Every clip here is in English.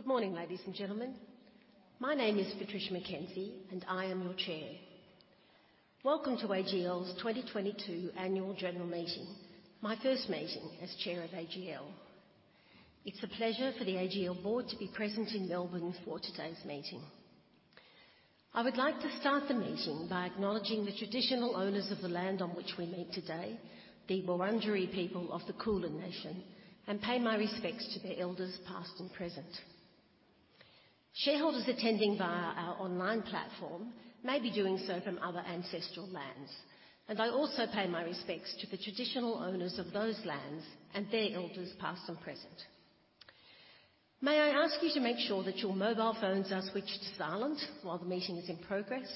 Good morning, ladies and gentlemen. My name is Patricia McKenzie, and I am your Chair. Welcome to AGL's 2022 annual general meeting, my first meeting as Chair of AGL. It's a pleasure for the AGL board to be present in Melbourne for today's meeting. I would like to start the meeting by acknowledging the traditional owners of the land on which we meet today, the Wurundjeri people of the Kulin Nation, and pay my respects to their elders, past and present. Shareholders attending via our online platform may be doing so from other ancestral lands, and I also pay my respects to the traditional owners of those lands and their elders, past and present. May I ask you to make sure that your mobile phones are switched to silent while the meeting is in progress.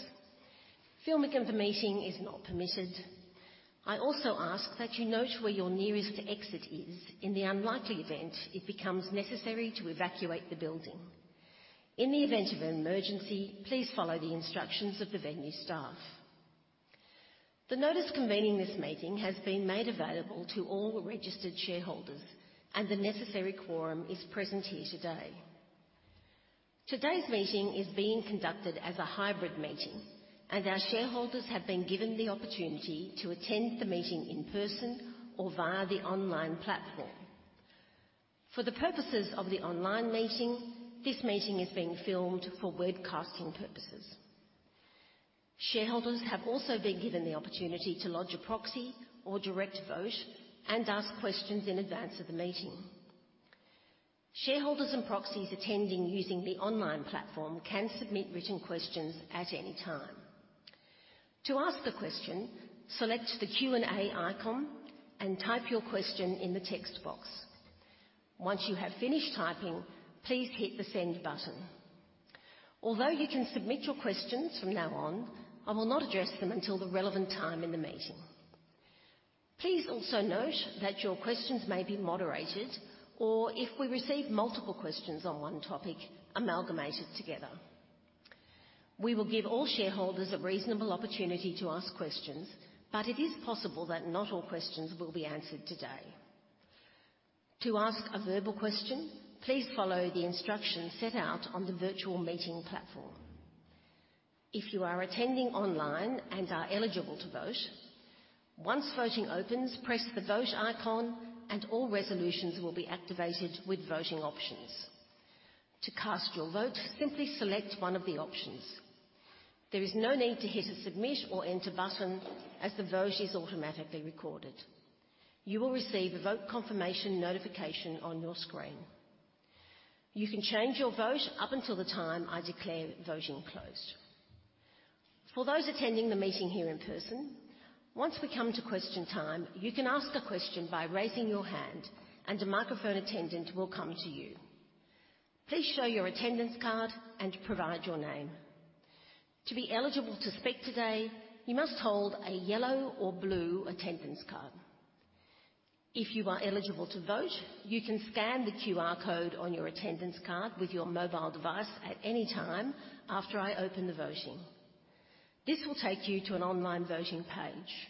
Filming of the meeting is not permitted. I also ask that you note where your nearest exit is in the unlikely event it becomes necessary to evacuate the building. In the event of an emergency, please follow the instructions of the venue staff. The notice convening this meeting has been made available to all the registered shareholders, and the necessary quorum is present here today. Today's meeting is being conducted as a hybrid meeting, and our shareholders have been given the opportunity to attend the meeting in person or via the online platform. For the purposes of the online meeting, this meeting is being filmed for webcasting purposes. Shareholders have also been given the opportunity to lodge a proxy or direct vote and ask questions in advance of the meeting. Shareholders and proxies attending using the online platform can submit written questions at any time. To ask a question, select the Q&A icon and type your question in the text box. Once you have finished typing, please hit the Send button. Although you can submit your questions from now on, I will not address them until the relevant time in the meeting. Please also note that your questions may be moderated or, if we receive multiple questions on one topic, amalgamated together. We will give all shareholders a reasonable opportunity to ask questions, but it is possible that not all questions will be answered today. To ask a verbal question, please follow the instructions set out on the virtual meeting platform. If you are attending online and are eligible to vote, once voting opens, press the Vote icon and all resolutions will be activated with voting options. To cast your vote, simply select one of the options. There is no need to hit a Submit or Enter button as the vote is automatically recorded. You will receive a vote confirmation notification on your screen. You can change your vote up until the time I declare voting closed. For those attending the meeting here in person, once we come to question time, you can ask a question by raising your hand and a microphone attendant will come to you. Please show your attendance card and provide your name. To be eligible to speak today, you must hold a yellow or blue attendance card. If you are eligible to vote, you can scan the QR code on your attendance card with your mobile device at any time after I open the voting. This will take you to an online voting page.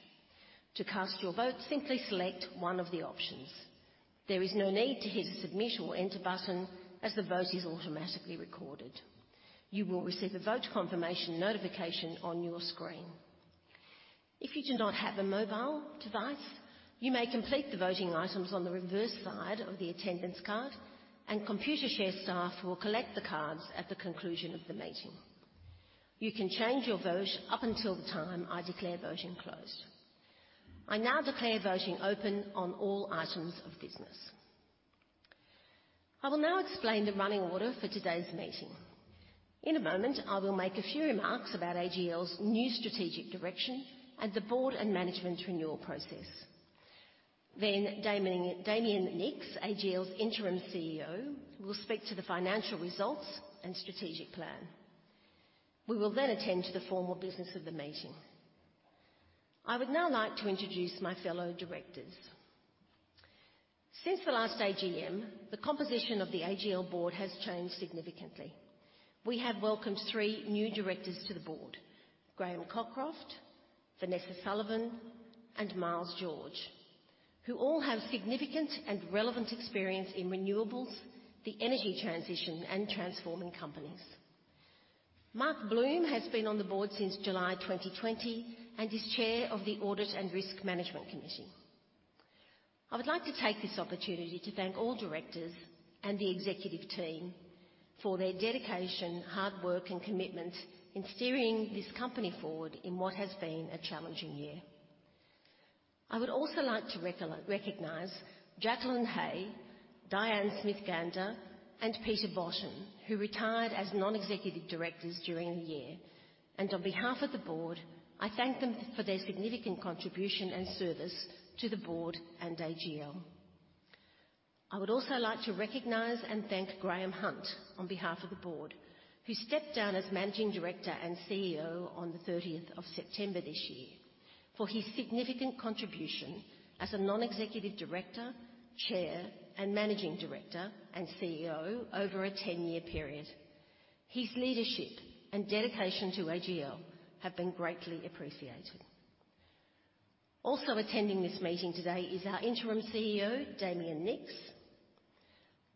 To cast your vote, simply select one of the options. There is no need to hit a Submit or Enter button as the vote is automatically recorded. You will receive a vote confirmation notification on your screen. If you do not have a mobile device, you may complete the voting items on the reverse side of the attendance card, and Computershare staff will collect the cards at the conclusion of the meeting. You can change your vote up until the time I declare voting closed. I now declare voting open on all items of business. I will now explain the running order for today's meeting. In a moment, I will make a few remarks about AGL's new strategic direction and the board and management renewal process. Damien Nicks, AGL's Interim CEO, will speak to the financial results and strategic plan. We will attend to the formal business of the meeting. I would now like to introduce my fellow directors. Since the last AGM, the composition of the AGL board has changed significantly. We have welcomed three new directors to the Board, Graham Cockroft, Vanessa Sullivan, and Miles George, who all have significant and relevant experience in renewables, the energy transition, and transforming companies. Mark Bloom has been on the board since July 2020 and is chair of the Audit & Risk Management Committee. I would like to take this opportunity to thank all directors and the executive team for their dedication, hard work, and commitment in steering this company forward in what has been a challenging year. I would also like to recognize Jacqueline Hey, Diane Smith-Gander, and Peter Botten, who retired as non-executive directors during the year. On behalf of the board, I thank them for their significant contribution and service to the board and AGL. I would also like to recognize and thank Graeme Hunt on behalf of the board, who stepped down as Managing Director and CEO on the 30th of September this year, for his significant contribution as a Non-Executive Director, Chair, and Managing Director and CEO over a 10-year period. His leadership and dedication to AGL have been greatly appreciated. Also attending this meeting today is our interim CEO, Damien Nicks,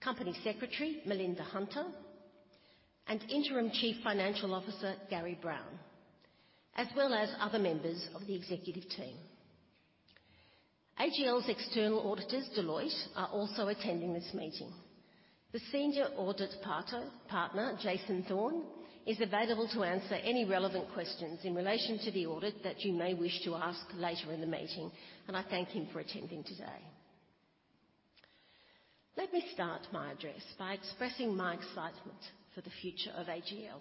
Company Secretary, Melinda Hunter, and Interim Chief Financial Officer, Gary Brown, as well as other members of the executive team. AGL's external auditors, Deloitte, are also attending this meeting. The Senior Audit Partner, Jason Thorne, is available to answer any relevant questions in relation to the audit that you may wish to ask later in the meeting, and I thank him for attending today. Let me start my address by expressing my excitement for the future of AGL.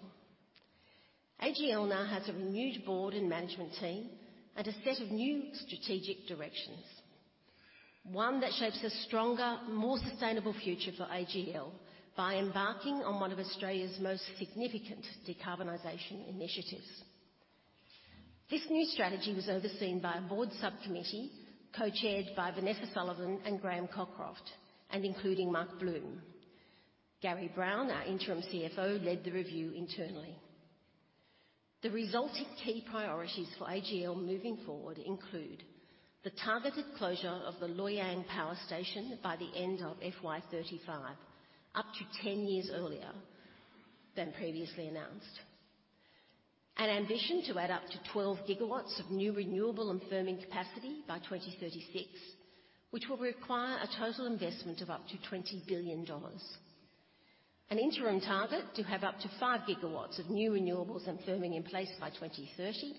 AGL now has a renewed board and management team and a set of new strategic directions, one that shapes a stronger, more sustainable future for AGL by embarking on one of Australia's most significant decarbonization initiatives. This new strategy was overseen by a board subcommittee, co-chaired by Vanessa Sullivan and Graham Cockroft, and including Mark Bloom. Gary Brown, our interim CFO, led the review internally. The resulting key priorities for AGL moving forward include the targeted closure of the Loy Yang Power Station by the end of FY 2035, up to 10 years earlier than previously announced. An ambition to add up to 12 GW of new renewable and firming capacity by 2036, which will require a total investment of up to 20 billion dollars. An interim target to have up to 5 GW of new renewables and firming in place by 2030.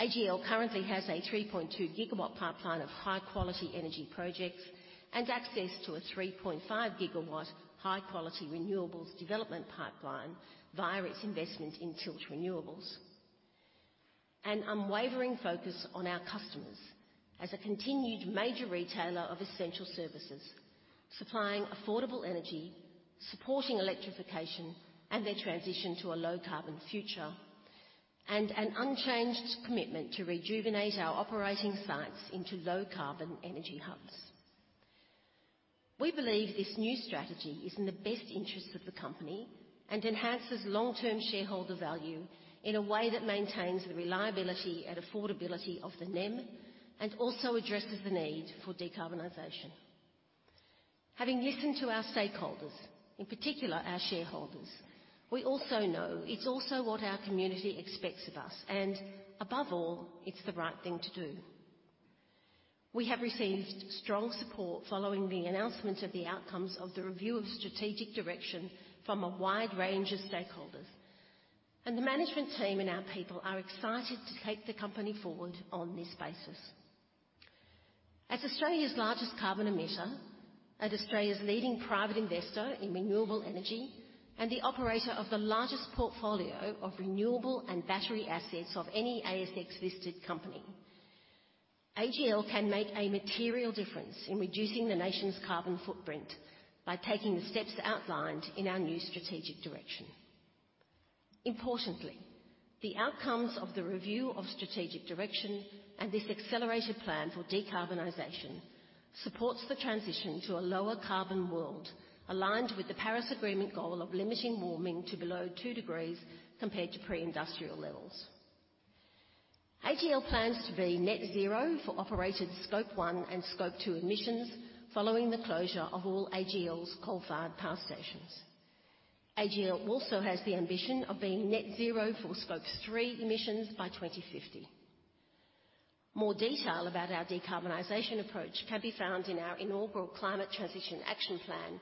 AGL currently has a 3.2 GW pipeline of high-quality energy projects and access to a 3.5 GW high-quality renewables development pipeline via its investment in Tilt Renewables. An unwavering focus on our customers as a continued major retailer of essential services, supplying affordable energy, supporting electrification and their transition to a low carbon future. An unchanged commitment to rejuvenate our operating sites into low carbon energy hubs. We believe this new strategy is in the best interest of the company and enhances long-term shareholder value in a way that maintains the reliability and affordability of the NEM and also addresses the need for decarbonization. Having listened to our stakeholders, in particular our shareholders, we also know it's also what our community expects of us, and above all, it's the right thing to do. We have received strong support following the announcement of the outcomes of the review of strategic direction from a wide range of stakeholders, and the management team and our people are excited to take the company forward on this basis. As Australia's largest carbon emitter and Australia's leading private investor in renewable energy and the operator of the largest portfolio of renewable and battery assets of any ASX-listed company, AGL can make a material difference in reducing the nation's carbon footprint by taking the steps outlined in our new strategic direction. Importantly, the outcomes of the review of strategic direction and this accelerated plan for decarbonization supports the transition to a lower carbon world, aligned with the Paris Agreement goal of limiting warming to below 2 degrees compared to pre-industrial levels. AGL plans to be net zero for operated Scope 1 and Scope 2 emissions following the closure of all AGL's coal-fired power stations. AGL also has the ambition of being net zero for Scope 3 emissions by 2050. More detail about our decarbonization approach can be found in our inaugural Climate Transition Action Plan,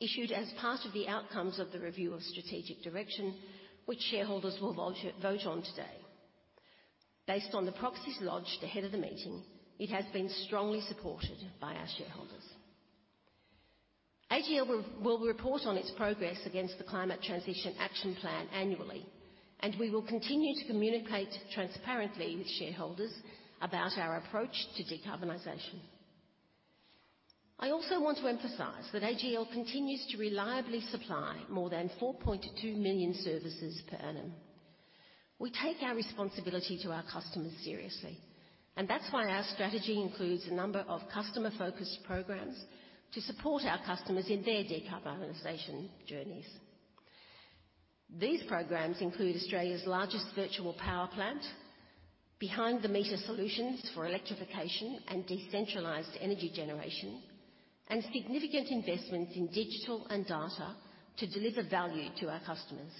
issued as part of the outcomes of the review of strategic direction, which shareholders will vote on today. Based on the proxies lodged ahead of the meeting, it has been strongly supported by our shareholders. AGL will report on its progress against the Climate Transition Action Plan annually, and we will continue to communicate transparently with shareholders about our approach to decarbonization. I also want to emphasize that AGL continues to reliably supply more than 4.2 million services per annum. We take our responsibility to our customers seriously, and that's why our strategy includes a number of customer-focused programs to support our customers in their decarbonization journeys. These programs include Australia's largest virtual power plant, behind-the-meter solutions for electrification and decentralized energy generation, and significant investments in digital and data to deliver value to our customers.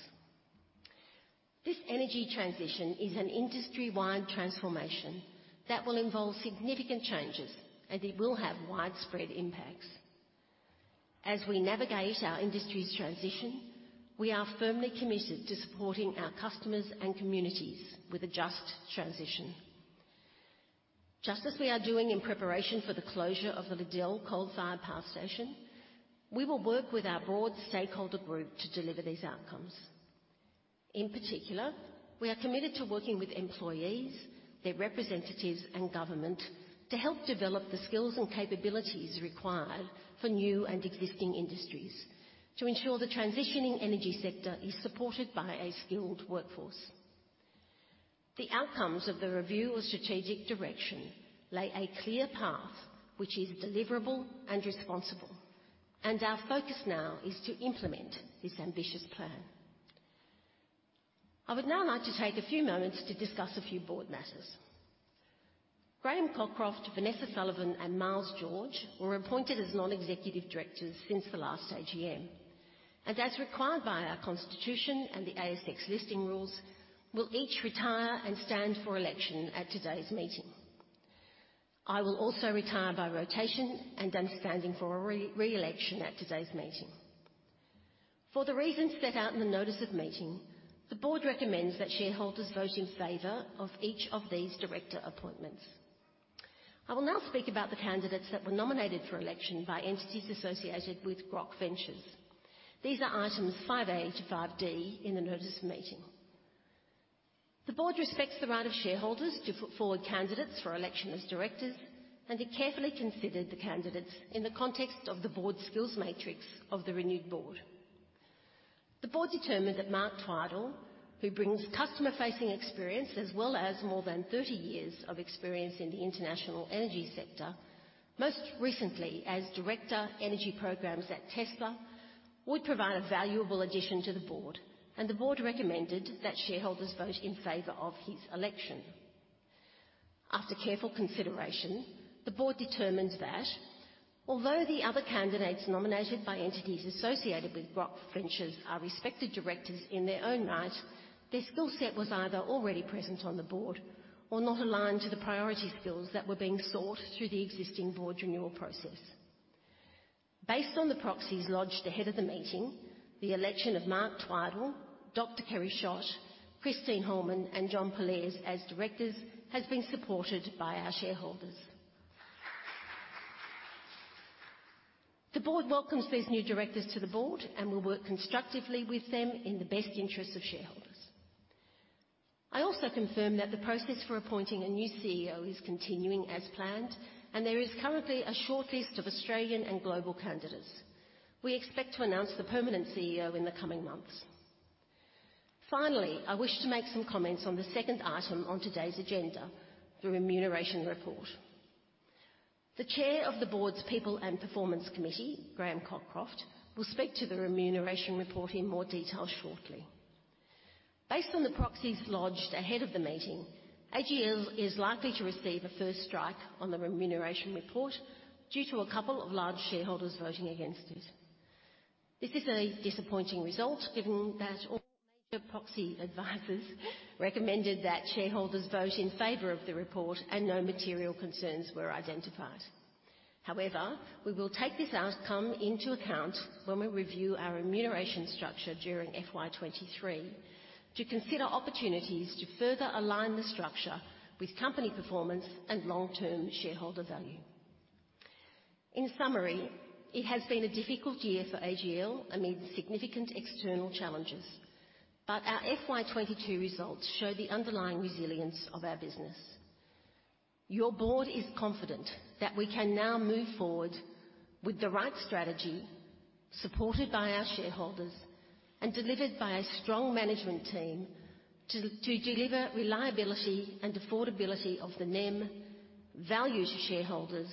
This energy transition is an industry-wide transformation that will involve significant changes, and it will have widespread impacts. As we navigate our industry's transition, we are firmly committed to supporting our customers and communities with a just transition. Just as we are doing in preparation for the closure of the Liddell coal-fired power station, we will work with our broad stakeholder group to deliver these outcomes. In particular, we are committed to working with employees, their representatives, and government to help develop the skills and capabilities required for new and existing industries to ensure the transitioning energy sector is supported by a skilled workforce. The outcomes of the review of strategic direction lay a clear path which is deliverable and responsible, and our focus now is to implement this ambitious plan. I would now like to take a few moments to discuss a few board matters. Graham Cockroft, Vanessa Sullivan, and Miles George were appointed as non-executive directors since the last AGM. As required by our constitution and the ASX listing rules, will each retire and stand for election at today's meeting. I will also retire by rotation and I'm standing for a re-election at today's meeting. For the reasons set out in the notice of meeting, the board recommends that shareholders vote in favor of each of these director appointments. I will now speak about the candidates that were nominated for election by entities associated with Grok Ventures. These are items five A to five D in the notice of meeting. The board respects the right of shareholders to put forward candidates for election as directors, and it carefully considered the candidates in the context of the board skills matrix of the renewed board. The board determined that Mark Twidell, who brings customer-facing experience as well as more than 30 years of experience in the international energy sector, most recently as Director, Energy Programs at Tesla, would provide a valuable addition to the board, and the board recommended that shareholders vote in favor of his election. After careful consideration, the board determines that although the other candidates nominated by entities associated with Grok Ventures are respected directors in their own right, their skill set was either already present on the board or not aligned to the priority skills that were being sought through the existing board renewal process. Based on the proxies lodged ahead of the meeting, the election of Mark Twidell, Dr. Kerry Schott, Christine Holman, and John Pollaers as directors has been supported by our shareholders. The board welcomes these new directors to the board and will work constructively with them in the best interests of shareholders. I also confirm that the process for appointing a new CEO is continuing as planned, and there is currently a short list of Australian and global candidates. We expect to announce the permanent CEO in the coming months. Finally, I wish to make some comments on the second item on today's agenda, the remuneration report. The chair of the board's People & Performance Committee, Graham Cockroft, will speak to the remuneration report in more detail shortly. Based on the proxies lodged ahead of the meeting, AGL is likely to receive a first strike on the remuneration report due to a couple of large shareholders voting against it. This is a disappointing result, given that all major proxy advisors recommended that shareholders vote in favor of the report and no material concerns were identified. However, we will take this outcome into account when we review our remuneration structure during FY 2023 to consider opportunities to further align the structure with company performance and long-term shareholder value. In summary, it has been a difficult year for AGL amid significant external challenges, but our FY 2022 results show the underlying resilience of our business. Your board is confident that we can now move forward with the right strategy, supported by our shareholders and delivered by a strong management team to deliver reliability and affordability of the NEM, value to shareholders,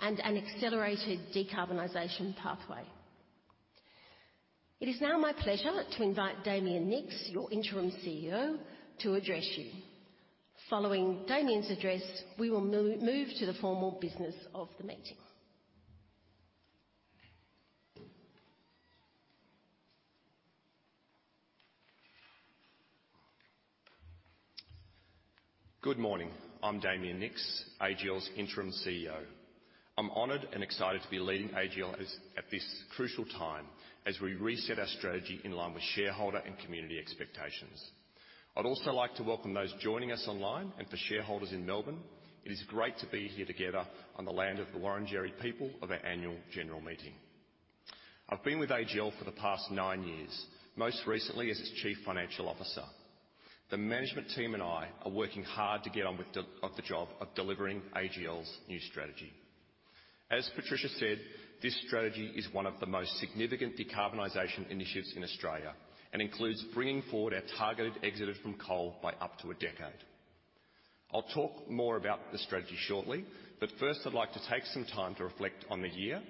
and an accelerated decarbonization pathway. It is now my pleasure to invite Damien Nicks, your Interim CEO, to address you. Following Damien's address, we will move to the formal business of the meeting. Good morning. I'm Damien Nicks, AGL's Interim CEO. I'm honored and excited to be leading AGL as at this crucial time as we reset our strategy in line with shareholder and community expectations. I'd also like to welcome those joining us online and for shareholders in Melbourne, it is great to be here together on the land of the Wurundjeri people of our annual general meeting. I've been with AGL for the past nine years, most recently as its Chief Financial Officer. The management team and I are working hard to get on with the job of delivering AGL's new strategy. As Patricia said, this strategy is one of the most significant decarbonization initiatives in Australia and includes bringing forward our targeted exit from coal by up to a decade. I'll talk more about the strategy shortly, but first, I'd like to take some time to reflect on the year,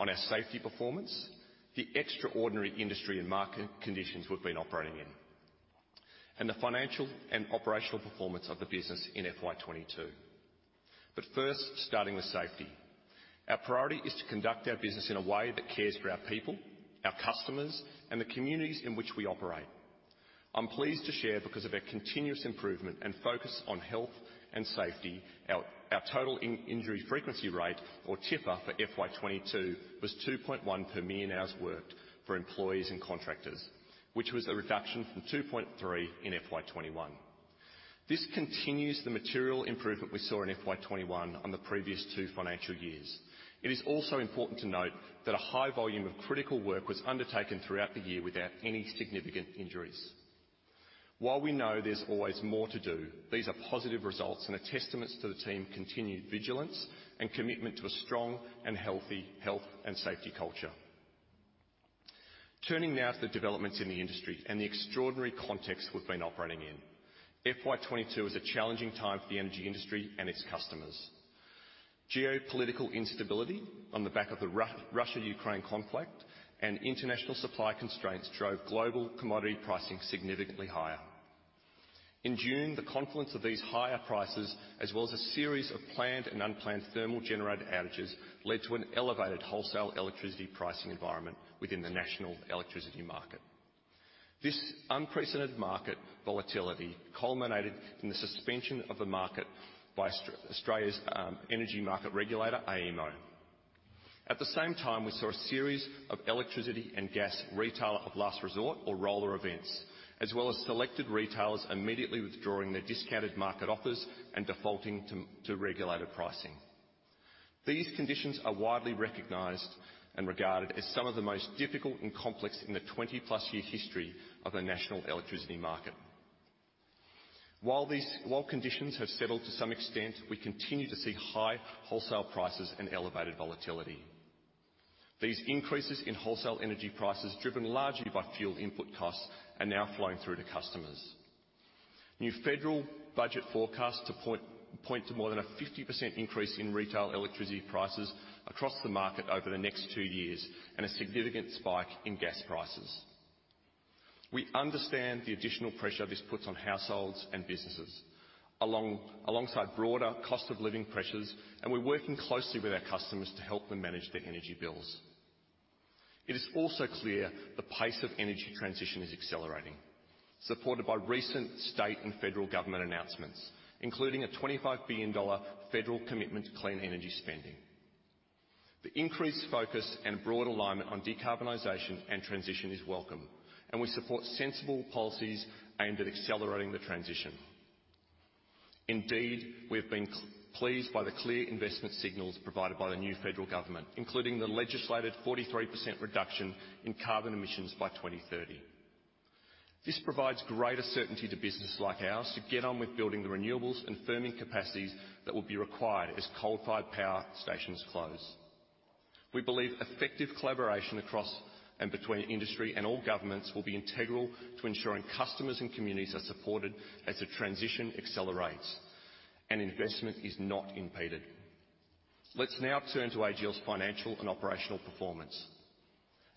on our safety performance, the extraordinary industry and market conditions we've been operating in, and the financial and operational performance of the business in FY 2022. First, starting with safety. Our priority is to conduct our business in a way that cares for our people, our customers, and the communities in which we operate. I'm pleased to share, because of our continuous improvement and focus on health and safety, our total injury frequency rate, or TIFR, for FY 2022 was 2.1 per million hours worked for employees and contractors, which was a reduction from 2.3 in FY 2021. This continues the material improvement we saw in FY 2021 on the previous two financial years. It is also important to note that a high volume of critical work was undertaken throughout the year without any significant injuries. While we know there's always more to do, these are positive results and are testaments to the team continued vigilance and commitment to a strong and healthy health and safety culture. Turning now to the developments in the industry and the extraordinary context we've been operating in. FY 2022 was a challenging time for the energy industry and its customers. Geopolitical instability on the back of the Russia, Ukraine conflict and international supply constraints drove global commodity pricing significantly higher. In June, the confluence of these higher prices, as well as a series of planned and unplanned thermal generator outages, led to an elevated wholesale electricity pricing environment within the national electricity market. This unprecedented market volatility culminated in the suspension of the market by Australia's energy market regulator, AEMO. At the same time, we saw a series of electricity and gas Retailer of Last Resort or RoLR events, as well as selected retailers immediately withdrawing their discounted market offers and defaulting to regulated pricing. These conditions are widely recognized and regarded as some of the most difficult and complex in the 20+ year history of the national electricity market. While conditions have settled to some extent, we continue to see high wholesale prices and elevated volatility. These increases in wholesale energy prices, driven largely by fuel input costs, are now flowing through to customers. New federal budget forecasts point to more than a 50% increase in retail electricity prices across the market over the next two years, and a significant spike in gas prices. We understand the additional pressure this puts on households and businesses alongside broader cost of living pressures, and we're working closely with our customers to help them manage their energy bills. It is also clear the pace of energy transition is accelerating, supported by recent state and federal government announcements, including a 25 billion dollar federal commitment to clean energy spending. The increased focus and broad alignment on decarbonization and transition is welcome, and we support sensible policies aimed at accelerating the transition. Indeed, we have been pleased by the clear investment signals provided by the new federal government, including the legislated 43% reduction in carbon emissions by 2030. This provides greater certainty to businesses like ours to get on with building the renewables and firming capacities that will be required as coal-fired power stations close. We believe effective collaboration across and between industry and all governments will be integral to ensuring customers and communities are supported as the transition accelerates and investment is not impeded. Let's now turn to AGL's financial and operational performance.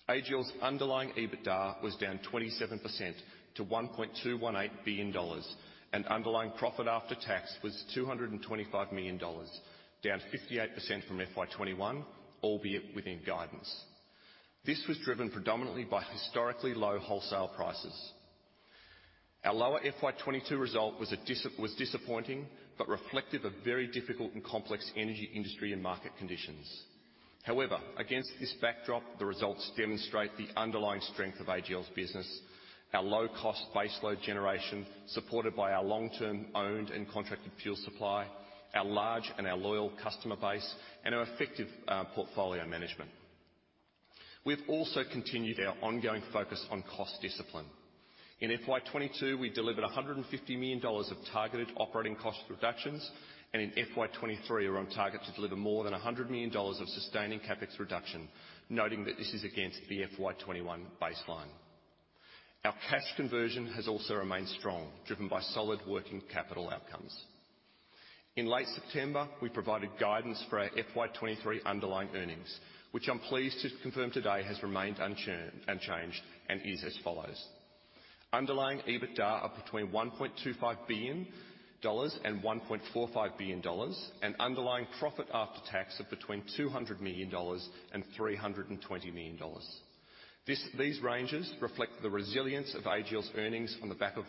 AGL's underlying EBITDA was down 27% to 1.218 billion dollars, and underlying profit after tax was 225 million dollars, down 58% from FY 2021, albeit within guidance. This was driven predominantly by historically low wholesale prices. Our lower FY 2022 result was disappointing, but reflective of very difficult and complex energy industry and market conditions. However, against this backdrop, the results demonstrate the underlying strength of AGL's business, our low-cost base load generation, supported by our long-term owned and contracted fuel supply, our large and our loyal customer base, and our effective portfolio management. We've also continued our ongoing focus on cost discipline. In FY 2022, we delivered 150 million dollars of targeted operating cost reductions, and in FY 2023 are on target to deliver more than 100 million dollars of sustaining CapEx reduction, noting that this is against the FY 2021 baseline. Our cash conversion has also remained strong, driven by solid working capital outcomes. In late September, we provided guidance for our FY 2023 underlying earnings, which I'm pleased to confirm today has remained unchanged and is as follows. Underlying EBITDA of between AUD 1.25 billion and AUD 1.45 billion and underlying profit after tax of between AUD 200 million and AUD 320 million. These ranges reflect the resilience of AGL's earnings on the back of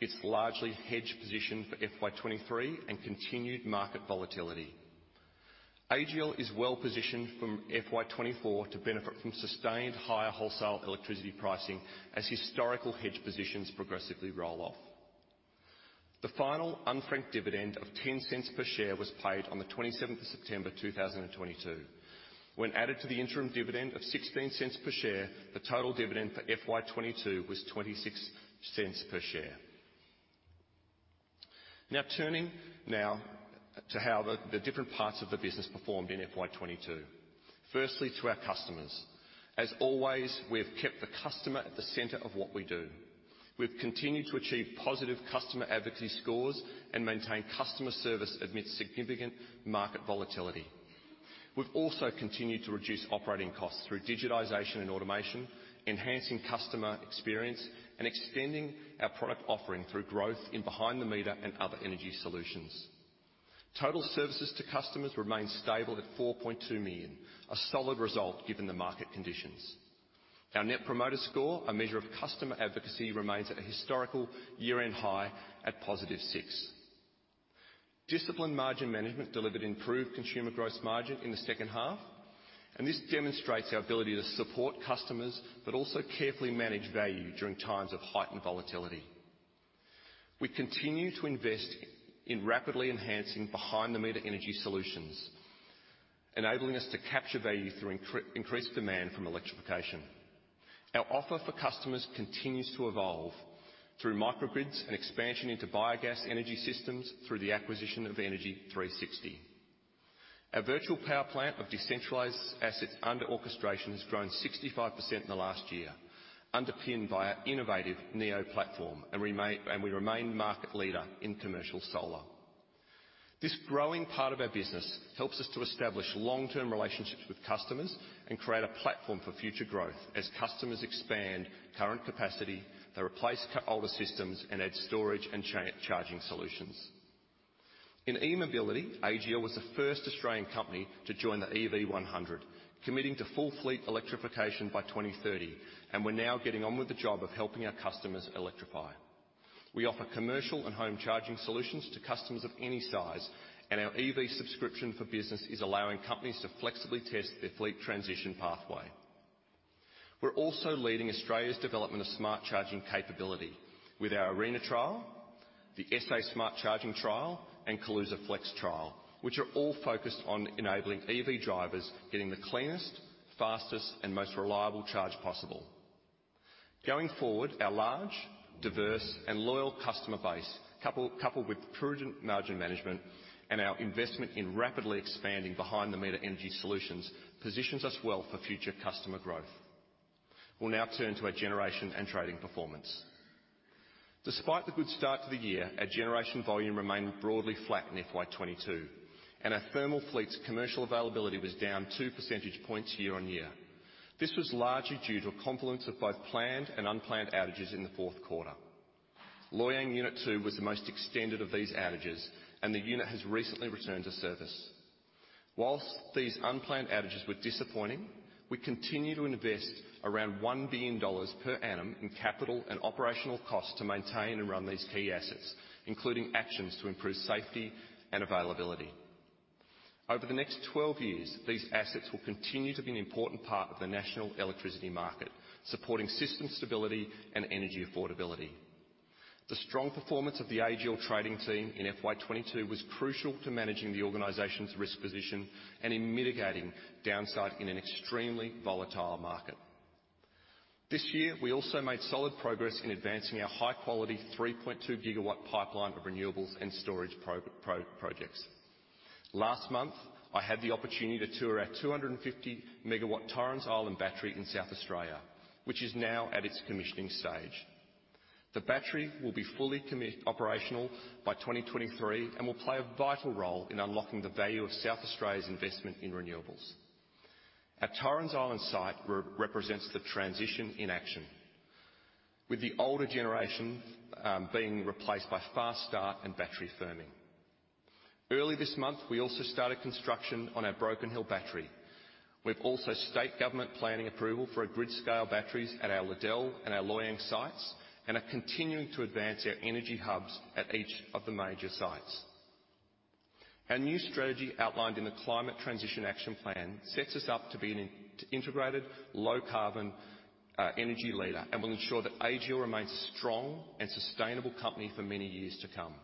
its largely hedged position for FY 2023 and continued market volatility. AGL is well-positioned from FY 2024 to benefit from sustained higher wholesale electricity pricing as historical hedge positions progressively roll off. The final unfranked dividend of 0.10 per share was paid on the 27th of September, 2022. When added to the interim dividend of 0.16 per share, the total dividend for FY 2022 was 0.26 per share. Now turning to how the different parts of the business performed in FY 2022. Firstly, to our customers. As always, we have kept the customer at the center of what we do. We've continued to achieve positive customer advocacy scores and maintain customer service amidst significant market volatility. We've also continued to reduce operating costs through digitization and automation, enhancing customer experience, and extending our product offering through growth in behind-the-meter and other energy solutions. Total services to customers remain stable at 4.2 million, a solid result given the market conditions. Our Net Promoter Score, a measure of customer advocacy, remains at a historical year-end high at +6. Disciplined margin management delivered improved consumer gross margin in the second half, and this demonstrates our ability to support customers, but also carefully manage value during times of heightened volatility. We continue to invest in rapidly enhancing behind-the-meter energy solutions, enabling us to capture value through increased demand from electrification. Our offer for customers continues to evolve through microgrids and expansion into biogas energy systems through the acquisition of Energy360. Our virtual power plant of decentralized assets under orchestration has grown 65% in the last year, underpinned by our innovative NEO platform and we remain market leader in commercial solar. This growing part of our business helps us to establish long-term relationships with customers and create a platform for future growth as customers expand current capacity, they replace older systems, and add storage and charging solutions. In E-mobility, AGL was the first Australian company to join the EV100, committing to full fleet electrification by 2030, and we're now getting on with the job of helping our customers electrify. We offer commercial and home charging solutions to customers of any size, and our EV subscription for business is allowing companies to flexibly test their fleet transition pathway. We're also leading Australia's development of smart charging capability with our ARENA trial, the SA Smart Charging trial, and Kaluza flex trial, which are all focused on enabling EV drivers getting the cleanest, fastest, and most reliable charge possible. Going forward, our large, diverse, and loyal customer base, coupled with prudent margin management and our investment in rapidly expanding behind-the-meter energy solutions, positions us well for future customer growth. We'll now turn to our generation and trading performance. Despite the good start to the year, our generation volume remained broadly flat in FY 2022, and our thermal fleet's commercial availability was down 2 percentage points year-on-year. This was largely due to a confluence of both planned and unplanned outages in the fourth quarter. Loy Yang Unit Two was the most extended of these outages, and the unit has recently returned to service. While these unplanned outages were disappointing, we continue to invest around 1 billion dollars per annum in capital and operational costs to maintain and run these key assets, including actions to improve safety and availability. Over the next 12 years, these assets will continue to be an important part of the national electricity market, supporting system stability and energy affordability. The strong performance of the AGL trading team in FY 2022 was crucial to managing the organization's risk position and in mitigating downside in an extremely volatile market. This year, we also made solid progress in advancing our high-quality 3.2 GW pipeline of renewables and storage projects. Last month, I had the opportunity to tour our 250 MW Torrens Island Battery in South Australia, which is now at its commissioning stage. The battery will be fully operational by 2023 and will play a vital role in unlocking the value of South Australia's investment in renewables. Our Torrens Island site represents the transition in action, with the older generation being replaced by fast start and battery firming. Early this month, we also started construction on our Broken Hill battery. We've also got state government planning approval for our grid-scale batteries at our Liddell and our Loy Yang sites and are continuing to advance our energy hubs at each of the major sites. Our new strategy outlined in the Climate Transition Action Plan sets us up to be an integrated, low carbon energy leader and will ensure that AGL remains a strong and sustainable company for many years to come.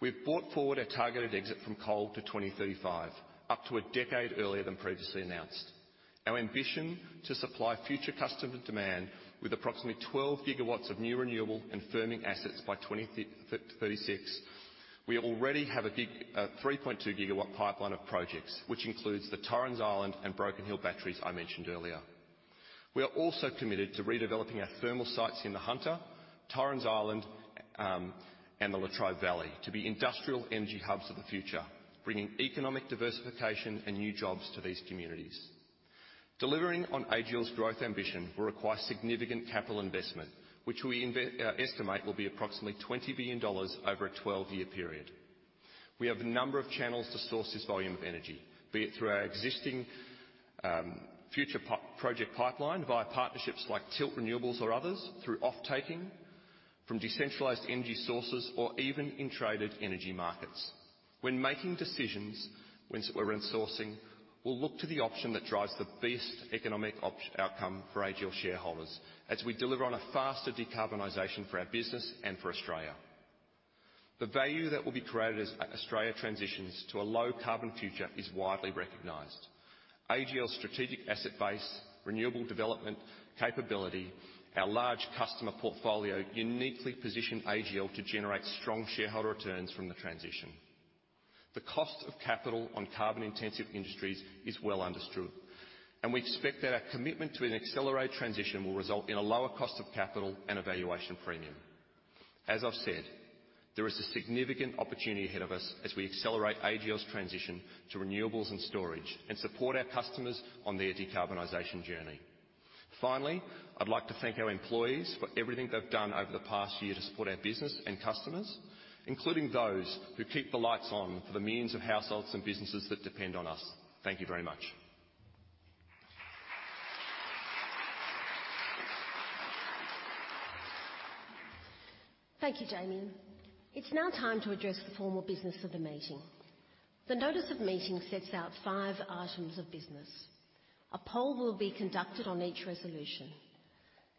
We've brought forward our targeted exit from coal to 2035, up to a decade earlier than previously announced. Our ambition to supply future customer demand with approximately 12 GW of new renewable and firming assets by 2036. We already have 3.2 GW pipeline of projects, which includes the Torrens Island and Broken Hill batteries I mentioned earlier. We are also committed to redeveloping our thermal sites in the Hunter, Torrens Island, and the Latrobe Valley to be industrial energy hubs of the future, bringing economic diversification and new jobs to these communities. Delivering on AGL's growth ambition will require significant capital investment, which we estimate will be approximately 20 billion dollars over a 12-year period. We have a number of channels to source this volume of energy, be it through our existing, future project pipeline via partnerships like Tilt Renewables or others, through offtaking from decentralized energy sources or even in traded energy markets. When making decisions we're insourcing, we'll look to the option that drives the best economic outcome for AGL shareholders as we deliver on a faster decarbonization for our business and for Australia. The value that will be created as Australia transitions to a low-carbon future is widely recognized. AGL's strategic asset base, renewable development capability, our large customer portfolio uniquely position AGL to generate strong shareholder returns from the transition. The cost of capital on carbon-intensive industries is well understood, and we expect that our commitment to an accelerated transition will result in a lower cost of capital and a valuation premium. As I've said, there is a significant opportunity ahead of us as we accelerate AGL's transition to renewables and storage and support our customers on their decarbonization journey. Finally, I'd like to thank our employees for everything they've done over the past year to support our business and customers, including those who keep the lights on for the millions of households and businesses that depend on us. Thank you very much. Thank you, Damien. It's now time to address the formal business of the meeting. The notice of meeting sets out five items of business. A poll will be conducted on each resolution.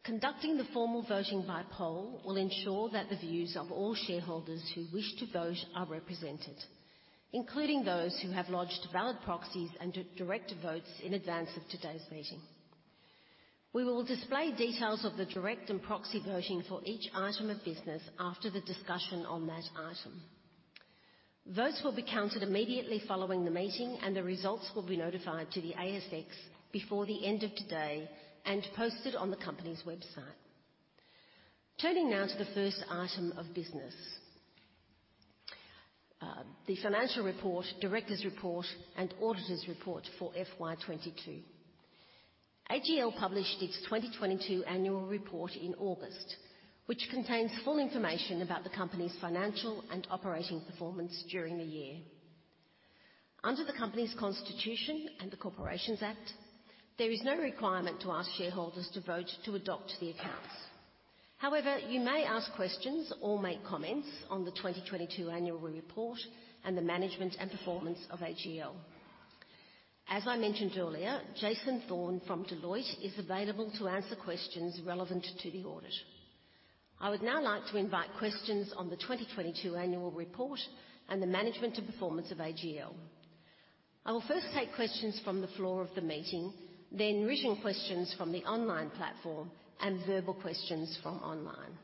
Conducting the formal voting by poll will ensure that the views of all shareholders who wish to vote are represented, including those who have lodged valid proxies and direct votes in advance of today's meeting. We will display details of the direct and proxy voting for each item of business after the discussion on that item. Votes will be counted immediately following the meeting, and the results will be notified to the ASX before the end of today and posted on the company's website. Turning now to the first item of business, the financial report, director's report and auditor's report for FY 2022. AGL published its 2022 annual report in August, which contains full information about the company's financial and operating performance during the year. Under the company's constitution and the Corporations Act, there is no requirement to ask shareholders to vote to adopt the accounts. However, you may ask questions or make comments on the 2022 annual report and the management and performance of AGL. As I mentioned earlier, Jason Thorne from Deloitte is available to answer questions relevant to the audit. I would now like to invite questions on the 2022 annual report and the management and performance of AGL. I will first take questions from the floor of the meeting, then written questions from the online platform and verbal questions from online.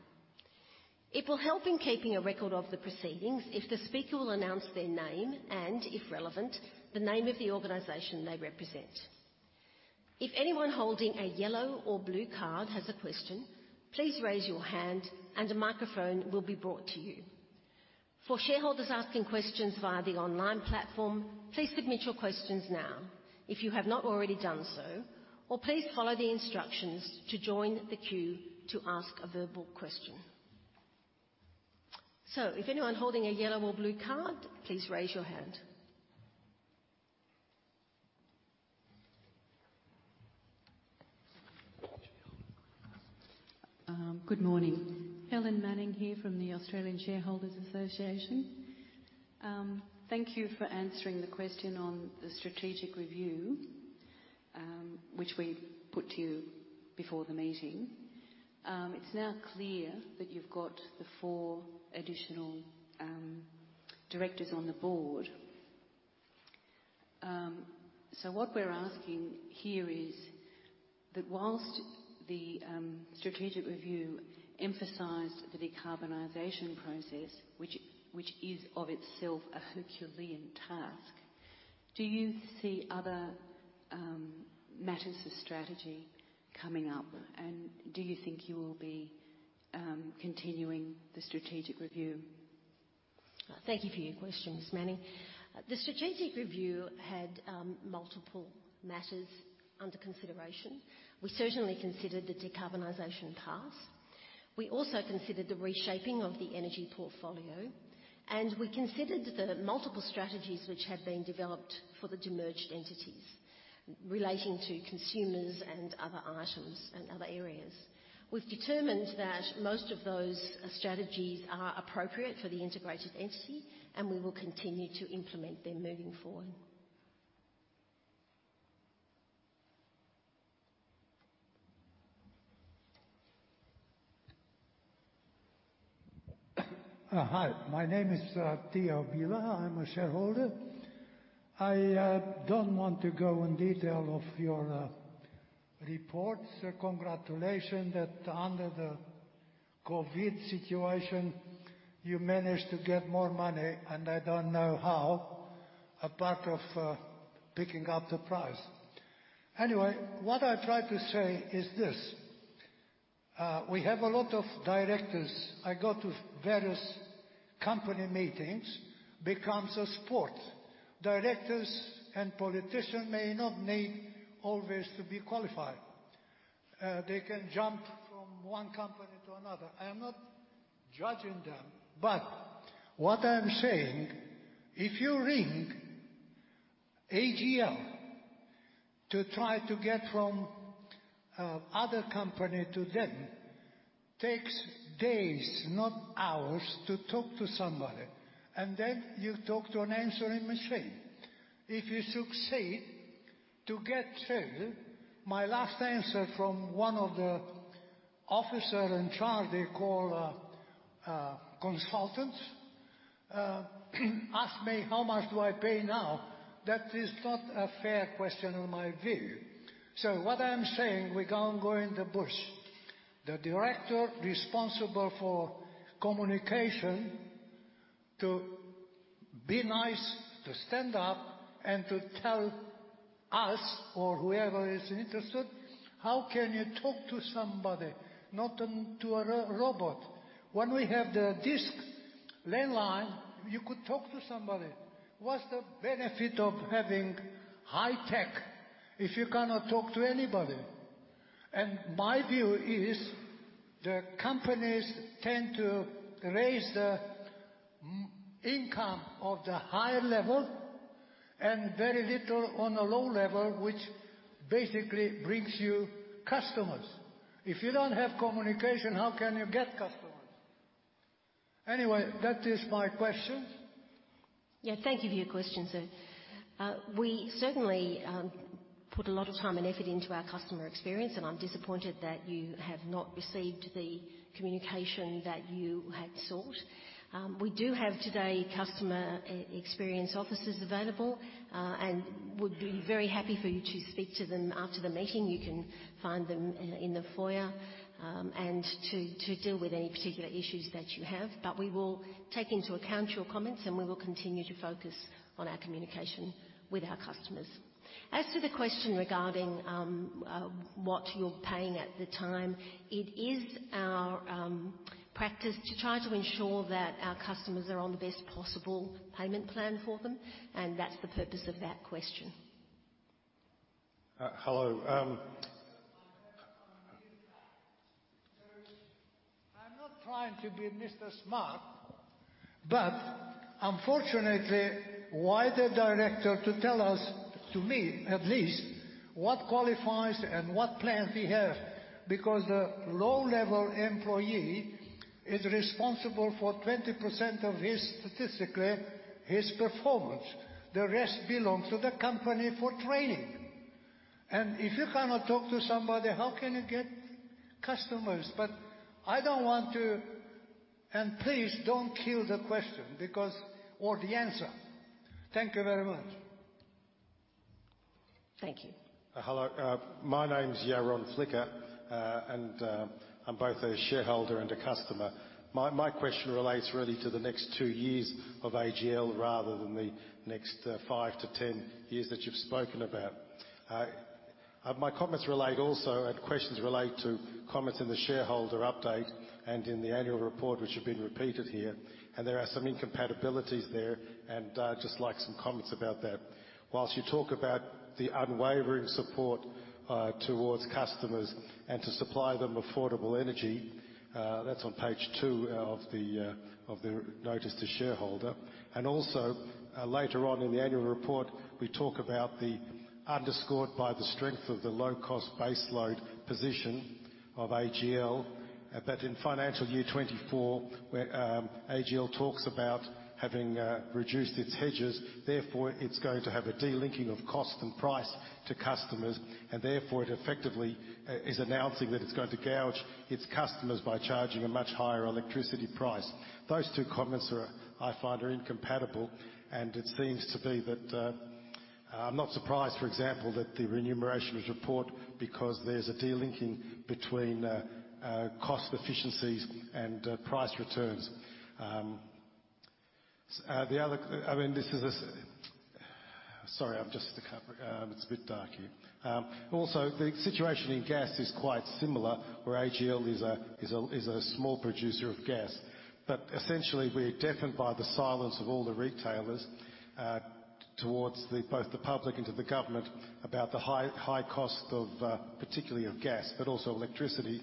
It will help in keeping a record of the proceedings if the speaker will announce their name and, if relevant, the name of the organization they represent. If anyone holding a yellow or blue card has a question, please raise your hand and a microphone will be brought to you. For shareholders asking questions via the online platform, please submit your questions now if you have not already done so, or please follow the instructions to join the queue to ask a verbal question. If anyone holding a yellow or blue card, please raise your hand. Good morning. Helen Manning here from the Australian Shareholders' Association. Thank you for answering the question on the strategic review, which we put to you before the meeting. It's now clear that you've got the four additional directors on the board. So what we're asking here is that while the strategic review emphasized the decarbonization process, which is of itself a herculean task, do you see other matters for strategy coming up? Do you think you will be continuing the strategic review? Thank you for your question, Ms. Manning. The strategic review had multiple matters under consideration. We certainly considered the decarbonization task. We also considered the reshaping of the energy portfolio, and we considered the multiple strategies which have been developed for the demerged entities relating to consumers and other items and other areas. We've determined that most of those strategies are appropriate for the integrated entity, and we will continue to implement them moving forward. Hi, my name is Theo Villars. I'm a shareholder. I don't want to go in detail of your reports. Congratulations that under the COVID situation you managed to get more money, and I don't know how, apart from picking up the price. Anyway, what I try to say is this, we have a lot of directors. I go to various company meetings, becomes a sport. Directors and politician may not need always to be qualified. They can jump from one company to another. I am not judging them. What I'm saying, if you ring AGL to try to get from other company to them, takes days, not hours, to talk to somebody, and then you talk to an answering machine. If you succeed to get through, my last answer from one of the officer in charge they call consultants ask me how much do I pay now. That is not a fair question in my view. What I'm saying without going in the bush, the director responsible for communication to be nice, to stand up and to tell us or whoever is interested, how can you talk to somebody, not to a robot? When we have this landline, you could talk to somebody. What's the benefit of having high tech if you cannot talk to anybody? My view is the companies tend to raise the income of the higher level and very little on the low level, which basically brings you customers. If you don't have communication, how can you get customers? Anyway, that is my questions. Yeah, thank you for your question, sir. We certainly put a lot of time and effort into our customer experience, and I'm disappointed that you have not received the communication that you had sought. We do have today customer experience officers available, and would be very happy for you to speak to them after the meeting. You can find them in the foyer, and to deal with any particular issues that you have. We will take into account your comments, and we will continue to focus on our communication with our customers. As to the question regarding what you're paying at the time, it is our practice to try to ensure that our customers are on the best possible payment plan for them, and that's the purpose of that question. Hello. I'm not trying to be Mr. Smart, but unfortunately, why the director to tell us, to me at least, what qualifies and what plans he have? Because the low-level employee is responsible for 20% of his, statistically, his performance. The rest belongs to the company for training them. If you cannot talk to somebody, how can you get customers? I don't want to. Please don't kill the question because or the answer. Thank you very much. Thank you. Hello. My name's Yaron Flicker. I'm both a shareholder and a customer. My question relates really to the next two years of AGL rather than the next five to 10 years that you've spoken about. My comments and questions relate to comments in the shareholder update and in the annual report, which have been repeated here, and just like some comments about that. While you talk about the unwavering support towards customers and to supply them affordable energy, that's on page two of the notice to shareholder, and also later on in the annual report, we talk about the underpinned by the strength of the low-cost base load position of AGL. In financial year 2024, where AGL talks about having reduced its hedges, therefore, it's going to have a de-linking of cost and price to customers, and therefore, it effectively is announcing that it's going to gouge its customers by charging a much higher electricity price. Those two comments are, I find, incompatible, and it seems to be that I'm not surprised, for example, that the remuneration report because there's a de-linking between cost efficiencies and price returns. Also, the situation in gas is quite similar, where AGL is a small producer of gas. Essentially, we're deafened by the silence of all the retailers towards both the public and to the government about the high, high cost of particularly of gas, but also electricity,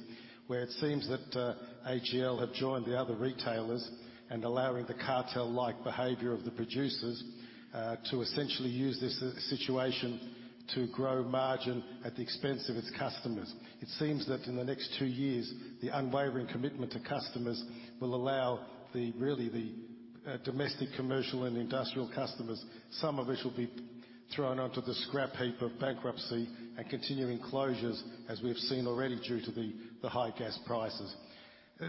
where it seems that AGL have joined the other retailers in allowing the cartel-like behavior of the producers to essentially use this situation to grow margin at the expense of its customers. It seems that in the next two years, the unwavering commitment to customers will allow really the domestic, commercial, and industrial customers, some of which will be thrown onto the scrap heap of bankruptcy and continuing closures, as we have seen already due to the high gas prices.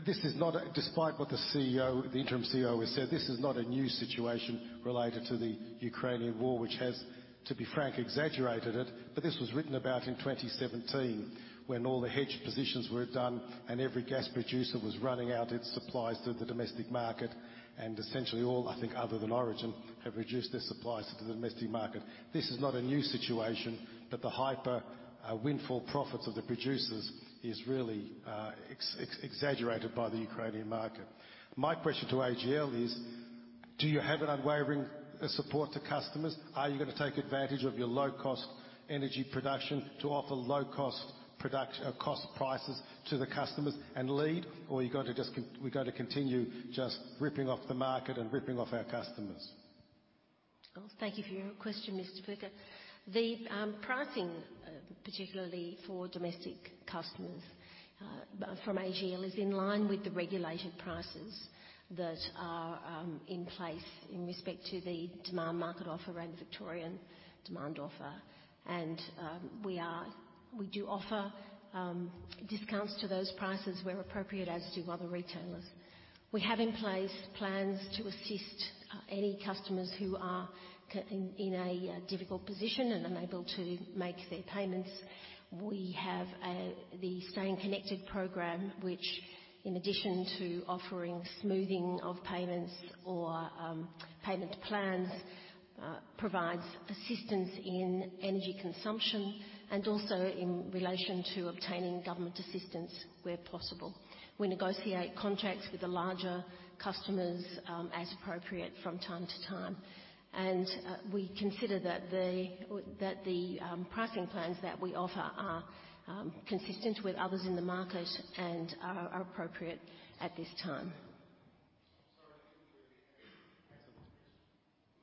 Despite what the interim CEO has said, this is not a new situation related to the U.K.rainian war, which has, to be frank, exaggerated it. This was written about in 2017 when all the hedge positions were done and every gas producer was running out its supplies to the domestic market. Essentially all, I think other than Origin, have reduced their supplies to the domestic market. This is not a new situation, but the hyper windfall profits of the producers is really exaggerated by the Ukraine war. My question to AGL is, do you have an unwavering support to customers? Are you gonna take advantage of your low-cost energy production to offer low-cost cost prices to the customers and lead? Or you gonna just we gonna continue just ripping off the market and ripping off our customers? Well, thank you for your question, Mr. Flicker. The pricing, particularly for domestic customers, from AGL, is in line with the regulated prices that are in place in respect to the Default Market Offer and Victorian Default Offer. We do offer discounts to those prices where appropriate, as do other retailers. We have in place plans to assist any customers who are in a difficult position and unable to make their payments. We have the Staying Connected program, which in addition to offering smoothing of payments or payment plans, provides assistance in energy consumption and also in relation to obtaining government assistance where possible. We negotiate contracts with the larger customers, as appropriate from time to time. We consider that the pricing plans that we offer are consistent with others in the market and are appropriate at this time.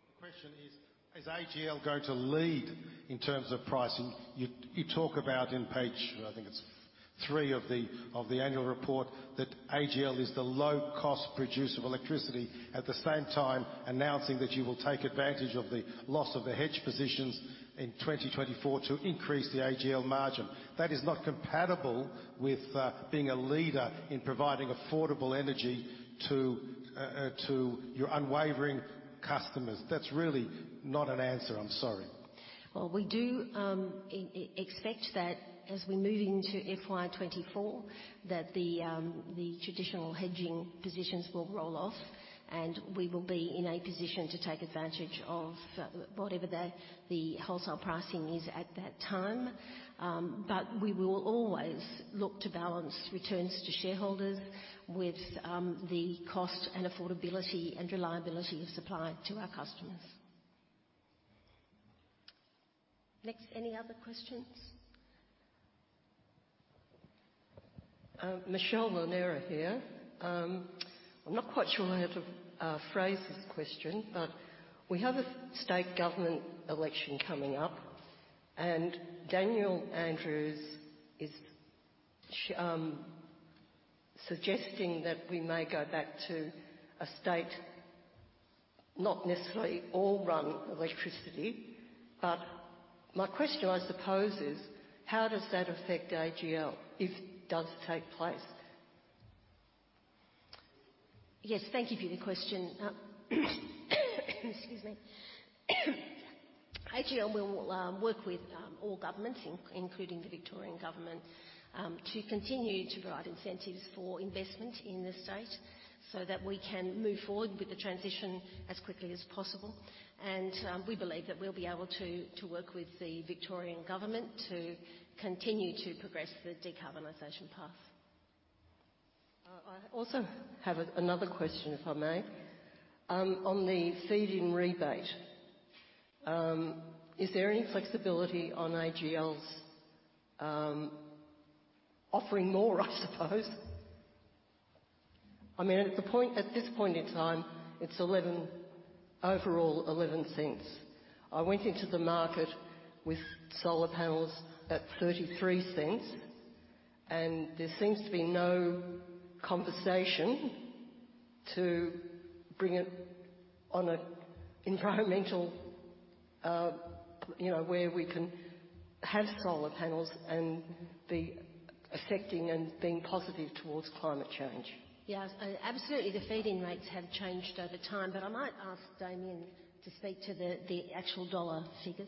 The question is AGL going to lead in terms of pricing? You talk about in page, I think it's three of the annual report that AGL is the low cost producer of electricity. At the same time announcing that you will take advantage of the loss of the hedge positions in 2024 to increase the AGL margin. That is not compatible with being a leader in providing affordable energy to your unwavering customers. That's really not an answer. I'm sorry. Well, we do expect that as we move into FY 2024, that the traditional hedging positions will roll off, and we will be in a position to take advantage of whatever the wholesale pricing is at that time. We will always look to balance returns to shareholders with the cost and affordability and reliability of supply to our customers. Next, any other questions? Michelle Lanera here. I'm not quite sure how to phrase this question, but we have a state government election coming up, and Daniel Andrews is suggesting that we may go back to a state, not necessarily all run electricity. My question, I suppose is: How does that affect AGL, if does take place? Yes, thank you for the question. AGL will work with all governments including the Victorian Government to continue to provide incentives for investment in the state so that we can move forward with the transition as quickly as possible. We believe that we'll be able to work with the Victorian Government to continue to progress the decarbonization path. I also have another question, if I may. On the feed-in rebate, is there any flexibility on AGL's offering more, I suppose? I mean, at this point in time, it's overall 0.11. I went into the market with solar panels at 0.33, and there seems to be no conversation to bring it on an environmental, you know, where we can have solar panels and be affecting and being positive towards climate change. Yeah. Absolutely, the feed-in rates have changed over time, but I might ask Damien to speak to the actual dollar figures.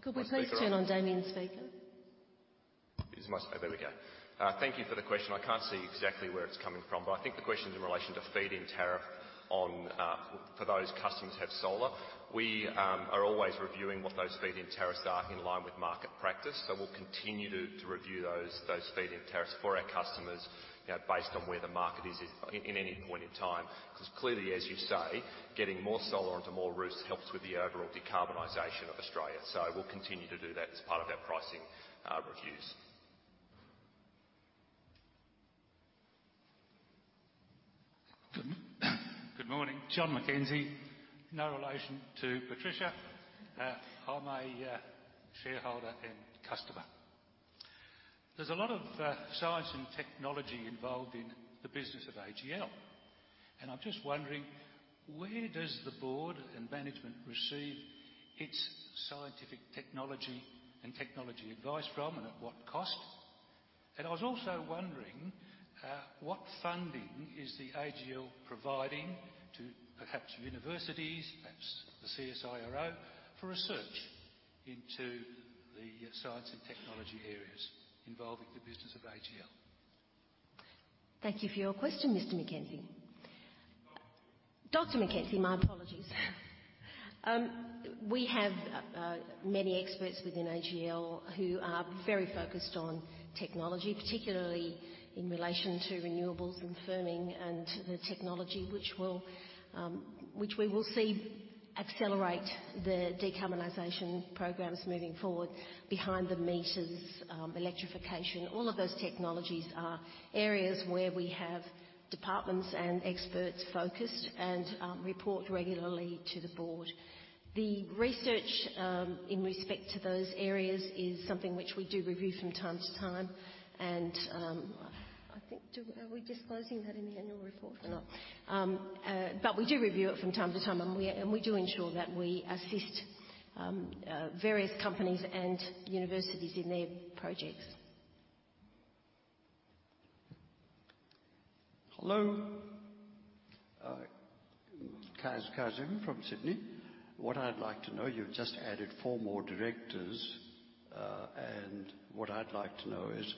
Thank you, Chair, and thank you for the question. I can't see where it's coming from, unfortunately, but can we get my speaker on, please? Could we please turn on Damien's speaker? Thank you for the question. I can't see exactly where it's coming from, but I think the question is in relation to feed-in tariffs for those customers who have solar. We are always reviewing what those feed-in tariffs are in line with market practice. We'll continue to review those feed-in tariffs for our customers, you know, based on where the market is at in any point in time. 'Cause clearly, as you say, getting more solar onto more roofs helps with the overall decarbonization of Australia. We'll continue to do that as part of our pricing reviews. Good morning. John McKenzie. No relation to Patricia. I'm a shareholder and customer. There's a lot of science and technology involved in the business of AGL, and I'm just wondering, where does the board and management receive its scientific technology and technology advice from and at what cost? I was also wondering, what funding is the AGL providing to perhaps universities, per haps the CSIRO, for research into the science and technology areas involving the business of AGL? Thank you for your question, Mr. McKenzie. Dr. McKenzie, my apologies. We have many experts within AGL who are very focused on technology, particularly in relation to renewables and firming and the technology which we will see accelerate the decarbonization programs moving forward behind the meters, electrification. All of those technologies are areas where we have departments and experts focused and report regularly to the board. The research in respect to those areas is something which we do review from time to time, and I think. Are we disclosing that in the annual report or not? But we do review it from time to time, and we do ensure that we assist various companies and universities in their projects. Hello. Kazum from Sydney. What I'd like to know, you've just added four more directors, and what I'd like to know is.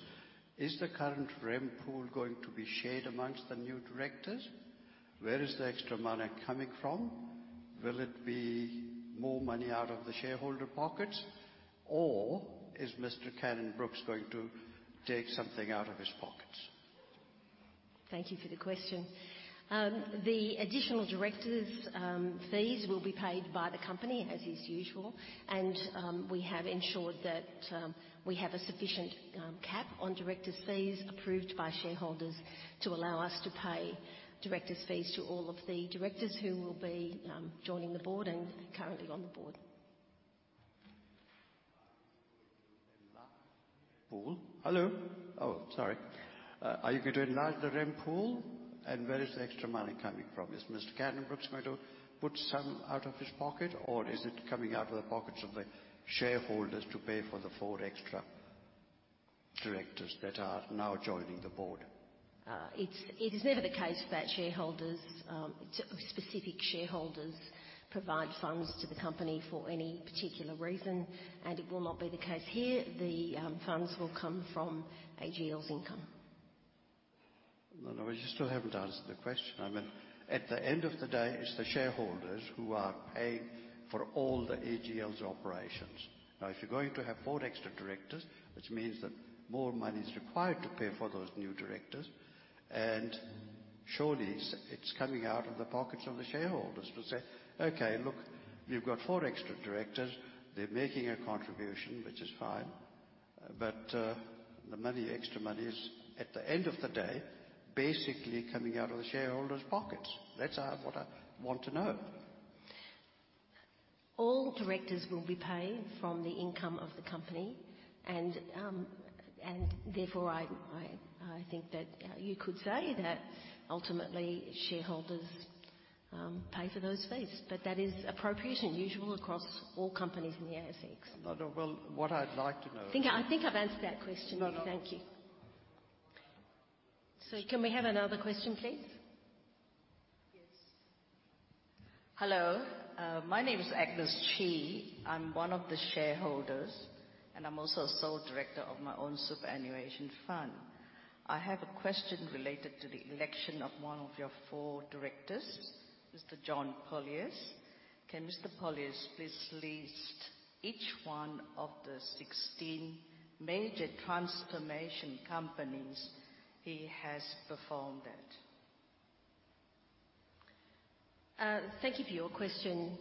Is the current remuneration pool going to be shared amongst the new directors? Where is the extra money coming from? Will it be more money out of the shareholder pockets, or is Mr. Cannon-Brookes going to take something out of his pocket? Thank you for the question. The additional directors' fees will be paid by the company, as is usual, and we have ensured that we have a sufficient cap on directors' fees approved by shareholders to allow us to pay directors' fees to all of the directors who will be joining the board and currently on the board. Pool. Hello? Oh, sorry. Are you gonna enlarge the rem pool, and where is the extra money coming from? Is Mr. Cannon-Brookes going to put some out of his pocket, or is it coming out of the pockets of the shareholders to pay for the four extra directors that are now joining the board? It is never the case that specific shareholders provide funds to the company for any particular reason, and it will not be the case here. The funds will come from AGL's income. No, no, you still haven't answered the question. I mean, at the end of the day, it's the shareholders who are paying for all the AGL's operations. Now, if you're going to have four extra directors, which means that more money is required to pay for those new directors, and surely it's coming out of the pockets of the shareholders. To say, "Okay, look, you've got four extra directors, they're making a contribution," which is fine, but the money, extra money is, at the end of the day, basically coming out of the shareholders' pockets. That's what I want to know. All directors will be paid from the income of the company, and therefore, I think that you could say that ultimately shareholders pay for those fees, but that is appropriate and usual across all companies in the ASX. No, no. Well, what I'd like to know. I think I've answered that question. No, no. Thank you. Can we have another question, please? Yes. Hello. My name is Agnes Chi. I'm one of the shareholders, and I'm also a sole director of my own superannuation fund. I have a question related to the election of one of your four directors, Mr. John Pollaers. Can Mr. Pollaers please list each one of the 16 major transformation companies he has performed at? Thank you for your question,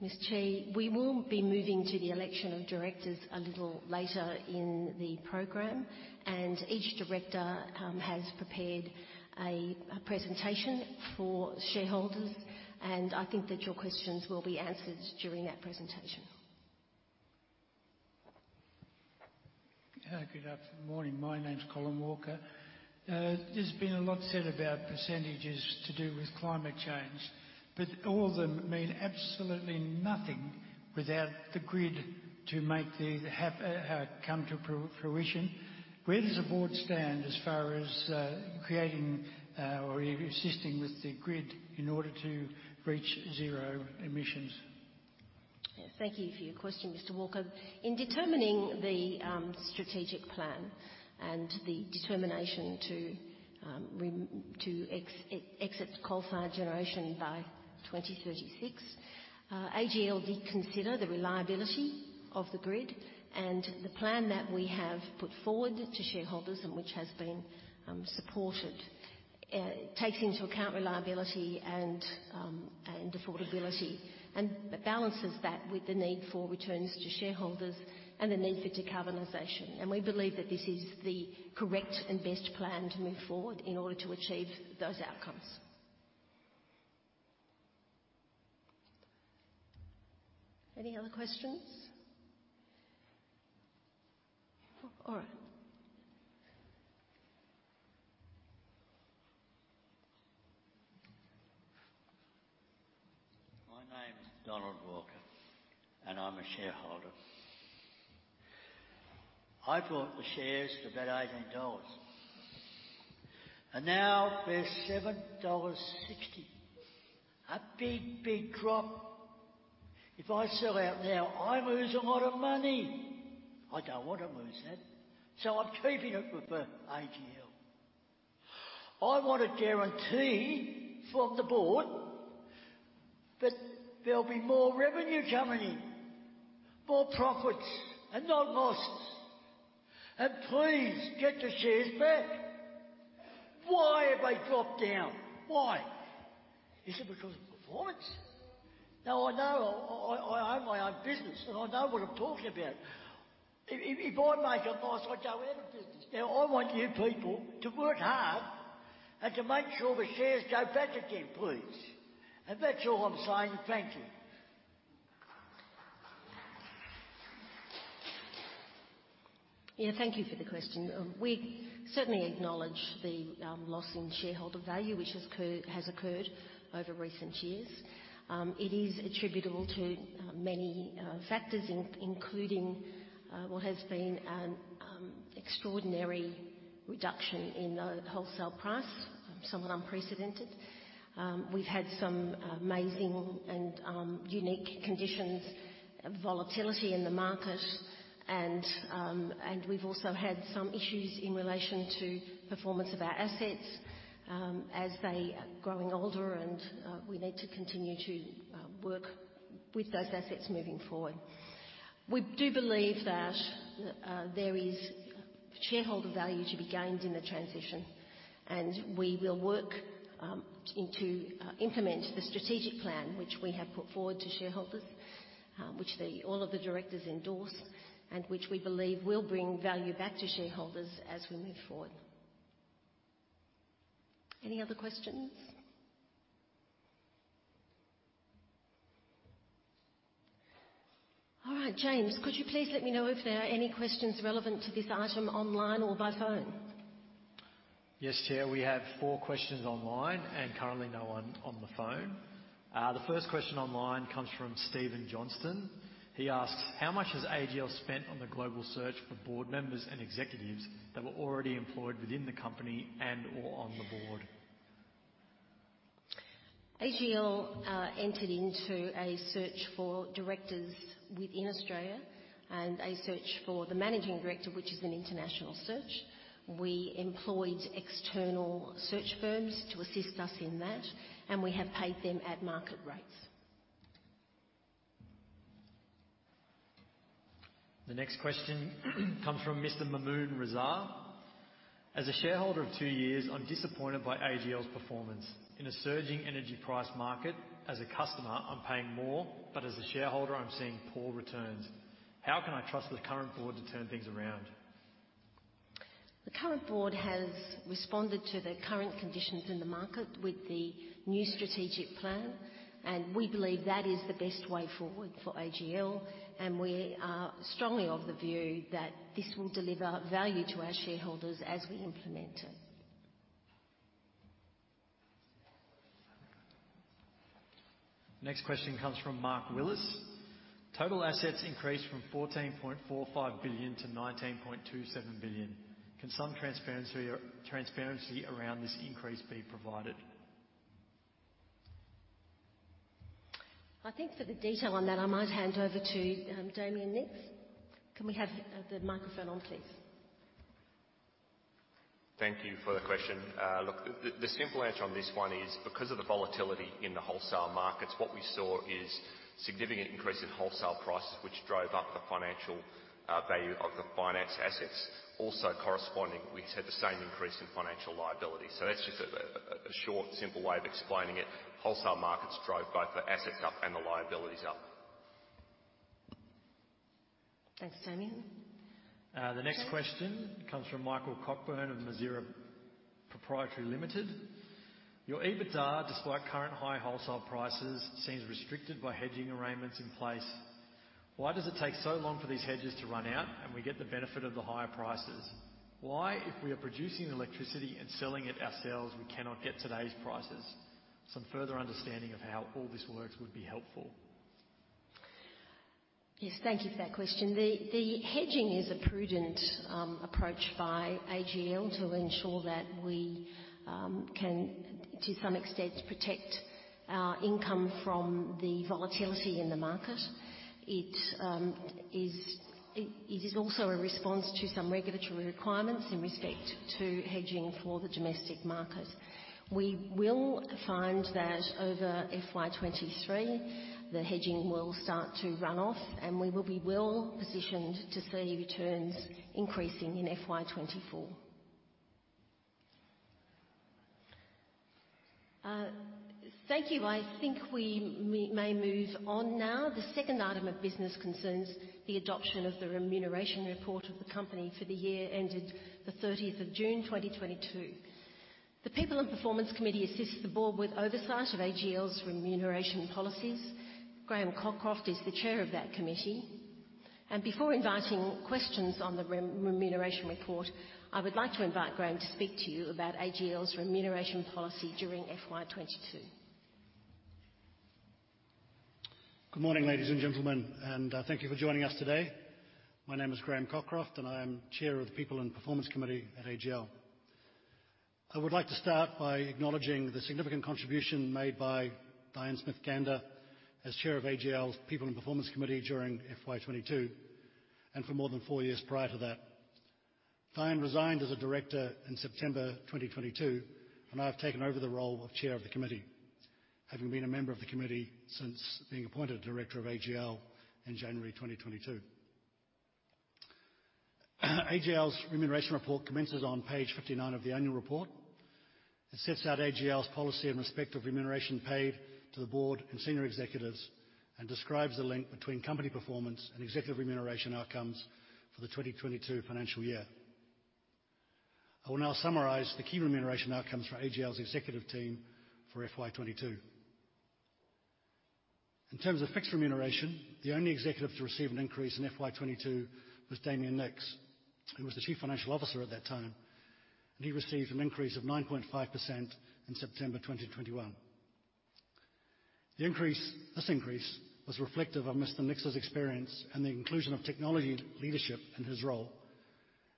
Ms. Chi. We will be moving to the election of directors a little later in the program, and each director has prepared a presentation for shareholders, and I think that your questions will be answered during that presentation. Good afternoon. Morning. My name's Colin Walker. There's been a lot said about percentages to do with climate change, but all of them mean absolutely nothing without the grid to come to fruition. Where does the board stand as far as creating or existing with the grid in order to reach zero emissions? Yes, thank you for your question, Mr. Walker. In determining the strategic plan and the determination to exit coal-fired generation by 2036, AGL did consider the reliability of the grid, and the plan that we have put forward to shareholders, and which has been supported, takes into account reliability and affordability and balances that with the need for returns to shareholders and the need for decarbonization. We believe that this is the correct and best plan to move forward in order to achieve those outcomes. Any other questions? All right. My name is Donald Walker, and I'm a shareholder. I bought the shares for about 18 dollars, and now they're 7.60 dollars. A big, big drop. If I sell out now, I lose a lot of money. I don't wanna lose that, so I'm keeping it with AGL. I want a guarantee from the board that there'll be more revenue coming in, more profits and not losses. Please get the shares back. Why have they dropped down? Why? Is it because of performance? I know. I own my own business, and I know what I'm talking about. If I make a loss, I go out of business. I want you people to work hard and to make sure the shares go back again, please. That's all I'm saying. Thank you. Yeah, thank you for the question. We certainly acknowledge the loss in shareholder value which has occurred over recent years. It is attributable to manyfactors, including what has been an extraordinary reduction in the wholesale price, somewhat unprecedented. We've had some amazing and unique conditions, volatility in the market and we've also had some issues in relation to performance of our assets as they are growing older and we need to continue to work with those assets moving forward. We do believe that there is shareholder value to be gained in the transition, and we will work to implement the strategic plan which we have put forward to shareholders, which all of the directors endorse, and which we believe will bring value back to shareholders as we move forward. Any other questions? All right. James, could you please let me know if there are any questions relevant to this item online or by phone? Yes, Chair. We have four questions online and currently no one on the phone. The first question online comes from Steven Johnston. He asks, "How much has AGL spent on the global search for board members and executives that were already employed within the company and or on the board? AGL entered into a search for directors within Australia and a search for the managing director, which is an international search. We employed external search firms to assist us in that, and we have paid them at market rates. The next question comes from Mr. Mamoon Raza. "As a shareholder of two years, I'm disappointed by AGL's performance. In a surging energy price market, as a customer, I'm paying more, but as a shareholder, I'm seeing poor returns. How can I trust the current board to turn things around? The current board has responded to the current conditions in the market with the new strategic plan, and we believe that is the best way forward for AGL, and we are strongly of the view that this will deliver value to our shareholders as we implement it. Next question comes from Mark Willis. "Total assets increased from 14.45 billion to 19.27 billion. Can some transparency around this increase be provided? I think for the detail on that, I might hand over to Damien Nicks. Can we have the microphone on, please? Thank you for the question. Look, the simple answer on this one is because of the volatility in the wholesale markets. What we saw is significant increase in wholesale prices, which drove up the financial value of the financial assets. Also corresponding, we had the same increase in financial liability. That's just a short, simple way of explaining it. Wholesale markets drove both the assets up and the liabilities up. Thanks, Damien. The next question comes from Michael Cockburn of Masirah Proprietary Limited. "Your EBITDA, despite current high wholesale prices, seems restricted by hedging arrangements in place. Why does it take so long for these hedges to run out, and we get the benefit of the higher prices? Why, if we are producing electricity and selling it ourselves, we cannot get today's prices? Some further understanding of how all this works would be helpful. Yes, thank you for that question. The hedging is a prudent approach by AGL to ensure that we can, to some extent, protect our income from the volatility in the market. It is also a response to some regulatory requirements in respect to hedging for the domestic market. We will find that over FY 2023, the hedging will start to run off, and we will be well-positioned to see returns increasing in FY 2024. Thank you. I think we may move on now. The second item of business concerns the adoption of the remuneration report of the company for the year ended the 30th of June 2022. The People & Performance Committee assists the board with oversight of AGL's remuneration policies. Graham Cockroft is the chair of that committee. Before inviting questions on the remuneration report, I would like to invite Graham to speak to you about AGL's remuneration policy during FY 2022. Good morning, ladies and gentlemen, and thank you for joining us today. My name is Graham Cockroft, and I am Chair of the People & Performance Committee at AGL. I would like to start by acknowledging the significant contribution made by Diane Smith-Gander as Chair of AGL's People & Performance Committee during FY 2022, and for more than four years prior to that. Diane resigned as a director in September 2022, and I've taken over the role of Chair of the committee, having been a member of the committee since being appointed director of AGL in January 2022. AGL's remuneration report commences on page 59 of the annual report. It sets out AGL's policy in respect of remuneration paid to the board and senior executives and describes the link between company performance and executive remuneration outcomes for the 2022 financial year. I will now summarize the key remuneration outcomes for AGL's executive team for FY 2022. In terms of fixed remuneration, the only executive to receive an increase in FY 2022 was Damien Nicks, who was the Chief Financial Officer at that time, and he received an increase of 9.5% in September 2021. This increase was reflective of Mr. Nicks's experience and the inclusion of technology leadership in his role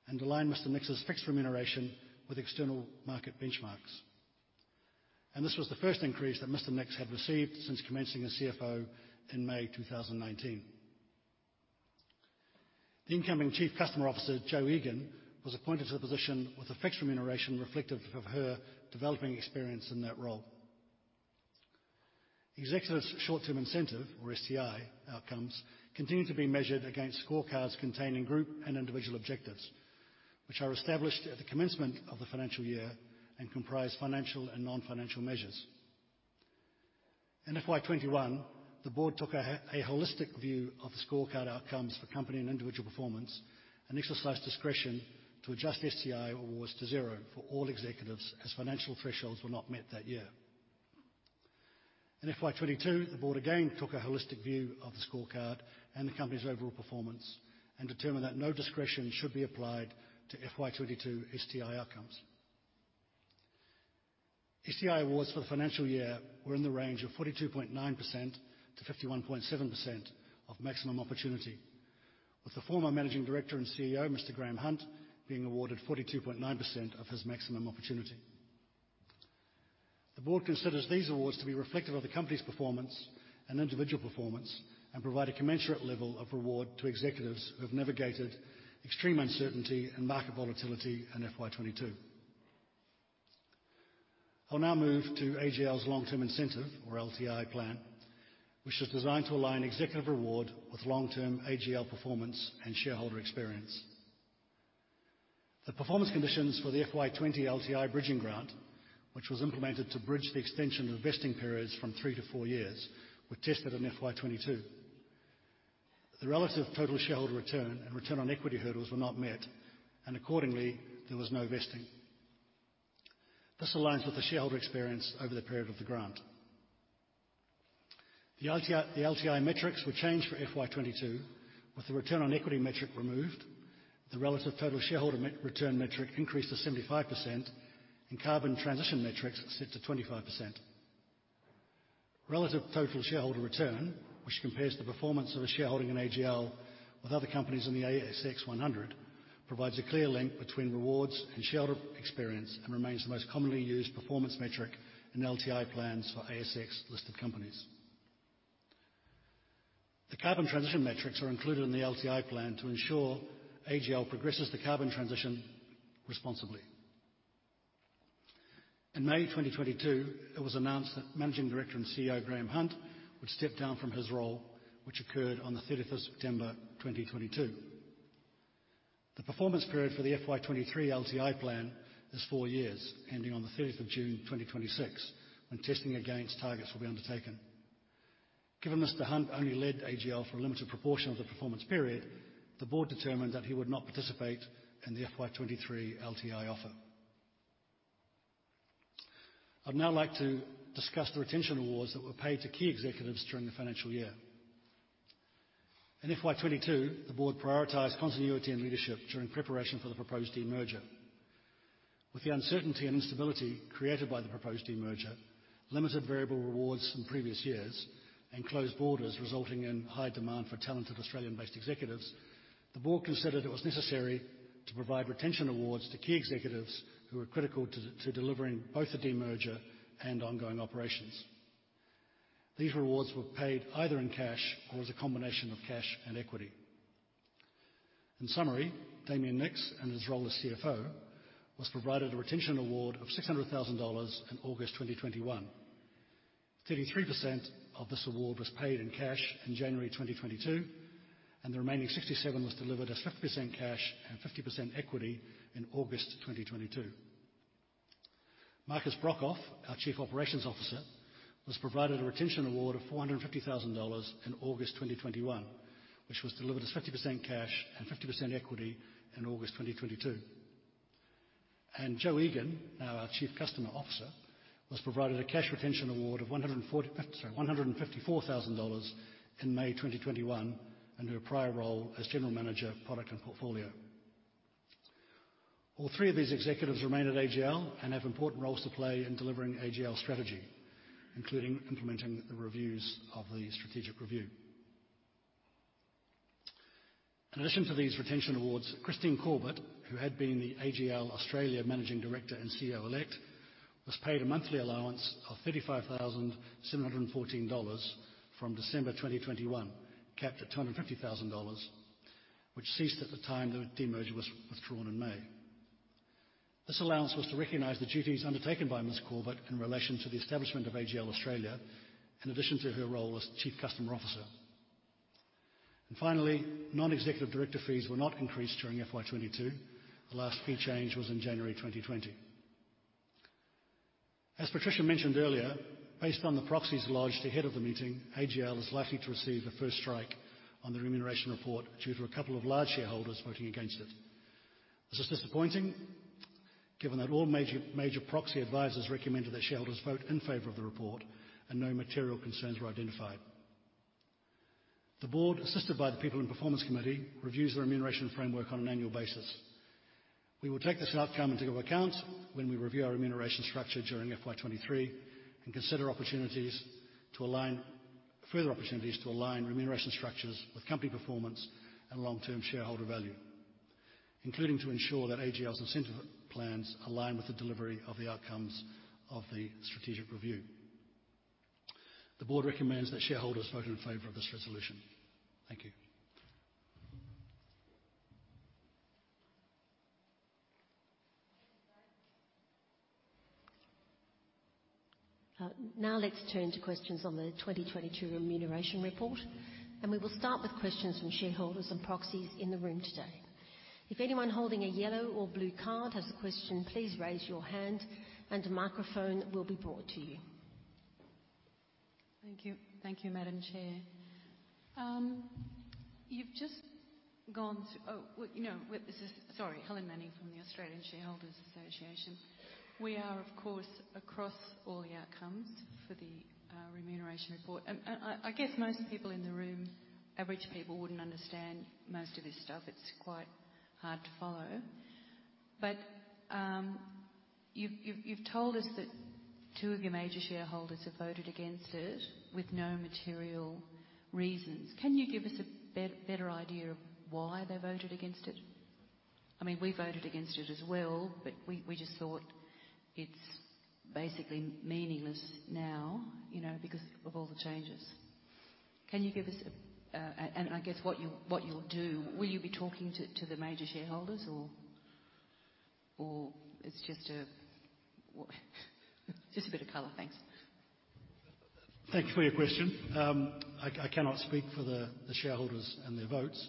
and aligned Mr. Nicks's fixed remuneration with external market benchmarks. This was the first increase that Mr. Nicks had received since commencing as CFO in May 2019. The incoming Chief Customer Officer, Jo Egan, was appointed to the position with a fixed remuneration reflective of her developing experience in that role. Executive short-term incentive, or STI outcomes, continue to be measured against scorecards containing group and individual objectives, which are established at the commencement of the financial year and comprise financial and non-financial measures. In FY 2021, the board took a holistic view of the scorecard outcomes for company and individual performance and exercised discretion to adjust STI awards to zero for all executives as financial thresholds were not met that year. In FY 2022, the board again took a holistic view of the scorecard and the company's overall performance and determined that no discretion should be applied to FY 2022 STI outcomes. STI awards for the financial year were in the range of 42.9%-51.7% of maximum opportunity, with the former Managing Director and CEO, Mr. Graeme Hunt, being awarded 42.9% of his maximum opportunity. The board considers these awards to be reflective of the company's performance and individual performance and provide a commensurate level of reward to executives who have navigated extreme uncertainty and market volatility in FY 2022. I'll now move to AGL's long-term incentive, or LTI plan, which is designed to align executive reward with long-term AGL performance and shareholder experience. The performance conditions for the FY 2020 LTI bridging grant, which was implemented to bridge the extension of vesting periods from three to four years, were tested in FY 2022. The relative total shareholder return and return on equity hurdles were not met, and accordingly, there was no vesting. This aligns with the shareholder experience over the period of the grant. The LTI metrics were changed for FY 2022, with the return on equity metric removed, the relative total shareholder return metric increased to 75%, and carbon transition metrics set to 25%. Relative total shareholder return, which compares the performance of a shareholding in AGL with other companies in the ASX 100, provides a clear link between rewards and shareholder experience and remains the most commonly used performance metric in LTI plans for ASX-listed companies. The carbon transition metrics are included in the LTI plan to ensure AGL progresses the carbon transition responsibly. In May 2022, it was announced that Managing Director and CEO, Graeme Hunt, would step down from his role, which occurred on the 30th of September 2022. The performance period for the FY 2023 LTI plan is four years, ending on the 30th of June 2026, when testing against targets will be undertaken. Given Mr. Hunt only led AGL for a limited proportion of the performance period, the board determined that he would not participate in the FY 2023 LTI offer. I'd now like to discuss the retention awards that were paid to key executives during the financial year. In FY 2022, the board prioritized continuity and leadership during preparation for the proposed demerger. With the uncertainty and instability created by the proposed demerger, limited variable rewards from previous years and closed borders resulting in high demand for talented Australian-based executives, the board considered it was necessary to provide retention awards to key executives who were critical to delivering both the demerger and ongoing operations. These rewards were paid either in cash or as a combination of cash and equity. In summary, Damien Nicks, in his role as CFO, was provided a retention award of 600,000 dollars in August 2021. 33% of this award was paid in cash in January 2022, and the remaining 67% was delivered as 50% cash and 50% equity in August 2022. Markus Brokhof, our Chief Operating Officer, was provided a retention award of 450 thousand dollars in August 2021, which was delivered as 50% cash and 50% equity in August 2022. Jo Egan, now our Chief Customer Officer, was provided a cash retention award of 154 thousand dollars in May 2021 in her prior role as General Manager of Product and Portfolio. All three of these executives remain at AGL and have important roles to play in delivering AGL's strategy, including implementing the reviews of the strategic review. In addition to these retention awards, Christine Corbett, who had been the AGL Australia Managing Director and CEO-elect, was paid a monthly allowance of 35,714 dollars from December 2021, capped at 250,000 dollars, which ceased at the time the demerger was withdrawn in May. This allowance was to recognize the duties undertaken by Ms. Corbett in relation to the establishment of AGL Australia, in addition to her role as Chief Customer Officer. Finally, non-executive director fees were not increased during FY 2022. The last fee change was in January 2020. As Patricia mentioned earlier, based on the proxies lodged ahead of the meeting, AGL is likely to receive a first strike on the remuneration report due to a couple of large shareholders voting against it. This is disappointing given that all major proxy advisors recommended that shareholders vote in favor of the report and no material concerns were identified. The board, assisted by the People & Performance Committee, reviews the remuneration framework on an annual basis. We will take this outcome into account when we review our remuneration structure during FY 2023 and consider opportunities to align further opportunities to align remuneration structures with company performance and long-term shareholder value, including to ensure that AGL's incentive plans align with the delivery of the outcomes of the strategic review. The board recommends that shareholders vote in favor of this resolution. Thank you. Now let's turn to questions on the 2022 remuneration report, and we will start with questions from shareholders and proxies in the room today. If anyone holding a yellow or blue card has a question, please raise your hand and a microphone will be brought to you. Thank you. Thank you, Madam Chair. Sorry, Helen Manning from the Australian Shareholders' Association. We are, of course, across all the outcomes for the remuneration report. I guess most people in the room, average people, wouldn't understand most of this stuff. It's quite hard to follow. You've told us that two of your major shareholders have voted against it with no material reasons. Can you give us a better idea of why they voted against it? I mean, we voted against it as well, but we just thought it's basically meaningless now, you know, because of all the changes. Can you give us a... I guess what you'll do. Will you be talking to the major shareholders or it's just a bit of color. Thanks. Thank you for your question. I cannot speak for the shareholders and their votes,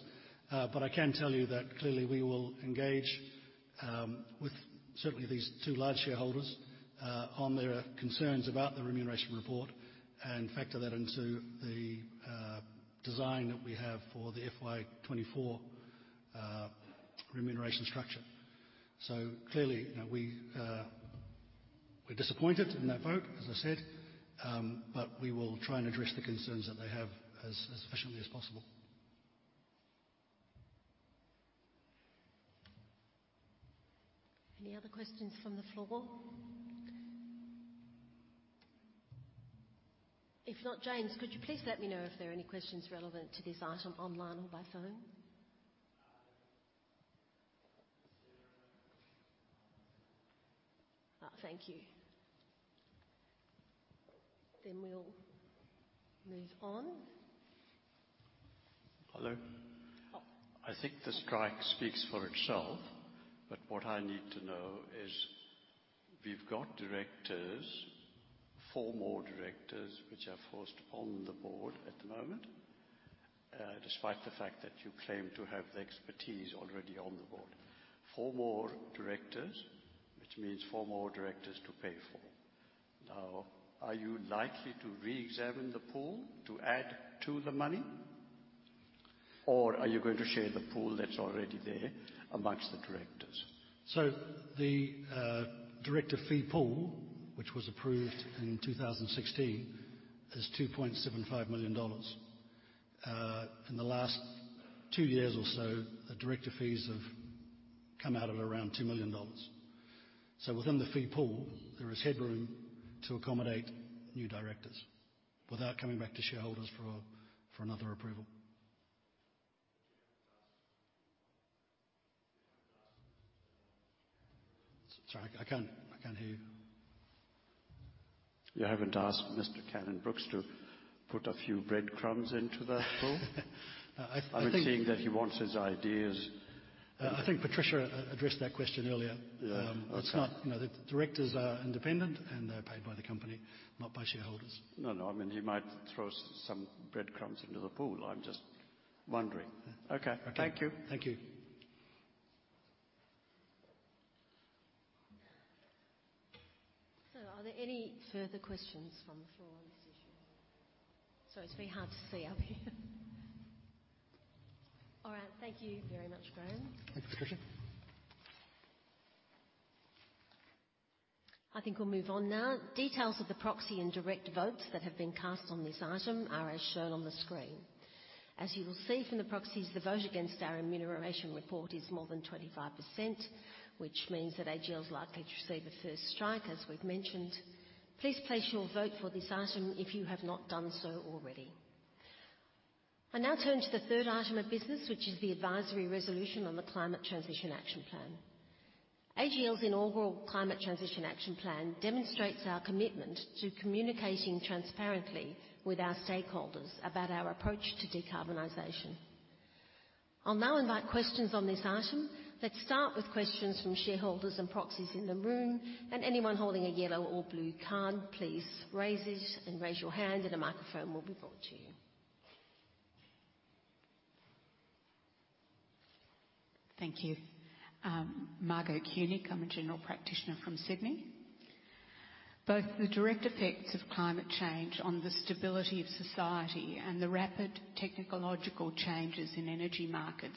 but I can tell you that clearly we will engage with certainly these two large shareholders on their concerns about the remuneration report and factor that into the design that we have for the FY 2024 remuneration structure. Clearly, you know, we're disappointed in that vote, as I said, but we will try and address the concerns that they have as efficiently as possible. Any other questions from the floor? If not, James, could you please let me know if there are any questions relevant to this item online or by phone? There are none. Thank you. We'll move on. Hello. Oh. I think the strike speaks for itself, but what I need to know is we've got directors, four more directors, which are forced on the board at the moment, despite the fact that you claim to have the expertise already on the board. Four more directors, which means four more directors to pay for. Now, are you likely to reexamine the pool to add to the money, or are you going to share the pool that's already there among the directors? The director fee pool, which was approved in 2016, is 2.75 million dollars. In the last two years or so, the director fees have come out at around 2 million dollars. Within the fee pool, there is headroom to accommodate new directors without coming back to shareholders for another approval. You haven't asked. Sorry, I can't hear you. You haven't asked Mr. Cannon-Brookes to put a few breadcrumbs into that pool. I think. I'm seeing that he wants his ideas. I think Patricia addressed that question earlier. Yeah. Okay. It's not. You know, the directors are independent and they're paid by the company, not by shareholders. No, no, I mean, he might throw some breadcrumbs into the pool. I'm just wondering. Yeah. Okay. Okay. Thank you. Thank you. Are there any further questions from the floor on this issue? Sorry, it's a bit hard to see up here. All right. Thank you very much, Graham. Thanks, Patricia. I think we'll move on now. Details of the proxy and direct votes that have been cast on this item are as shown on the screen. As you will see from the proxies, the vote against our remuneration report is more than 25%, which means that AGL is likely to receive a first strike, as we've mentioned. Please place your vote for this item if you have not done so already. I now turn to the third item of business, which is the advisory resolution on the Climate Transition Action Plan. AGL's inaugural Climate Transition Action Plan demonstrates our commitment to communicating transparently with our stakeholders about our approach to decarbonization. I'll now invite questions on this item. Let's start with questions from shareholders and proxies in the room, and anyone holding a yellow or blue card, please raise it and raise your hand and a microphone will be brought to you. Thank you. Margot Kunic, I'm a general practitioner from Sydney. Both the direct effects of climate change on the stability of society and the rapid technological changes in energy markets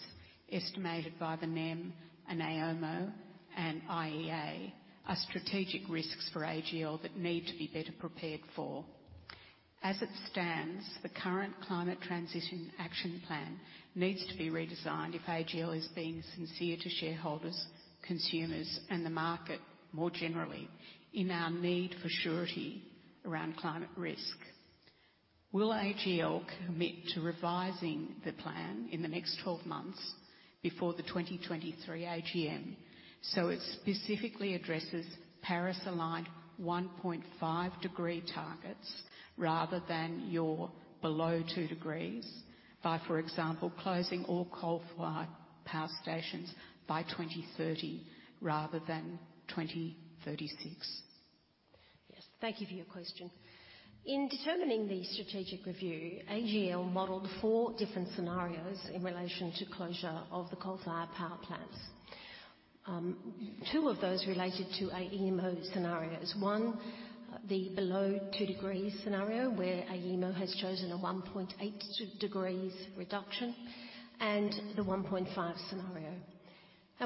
estimated by the NEM and AEMO and IEA are strategic risks for AGL that need to be better prepared for. As it stands, the current Climate Transition Action Plan needs to be redesigned if AGL is being sincere to shareholders, consumers, and the market more generally in our need for surety around climate risk. Will AGL commit to revising the plan in the next 12 months before the 2023 AGM, so it specifically addresses Paris-aligned 1.5-degree targets rather than your below 2 degrees by, for example, closing all coal-fired power stations by 2030 rather than 2036? Thank you for your question. In determining the strategic review, AGL modeled four different scenarios in relation to closure of the coal-fired power plants. Two of those related to AEMO scenarios. One, the below two degrees scenario, where AEMO has chosen a 1.8 degrees reduction and the 1.5 scenario.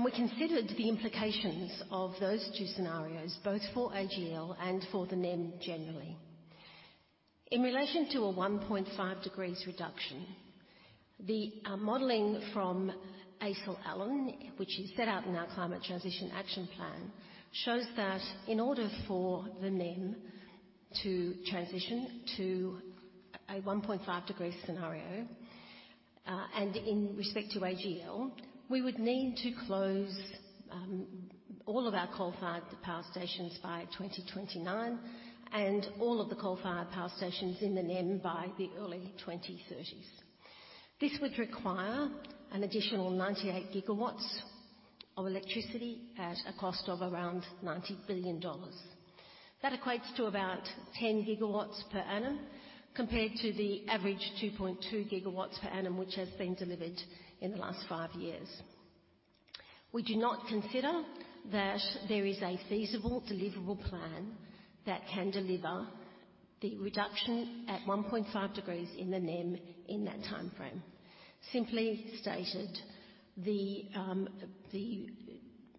We considered the implications of those two scenarios, both for AGL and for the NEM generally. In relation to a 1.5 degrees reduction, the modeling from ACIL Allen, which is set out in our Climate Transition Action Plan, shows that in order for the NEM to transition to a 1.5 degree scenario, and in respect to AGL, we would need to close all of our coal-fired power stations by 2029 and all of the coal-fired power stations in the NEM by the early 2030s. This would require an additional 98 GW of electricity at a cost of around 90 billion dollars. That equates to about 10 GW per annum compared to the average 2.2 GW per annum, which has been delivered in the last five years. We do not consider that there is a feasible deliverable plan that can deliver the reduction at 1.5 degrees in the NEM in that timeframe. Simply stated, the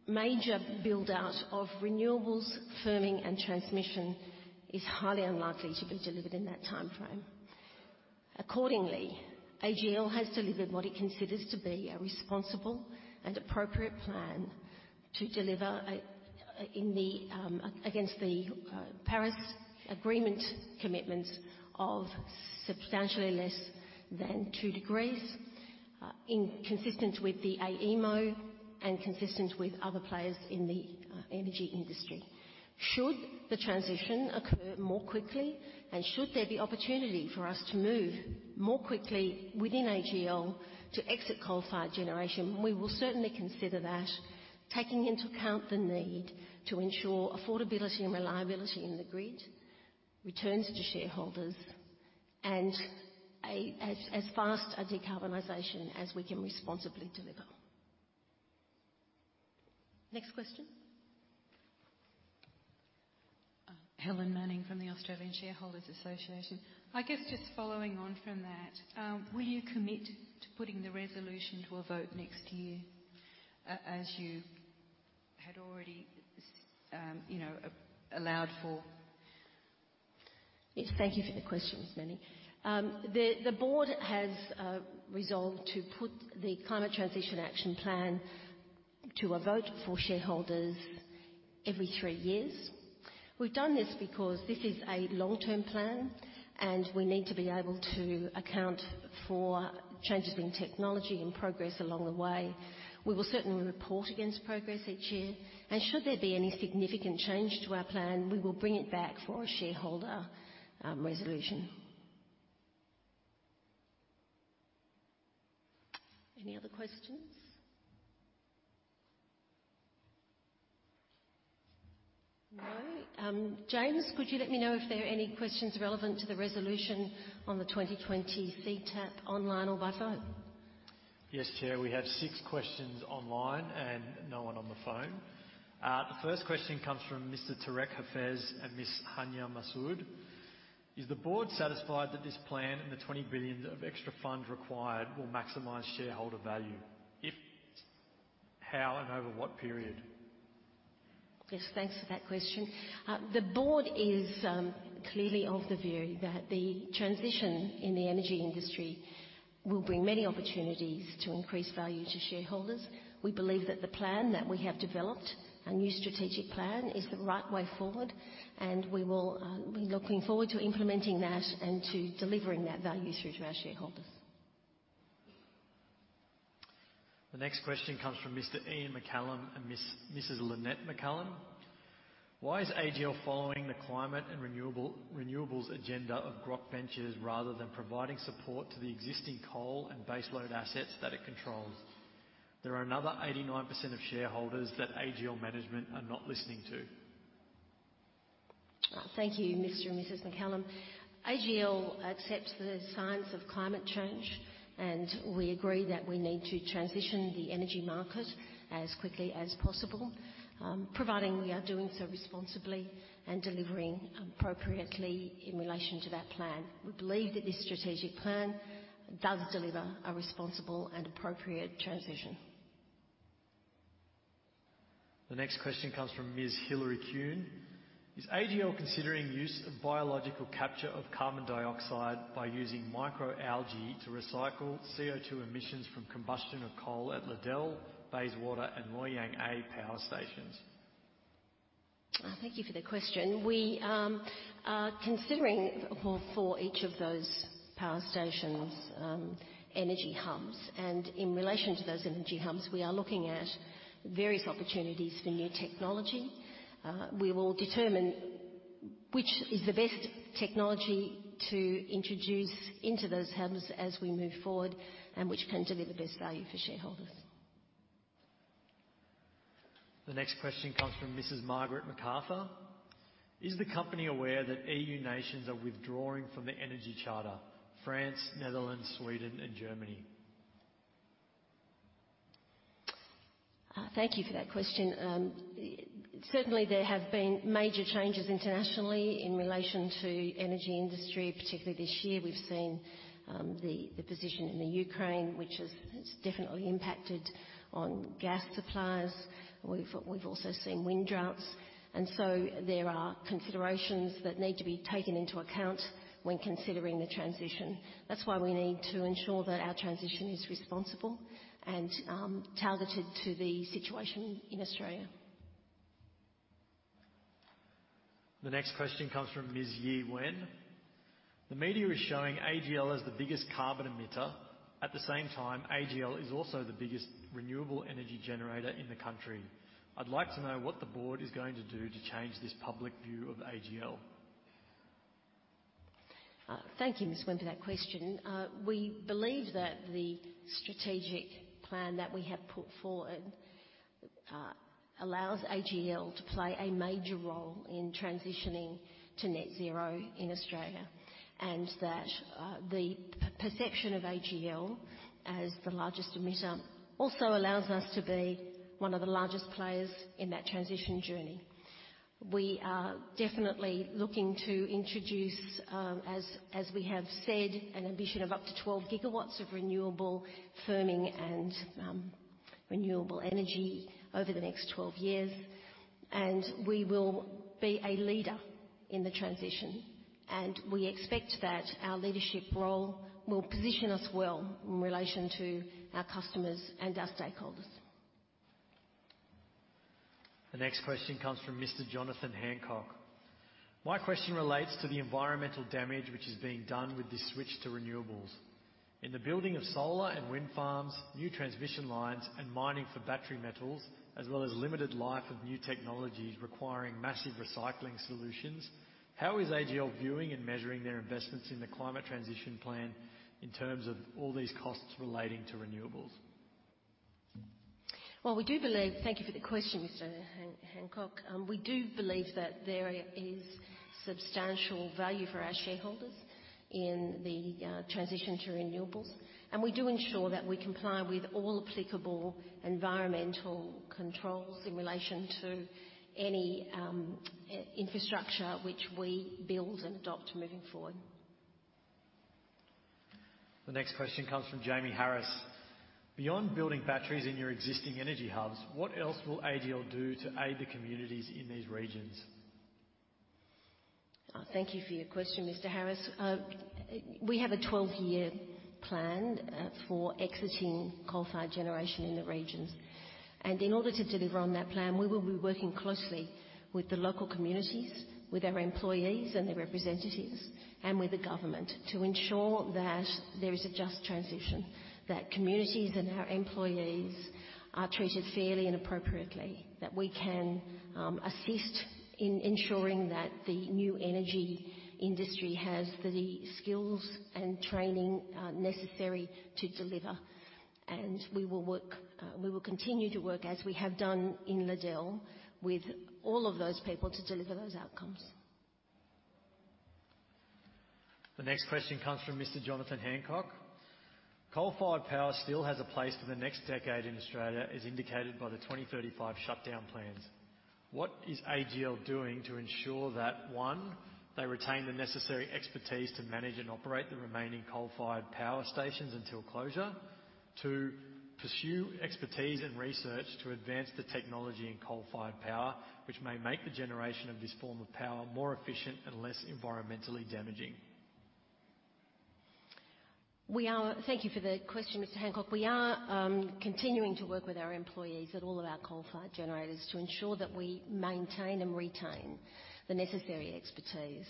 major build-out of renewables firming and transmission is highly unlikely to be delivered in that timeframe. Accordingly, AGL has delivered what it considers to be a responsible and appropriate plan to deliver against the Paris Agreement commitment of substantially less than 2 degrees, consistent with the AEMO and consistent with other players in the energy industry. Should the transition occur more quickly, and should there be opportunity for us to move more quickly within AGL to exit coal-fired generation, we will certainly consider that, taking into account the need to ensure affordability and reliability in the grid, returns to shareholders and as fast a decarbonization as we can responsibly deliver. Next question. Helen Manning from the Australian Shareholders' Association. I guess just following on from that, will you commit to putting the resolution to a vote next year as you had already, you know, allowed for? Yes, thank you for the question, Ms. Manning. The board has resolved to put the Climate Transition Action Plan to a vote for shareholders every three years. We've done this because this is a long-term plan, and we need to be able to account for changes in technology and progress along the way. We will certainly report against progress each year, and should there be any significant change to our plan, we will bring it back for a shareholder resolution. Any other questions? No. James, could you let me know if there are any questions relevant to the resolution on the 2020 CTAP online or by phone? Yes, Chair. We have six questions online and no one on the phone. The first question comes from Mr. Tarek Hafez and Ms. Hania Masood. Is the board satisfied that this plan and the 20 billion of extra funds required will maximize shareholder value? If how and over what period? Yes, thanks for that question. The board is clearly of the view that the transition in the energy industry will bring many opportunities to increase value to shareholders. We believe that the plan that we have developed, our new strategic plan, is the right way forward, and we will be looking forward to implementing that and to delivering that value through to our shareholders. The next question comes from Mr. Ian McCallum and Mrs. Lynette McCallum. Why is AGL following the climate and renewables agenda of Grok Ventures rather than providing support to the existing coal and baseload assets that it controls? There are another 89% of shareholders that AGL management are not listening to. Thank you, Mr. and Mrs. McCallum. AGL accepts the science of climate change, and we agree that we need to transition the energy market as quickly as possible, providing we are doing so responsibly and delivering appropriately in relation to that plan. We believe that this strategic plan does deliver a responsible and appropriate transition. The next question comes from Ms. Hillary Kuhn. Is AGL considering use of biological capture of carbon dioxide by using microalgae to recycle CO2 emissions from combustion of coal at Liddell, Bayswater, and Loy Yang A power stations? Thank you for the question. We are considering for each of those power stations, energy hubs. In relation to those energy hubs, we are looking at various opportunities for new technology. We will determine which is the best technology to introduce into those hubs as we move forward and which can deliver best value for shareholders. The next question comes from Mrs. Margaret McArthur. Is the company aware that E.U. nations are withdrawing from the Energy Charter, France, Netherlands, Sweden and Germany? Thank you for that question. Certainly there have been major changes internationally in relation to energy industry. Particularly this year, we've seen the position in the Ukraine, which has definitely impacted on gas supplies. We've also seen wind droughts. There are considerations that need to be taken into account when considering the transition. That's why we need to ensure that our transition is responsible and targeted to the situation in Australia. The next question comes from Ms. Yi Wen. The media is showing AGL as the biggest carbon emitter. At the same time, AGL is also the biggest renewable energy generator in the country. I'd like to know what the board is going to do to change this public view of AGL. Thank you, Ms. Yi Wen, for that question. We believe that the strategic plan that we have put forward allows AGL to play a major role in transitioning to net zero in Australia, and that the perception of AGL as the largest emitter also allows us to be one of the largest players in that transition journey. We are definitely looking to introduce, as we have said, an ambition of up to 12 GW of renewable firming and renewable energy over the next 12 years, and we will be a leader in the transition, and we expect that our leadership role will position us well in relation to our customers and our stakeholders. The next question comes from Mr. Jonathan Hancock. My question relates to the environmental damage which is being done with the switch to renewables. In the building of solar and wind farms, new transmission lines, and mining for battery metals, as well as limited life of new technologies requiring massive recycling solutions, how is AGL viewing and measuring their investments in the Climate Transition Action Plan in terms of all these costs relating to renewables? Well, thank you for the question, Mr. Jonathan Hancock. We do believe that there is substantial value for our shareholders in the transition to renewables, and we do ensure that we comply with all applicable environmental controls in relation to any infrastructure which we build and adopt moving forward. The next question comes from Jamie Harris. Beyond building batteries in your existing energy hubs, what else will AGL do to aid the communities in these regions? Thank you for your question, Mr. Harris. We have a 12-year plan for exiting coal-fired generation in the regions. In order to deliver on that plan, we will be working closely with the local communities, with our employees and their representatives, and with the government to ensure that there is a just transition, that communities and our employees are treated fairly and appropriately, that we can assist in ensuring that the new energy industry has the skills and training necessary to deliver. We will continue to work as we have done in Liddell with all of those people to deliver those outcomes. The next question comes from Mr. Jonathan Hancock. Coal-fired power still has a place for the next decade in Australia, as indicated by the 2035 shutdown plans. What is AGL doing to ensure that, one, they retain the necessary expertise to manage and operate the remaining coal-fired power stations until closure, two, pursue expertise and research to advance the technology in coal-fired power, which may make the generation of this form of power more efficient and less environmentally damaging? Thank you for the question, Mr. Hancock. We are continuing to work with our employees at all of our coal-fired generators to ensure that we maintain and retain the necessary expertise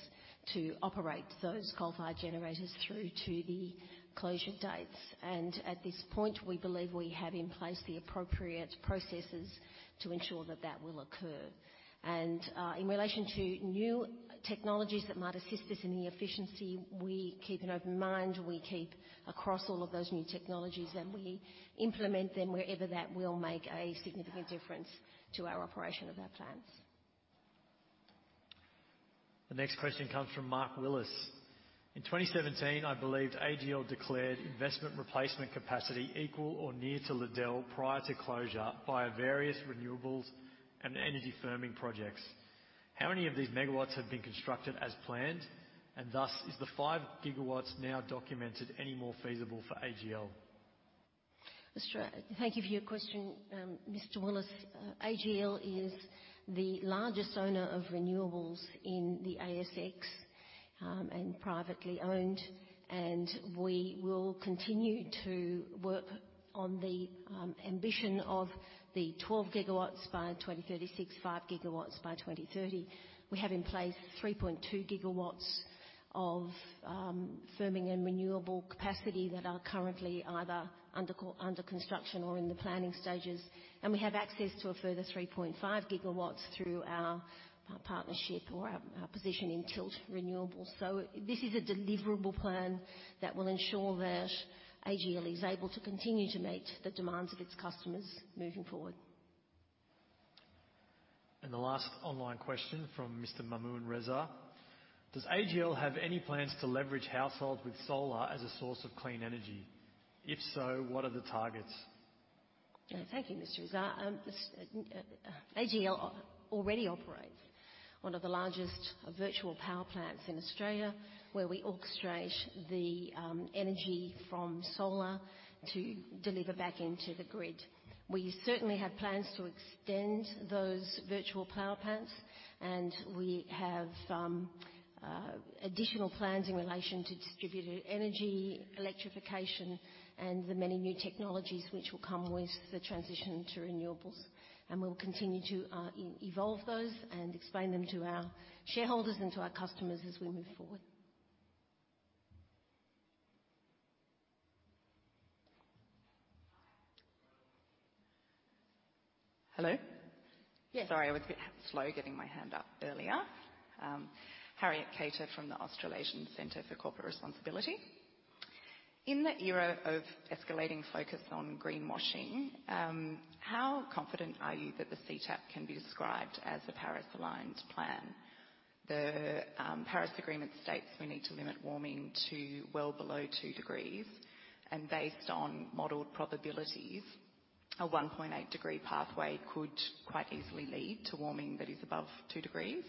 to operate those coal-fired generators through to the closure dates. At this point, we believe we have in place the appropriate processes to ensure that that will occur. In relation to new technologies that might assist us in the efficiency, we keep an open mind. We keep across all of those new technologies, and we implement them wherever that will make a significant difference to our operation of our plants. The next question comes from Mark Willis. In 2017, I believed AGL declared investment replacement capacity equal or near to Liddell prior to closure via various renewables and energy firming projects. How many of these megawatts have been constructed as planned? Thus, is the 5 GW now documented any more feasible for AGL? Thank you for your question, Mr. Willis. AGL is the largest owner of renewables in the ASX, and privately owned, and we will continue to work on the ambition of the 12 GW by 2036, 5 GW by 2030. We have in place 3.2 GW of firming and renewable capacity that are currently either under construction or in the planning stages. We have access to a further 3.5 GW through our partnership or our position in Tilt Renewables. This is a deliverable plan that will ensure that AGL is able to continue to meet the demands of its customers moving forward. The last online question from Mr. Mamoon Reza, "Does AGL have any plans to leverage households with solar as a source of clean energy? If so, what are the targets? Thank you, Mr. Mamoon Reza. AGL already operates one of the largest virtual power plants in Australia, where we orchestrate the energy from solar to deliver back into the grid. We certainly have plans to extend those virtual power plants, and we have additional plans in relation to distributed energy, electrification, and the many new technologies which will come with the transition to renewables. We'll continue to evolve those and explain them to our shareholders and to our customers as we move forward. Hello? Yes. Sorry, I was a bit slow getting my hand up earlier. Harriet Kater from the Australasian Centre for Corporate Responsibility. In the era of escalating focus on greenwashing, how confident are you that the CTAP can be described as a Paris-aligned plan? The Paris Agreement states we need to limit warming to well below two degrees, and based on modeled probabilities, a 1.8-degree pathway could quite easily lead to warming that is above two degrees.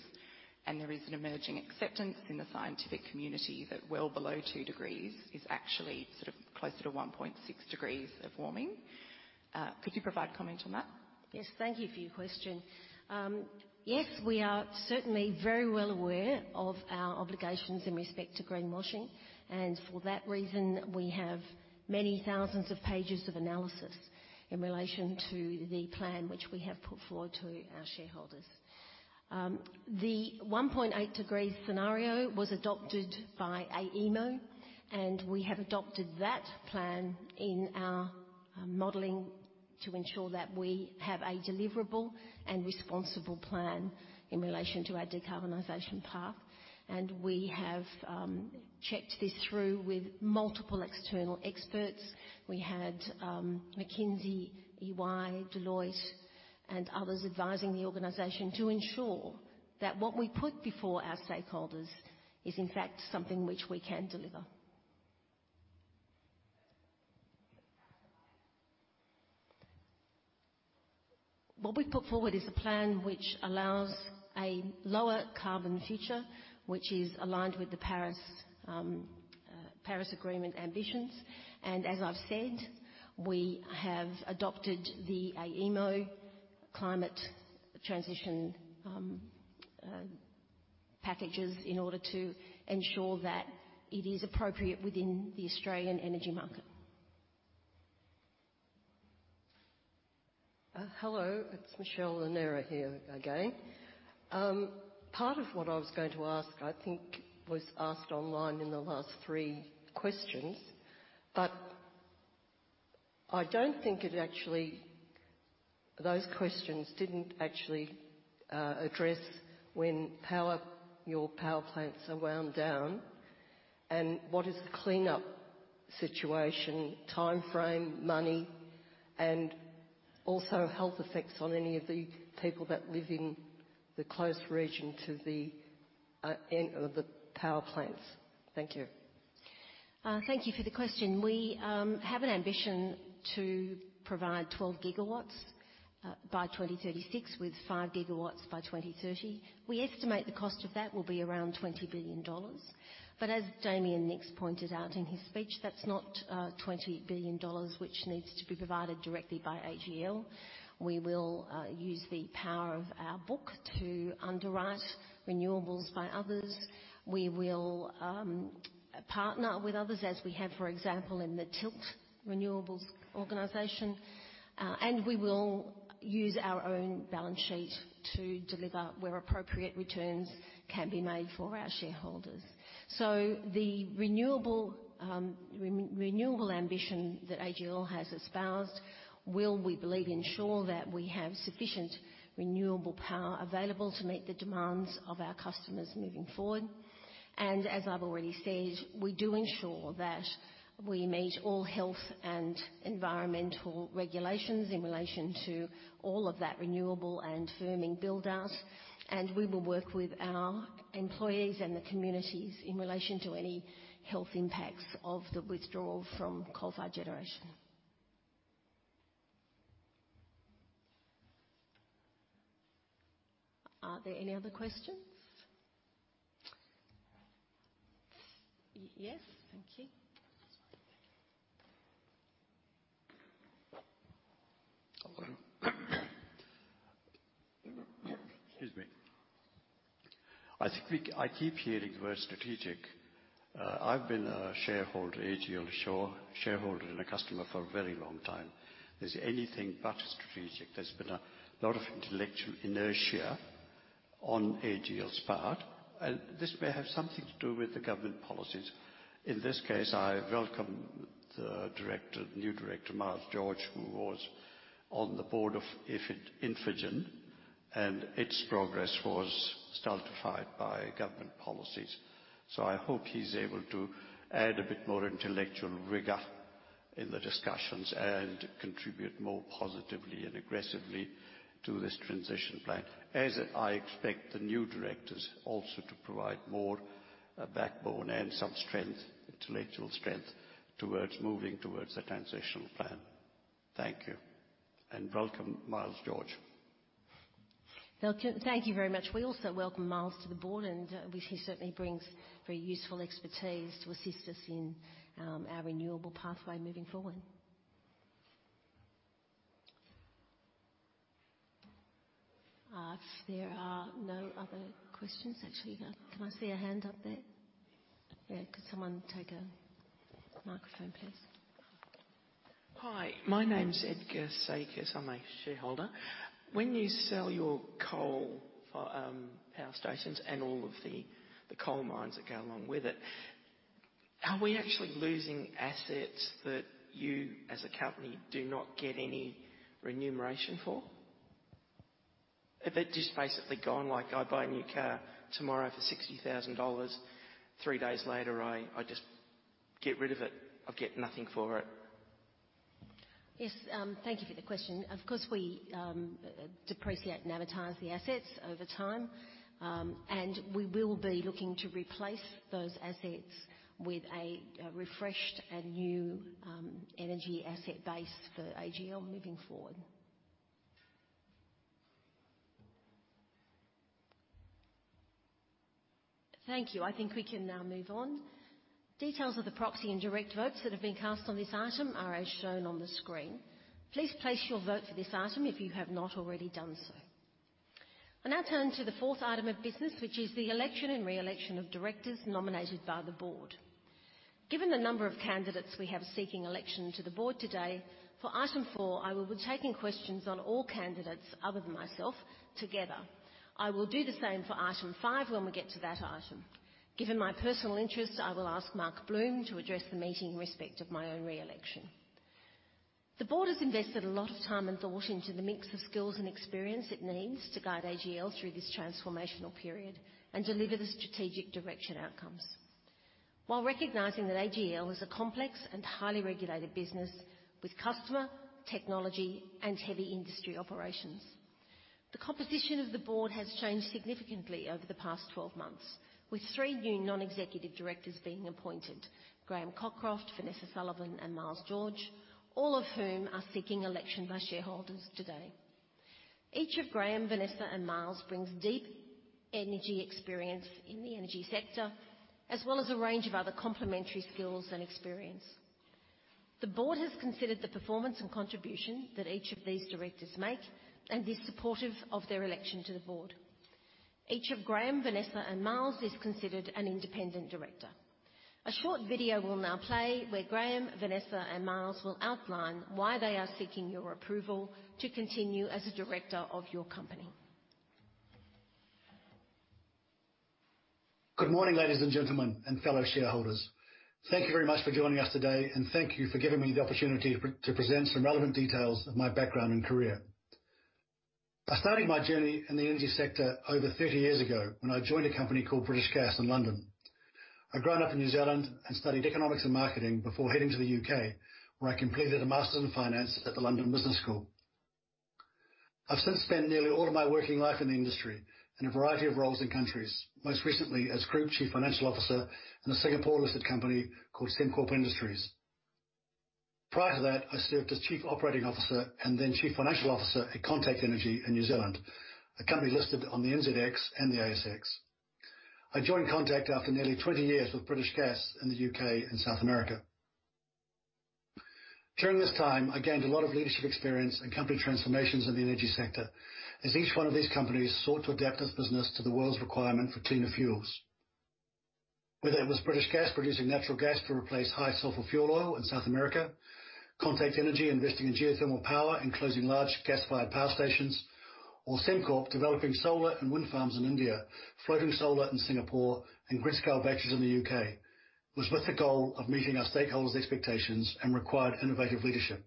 There is an emerging acceptance in the scientific community that well below two degrees is actually sort of closer to 1.6 degrees of warming. Could you provide comment on that? Yes. Thank you for your question. Yes, we are certainly very well aware of our obligations in respect to greenwashing, and for that reason, we have many thousands of pages of analysis in relation to the plan which we have put forward to our shareholders. The 1.8-degree scenario was adopted by AEMO, and we have adopted that plan in our modeling to ensure that we have a deliverable and responsible plan in relation to our decarbonization path. We have checked this through with multiple external experts. We had McKinsey, EY, Deloitte and others advising the organization to ensure that what we put before our stakeholders is, in fact, something which we can deliver. What we've put forward is a plan which allows a lower carbon future, which is aligned with the Paris Agreement ambitions. As I've said, we have adopted the AEMO climate transition packages in order to ensure that it is appropriate within the Australian energy market. Hello. It's Michelle Lanera here again. Part of what I was going to ask, I think, was asked online in the last three questions, but I don't think it actually. Those questions didn't actually address when your power plants are wound down and what is the cleanup situation, timeframe, money, and also health effects on any of the people that live in the close region to the power plants. Thank you. Thank you for the question. We have an ambition to provide 12 GW by 2036, with 5 GW by 2030. We estimate the cost of that will be around 20 billion dollars. But as Damien Nicks pointed out in his speech, that's not 20 billion dollars which needs to be provided directly by AGL. We will use the power of our book to underwrite renewables by others. We will partner with others, as we have, for example, in the Tilt Renewables organization. We will use our own balance sheet to deliver where appropriate returns can be made for our shareholders. The renewable ambition that AGL has espoused will, we believe, ensure that we have sufficient renewable power available to meet the demands of our customers moving forward. As I've already said, we do ensure that we meet all health and environmental regulations in relation to all of that renewable and firming build out. We will work with our employees and the communities in relation to any health impacts of the withdrawal from coal-fired generation. Are there any other questions? Yes. Thank you. Excuse me. I think I keep hearing we're strategic. I've been a shareholder, AGL shareholder and a customer for a very long time. There's anything but strategic. There's been a lot of intellectual inertia on AGL's part, and this may have something to do with the government policies. In this case, I welcome the director, new director, Miles George, who was on the board of Infigen, and its progress was stultified by government policies. I hope he's able to add a bit more intellectual rigor in the discussions and contribute more positively and aggressively to this transition plan, as I expect the new directors also to provide more backbone and some strength, intellectual strength towards moving towards the transitional plan. Thank you. Welcome, Miles George. Thank you very much. We also welcome Miles to the board, and we see he certainly brings very useful expertise to assist us in our renewable pathway moving forward. If there are no other questions? Actually, can I see a hand up there? Yeah. Could someone take a microphone, please? Hi, my name is Ed Kasekis. I'm a shareholder. When you sell your coal power stations and all of the coal mines that go along with it, are we actually losing assets that you as a company do not get any remuneration for? Have they just basically gone like I buy a new car tomorrow for 60,000 dollars, three days later, I just get rid of it, I get nothing for it? Yes, thank you for the question. Of course, we depreciate and amortize the assets over time, and we will be looking to replace those assets with a refreshed and new energy asset base for AGL moving forward. Thank you. I think we can now move on. Details of the proxy and direct votes that have been cast on this item are as shown on the screen. Please place your vote for this item if you have not already done so. I now turn to the fourth item of business, which is the election and re-election of directors nominated by the board. Given the number of candidates we have seeking election to the board today, for item four, I will be taking questions on all candidates other than myself together. I will do the same for item five when we get to that item. Given my personal interest, I will ask Mark Bloom to address the meeting in respect of my own re-election. The board has invested a lot of time and thought into the mix of skills and experience it needs to guide AGL through this transformational period and deliver the strategic direction outcomes, while recognizing that AGL is a complex and highly regulated business with customer, technology, and heavy industry operations. The composition of the board has changed significantly over the past 12 months, with three new non-executive directors being appointed, Graham Cockroft, Vanessa Sullivan, and Miles George, all of whom are seeking election by shareholders today. Each of Graham, Vanessa, and Miles brings deep energy experience in the energy sector, as well as a range of other complementary skills and experience. The board has considered the performance and contribution that each of these directors make and is supportive of their election to the board. Each of Graeme, Vanessa, and Miles is considered an Independent Director. A short video will now play where Graeme, Vanessa, and Miles will outline why they are seeking your approval to continue as a director of your company. Good morning, ladies and gentlemen, and fellow shareholders. Thank you very much for joining us today, and thank you for giving me the opportunity to present some relevant details of my background and career. I started my journey in the energy sector over 30 years ago when I joined a company called British Gas in London. I'd grown up in New Zealand and studied economics and marketing before heading to the U.K., where I completed a master's in finance at the London Business School. I've since spent nearly all of my working life in the industry, in a variety of roles and countries, most recently as group chief financial officer in a Singapore-listed company called Sembcorp Industries. Prior to that, I served as chief operating officer and then chief financial officer at Contact Energy in New Zealand, a company listed on the NZX and the ASX. I joined Contact Energy after nearly 20 years with British Gas in the U.K. and South America. During this time, I gained a lot of leadership experience in company transformations in the energy sector, as each one of these companies sought to adapt its business to the world's requirement for cleaner fuels. Whether it was British Gas producing natural gas to replace high sulfur fuel oil in South America, Contact Energy investing in geothermal power and closing large gas-fired power stations, or Sembcorp developing solar and wind farms in India, floating solar in Singapore, and grid-scale batteries in the U.K., was with the goal of meeting our stakeholders' expectations and required innovative leadership.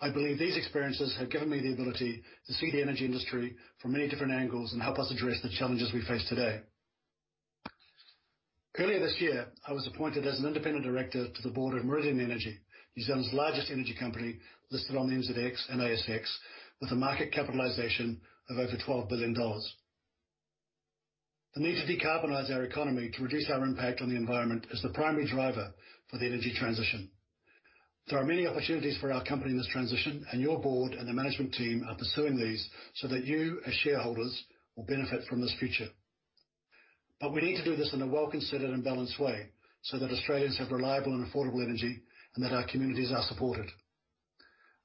I believe these experiences have given me the ability to see the energy industry from many different angles and help us address the challenges we face today. Earlier this year, I was appointed as an independent director to the board of Meridian Energy, New Zealand's largest energy company, listed on the NZX and ASX, with a market capitalization of over 12 billion dollars. The need to decarbonize our economy to reduce our impact on the environment is the primary driver for the energy transition. There are many opportunities for our company in this transition, and your board and the management team are pursuing these so that you as shareholders will benefit from this future. We need to do this in a well-considered and balanced way so that Australians have reliable and affordable energy and that our communities are supported.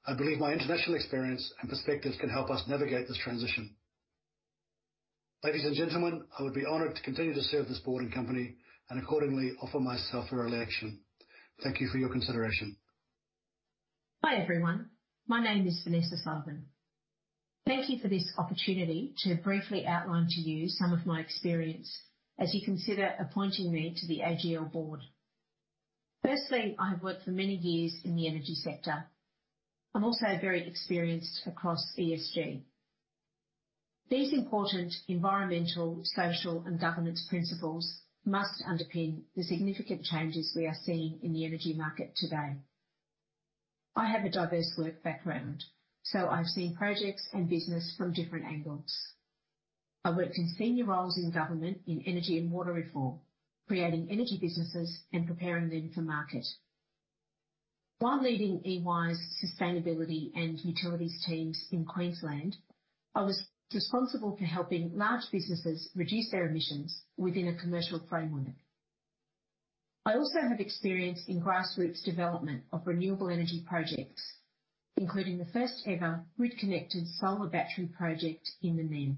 I believe my international experience and perspectives can help us navigate this transition. Ladies and gentlemen, I would be honored to continue to serve this board and company and accordingly offer myself for re-election. Thank you for your consideration. Hi, everyone. My name is Vanessa Sullivan. Thank you for this opportunity to briefly outline to you some of my experience as you consider appointing me to the AGL board. Firstly, I have worked for many years in the energy sector. I'm also very experienced across ESG. These important environmental, social, and governance principles must underpin the significant changes we are seeing in the energy market today. I have a diverse work background, so I've seen projects and business from different angles. I worked in senior roles in government, in energy and water reform, creating energy businesses and preparing them for market. While leading EY's sustainability and utilities teams in Queensland, I was responsible for helping large businesses reduce their emissions within a commercial framework. I also have experience in grassroots development of renewable energy projects, including the first-ever grid-connected solar battery project in the NEM.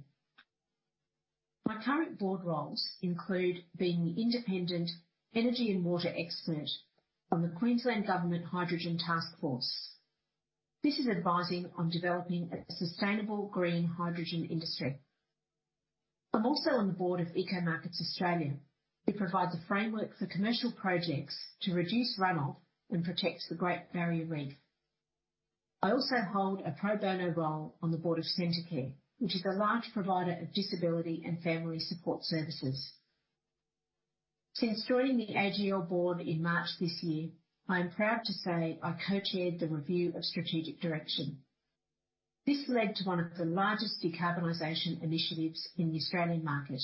My current board roles include being the independent energy and water expert on the Queensland Hydrogen Taskforce. This is advising on developing a sustainable green hydrogen industry. I'm also on the board of EcoMarkets Australia. It provides a framework for commercial projects to reduce runoff and protects the Great Barrier Reef. I also hold a pro bono role on the Board of Centacare, which is a large provider of disability and family support services. Since joining the AGL board in March this year, I am proud to say I co-chaired the review of strategic direction. This led to one of the largest decarbonization initiatives in the Australian market.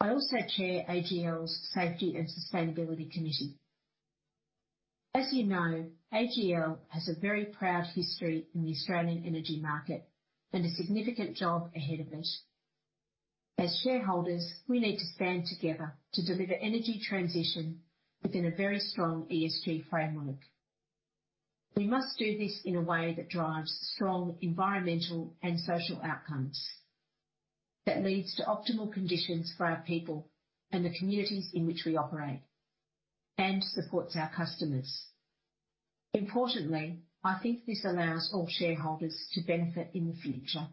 I also chair AGL's Safety & Sustainability Committee. As you know, AGL has a very proud history in the Australian energy market and a significant job ahead of it. As shareholders, we need to stand together to deliver energy transition within a very strong ESG framework. We must do this in a way that drives strong environmental and social outcomes that leads to optimal conditions for our people and the communities in which we operate and supports our customers. Importantly, I think this allows all shareholders to benefit in the future.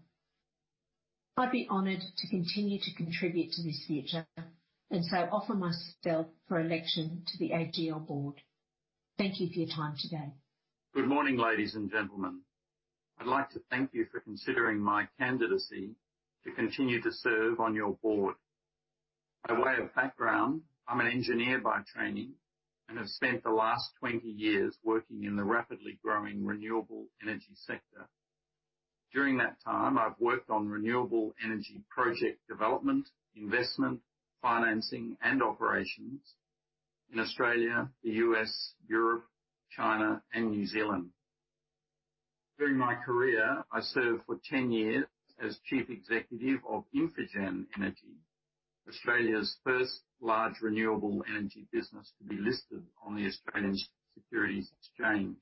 I'd be honored to continue to contribute to this future, and so offer myself for election to the AGL board. Thank you for your time today. Good morning, ladies and gentlemen. I'd like to thank you for considering my candidacy to continue to serve on your board. By way of background, I'm an engineer by training and have spent the last 20 years working in the rapidly growing renewable energy sector. During that time, I've worked on renewable energy project development, investment, financing, and operations in Australia, the U.S., Europe, China, and New Zealand. During my career, I served for 10 years as chief executive of Infigen Energy, Australia's first large renewable energy business to be listed on the Australian Securities Exchange.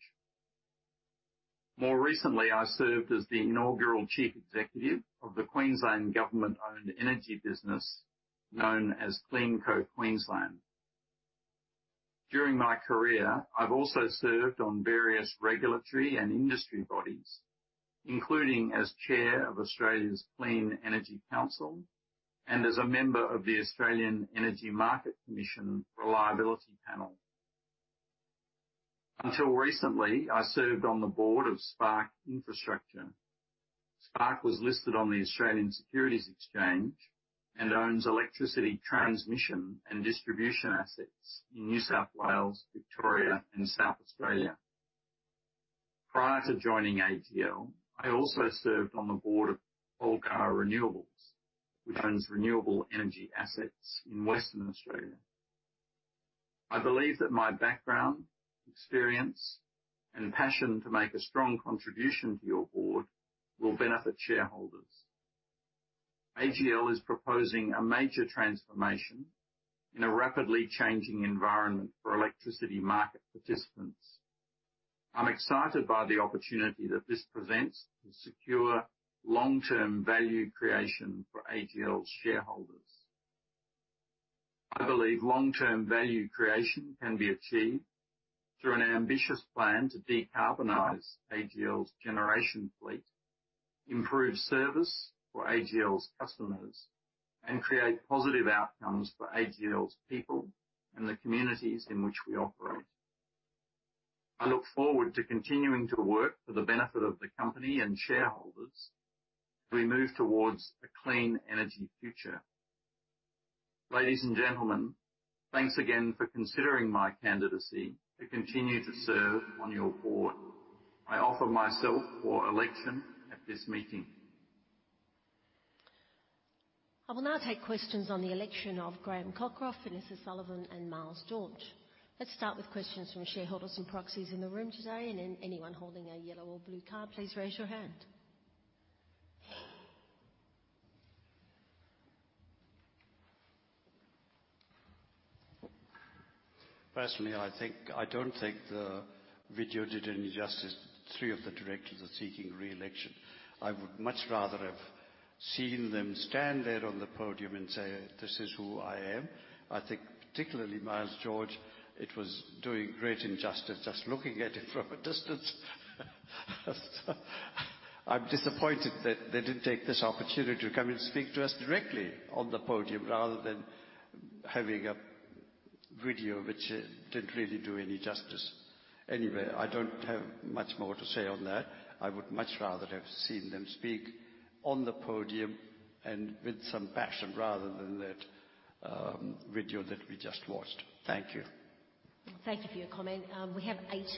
More recently, I served as the inaugural Chief Executive of the Queensland government-owned energy business known as CleanCo Queensland. During my career, I've also served on various regulatory and industry bodies, including as chair of Australia's Clean Energy Council and as a member of the Australian Energy Market Commission Reliability Panel. Until recently, I served on the board of Spark Infrastructure. Spark was listed on the Australian Securities Exchange and owns electricity transmission and distribution assets in New South Wales, Victoria, and South Australia. Prior to joining AGL, I also served on the board of Collgar Renewables, which owns renewable energy assets in Western Australia. I believe that my background, experience, and passion to make a strong contribution to your board will benefit shareholders. AGL is proposing a major transformation in a rapidly changing environment for electricity market participants. I'm excited by the opportunity that this presents to secure long-term value creation for AGL shareholders. I believe long-term value creation can be achieved through an ambitious plan to decarbonize AGL's generation fleet, improve service for AGL's customers, and create positive outcomes for AGL's people and the communities in which we operate. I look forward to continuing to work for the benefit of the company and shareholders as we move towards a clean energy future. Ladies and gentlemen, thanks again for considering my candidacy to continue to serve on your board. I offer myself for election at this meeting. I will now take questions on the election of Graham Cockroft, Vanessa Sullivan, and Miles George. Let's start with questions from shareholders and proxies in the room today, and then anyone holding a yellow or blue card, please raise your hand. Personally, I don't think the video did any justice to three of the directors are seeking re-election. I would much rather have seen them stand there on the podium and say, "This is who I am." I think particularly Miles George, it was doing great injustice just looking at it from a distance. I'm disappointed that they didn't take this opportunity to come and speak to us directly on the podium, rather than having a video, which didn't really do any justice. Anyway, I don't have much more to say on that. I would much rather have seen them speak on the podium and with some passion, rather than that video that we just watched. Thank you. Thank you for your comment. We have eight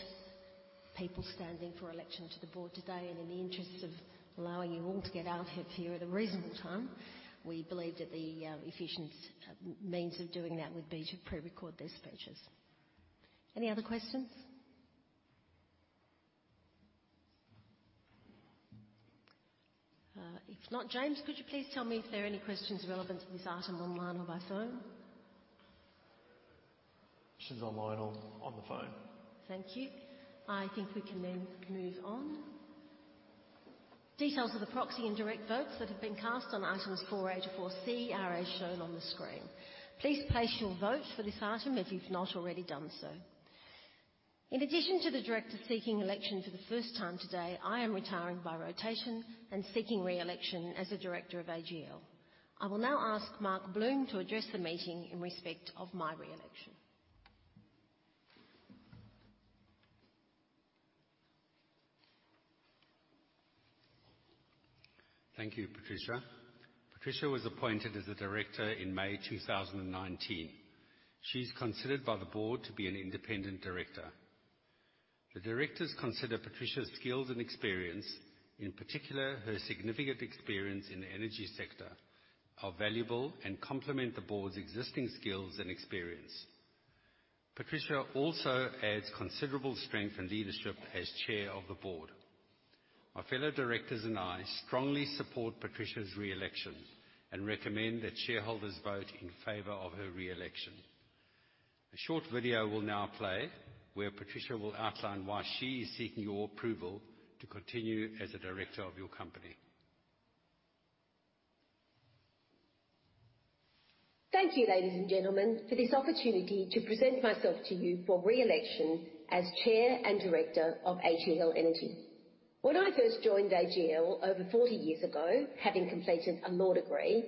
people standing for election to the board today, and in the interest of allowing you all to get out of here at a reasonable time, we believe that the efficient means of doing that would be to pre-record their speeches. Any other questions? If not, James, could you please tell me if there are any questions relevant to this item online or by phone? Questions online or on the phone. Thank you. I think we can then move on. Details of the proxy and direct votes that have been cast on items 4A to 4C are as shown on the screen. Please place your vote for this item if you've not already done so. In addition to the directors seeking election for the first time today, I am retiring by rotation and seeking re-election as a director of AGL. I will now ask Mark Bloom to address the meeting in respect of my re-election. Thank you, Patricia. Patricia was appointed as a director in May 2019. She's considered by the board to be an independent director. The directors consider Patricia's skills and experience, in particular, her significant experience in the energy sector, are valuable and complement the board's existing skills and experience. Patricia also adds considerable strength and leadership as chair of the board. My fellow directors and I strongly support Patricia's re-election and recommend that shareholders vote in favor of her re-election. A short video will now play, where Patricia will outline why she is seeking your approval to continue as a director of your company. Thank you, ladies and gentlemen, for this opportunity to present myself to you for re-election as Chair and Director of AGL Energy. When I first joined AGL over forty years ago, having completed a law degree,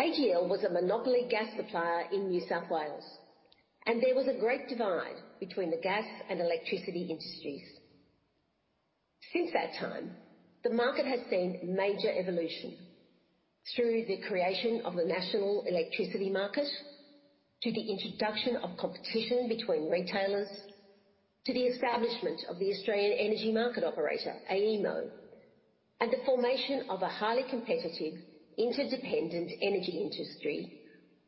AGL was a monopoly gas supplier in New South Wales, and there was a great divide between the gas and electricity industries. Since that time, the market has seen major evolution through the creation of the national electricity market, to the introduction of competition between retailers, to the establishment of the Australian Energy Market Operator, AEMO, and the formation of a highly competitive, interdependent energy industry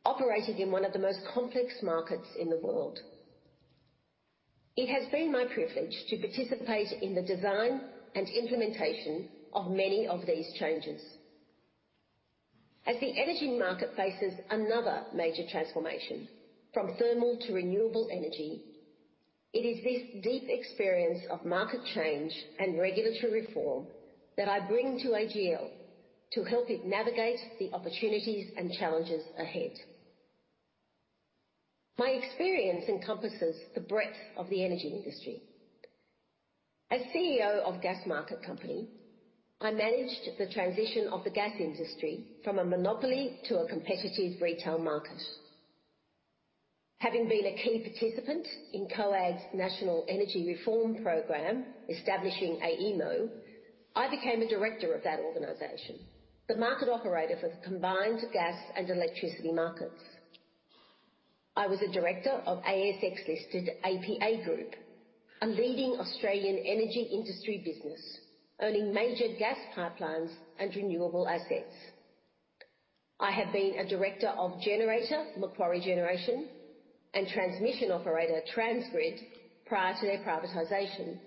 operating in one of the most complex markets in the world. It has been my privilege to participate in the design and implementation of many of these changes. As the energy market faces another major transformation from thermal to renewable energy, it is this deep experience of market change and regulatory reform that I bring to AGL to help it navigate the opportunities and challenges ahead. My experience encompasses the breadth of the energy industry. As CEO of Gas Market Company, I managed the transition of the gas industry from a monopoly to a competitive retail market. Having been a key participant in COAG's national energy reform program establishing AEMO, I became a Director of that organization, the market operator for the combined gas and electricity markets. I was a director of ASX-listed APA Group, a leading Australian energy industry business, owning major gas pipelines and renewable assets. I have been a Director of Macquarie Generation and transmission operator Transgrid prior to their privatization,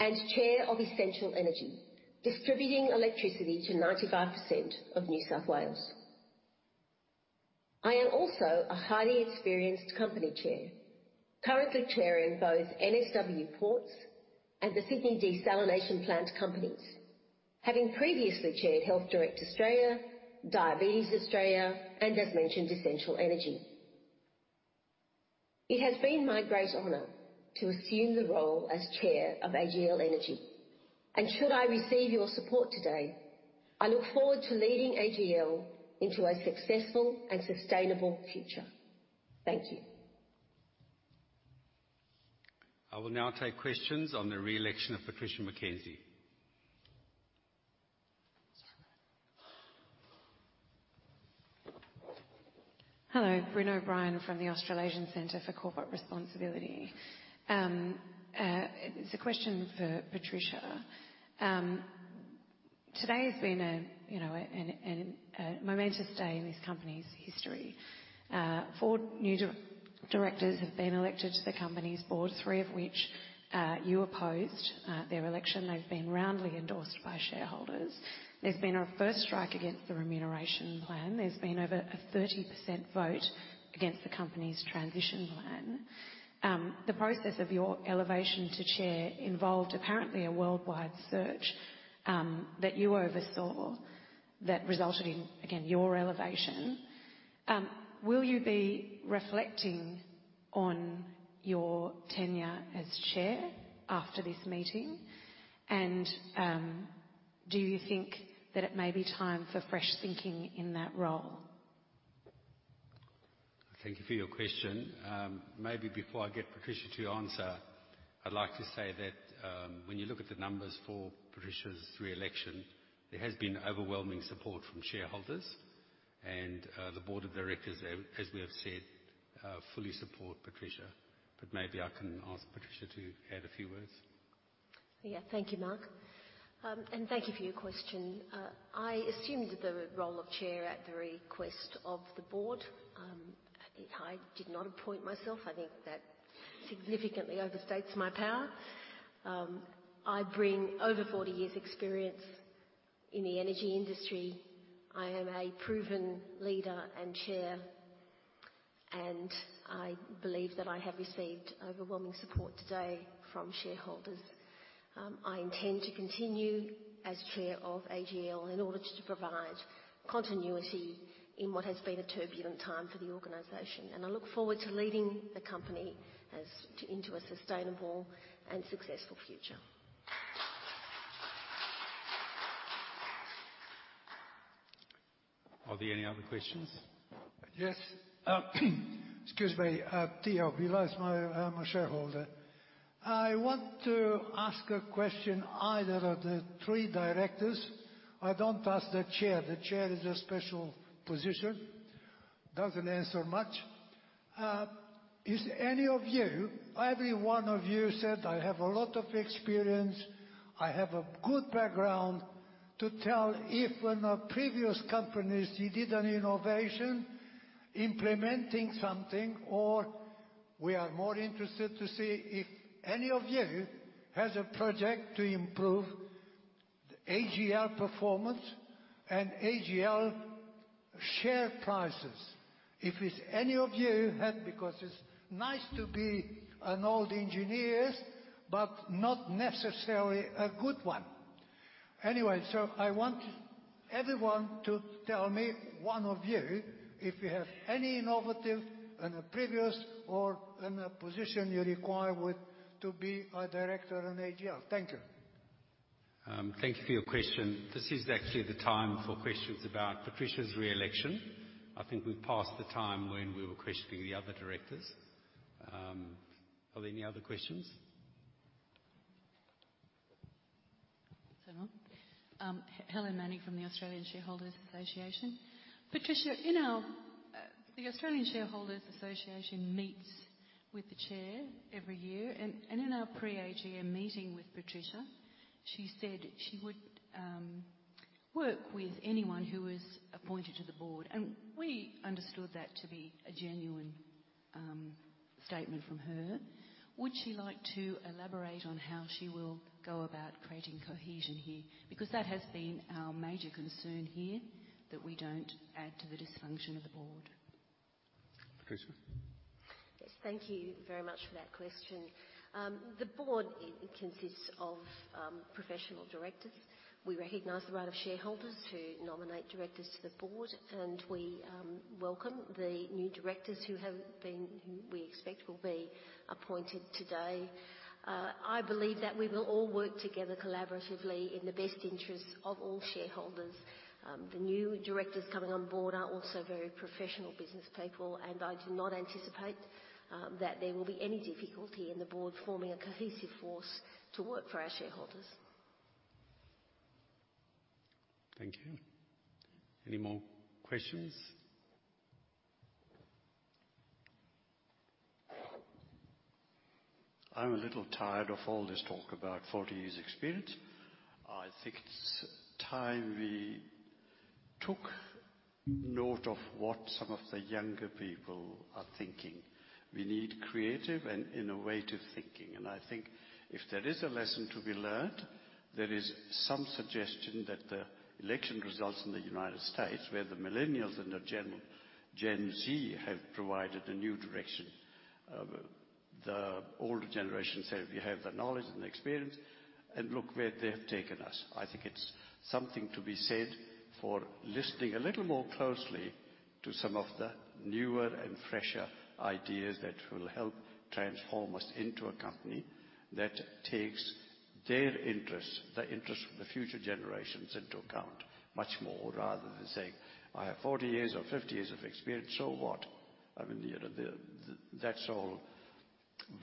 and Chair of Essential Energy, distributing electricity to 95% of New South Wales. I am also a highly experienced company chair, currently chairing both NSW Ports and the Sydney Desalination Plant companies, having previously chaired Healthdirect Australia, Diabetes Australia, and as mentioned, Essential Energy. It has been my great honor to assume the role as Chair of AGL Energy, and should I receive your support today, I look forward to leading AGL into a successful and sustainable future. Thank you. I will now take questions on the re-election of Patricia McKenzie. Hello, Brynn O'Brien from the Australasian Centre for Corporate Responsibility. It's a question for Patricia. Today has been a momentous day in this company's history. Four new directors have been elected to the company's board, three of which you opposed their election. They've been roundly endorsed by shareholders. There's been a first strike against the remuneration plan. There's been over a 30% vote against the company's transition plan. The process of your elevation to chair involved, apparently, a worldwide search that you oversaw that resulted in, again, your elevation. Will you be reflecting on your tenure as chair after this meeting? Do you think that it may be time for fresh thinking in that role? Thank you for your question. Maybe before I get Patricia to answer, I'd like to say that, when you look at the numbers for Patricia's re-election, there has been overwhelming support from shareholders and the board of directors, as we have said, fully support Patricia. Maybe I can ask Patricia to add a few words. Yeah. Thank you, Mark. Thank you for your question. I assumed the role of chair at the request of the board. I did not appoint myself. I think that significantly overstates my power. I bring over 40 years experience in the energy industry. I am a proven leader and chair, and I believe that I have received overwhelming support today from shareholders. I intend to continue as chair of AGL in order to provide continuity in what has been a turbulent time for the organization. I look forward to leading the company into a sustainable and successful future. Are there any other questions? Yes. Excuse me. Theo Villars, I am a shareholder. I want to ask a question, either of the three directors. I don't ask the chair. The chair is a special position, doesn't answer much. Every one of you said, "I have a lot of experience. I have a good background to tell if in a previous companies you did an innovation, implementing something, or we are more interested to see if any of you has a project to improve the AGL performance and AGL share prices. If it's any of you have, because it's nice to be an old engineers, but not necessarily a good one. Anyway, I want everyone to tell me, one of you, if you have any innovative in a previous or in a position you require with to be a Director in AGL. Thank you. Thank you for your question. This is actually the time for questions about Patricia's re-election. I think we've passed the time when we were questioning the other directors. Are there any other questions? Helen Manning from the Australian Shareholders' Association. Patricia, the Australian Shareholders' Association meets with the chair every year. In our pre-AGM meeting with Patricia, she said she would work with anyone who was appointed to the board, and we understood that to be a genuine statement from her. Would she like to elaborate on how she will go about creating cohesion here? Because that has been our major concern here, that we don't add to the dysfunction of the board. Patricia. Yes. Thank you very much for that question. The board consists of professional directors. We recognize the right of shareholders to nominate directors to the board, and we welcome the new directors who we expect will be appointed today. I believe that we will all work together collaboratively in the best interests of all shareholders. The new directors coming on board are also very professional businesspeople, and I do not anticipate that there will be any difficulty in the board forming a cohesive force to work for our shareholders. Thank you. Any more questions? I'm a little tired of all this talk about 40 years experience. I think it's time we took note of what some of the younger people are thinking. We need creative and innovative thinking. I think if there is a lesson to be learned, there is some suggestion that the election results in the United States, where the millennials and the Gen Z have provided a new direction. The older generation said, "We have the knowledge and experience," and look where they have taken us. I think it's something to be said for listening a little more closely to some of the newer and fresher ideas that will help transform us into a company that takes their interests, the interests of the future generations into account much more rather than saying, "I have 40 years or 50 years of experience." What? I mean, you know, that's all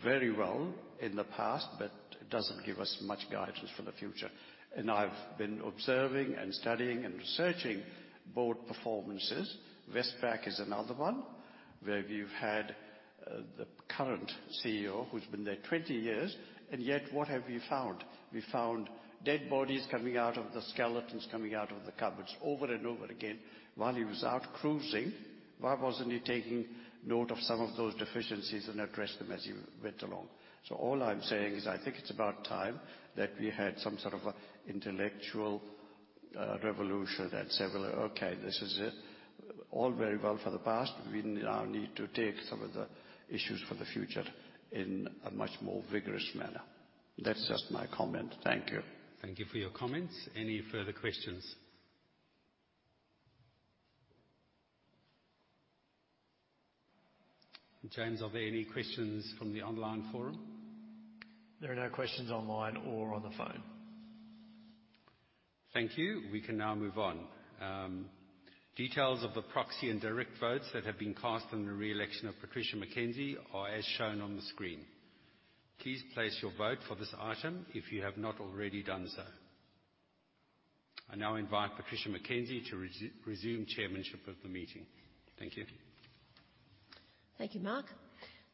very well in the past, but it doesn't give us much guidance for the future. I've been observing and studying and researching board performances. Westpac is another one where we've had the current CEO, who's been there 20 years, and yet what have we found? We found dead bodies coming out of the skeletons, coming out of the cupboards over and over again while he was out cruising. Why wasn't he taking note of some of those deficiencies and address them as he went along? All I'm saying is, I think it's about time that we had some sort of intellectual revolution that said, "Well, okay, this is it. All very well for the past. We now need to take some of the issues for the future in a much more vigorous manner." That's just my comment. Thank you. Thank you for your comments. Any further questions? James, are there any questions from the online forum? There are no questions online or on the phone. Thank you. We can now move on. Details of the proxy and direct votes that have been cast on the re-election of Patricia McKenzie are as shown on the screen. Please place your vote for this item if you have not already done so. I now invite Patricia McKenzie to resume chairmanship of the meeting. Thank you. Thank you, Mark.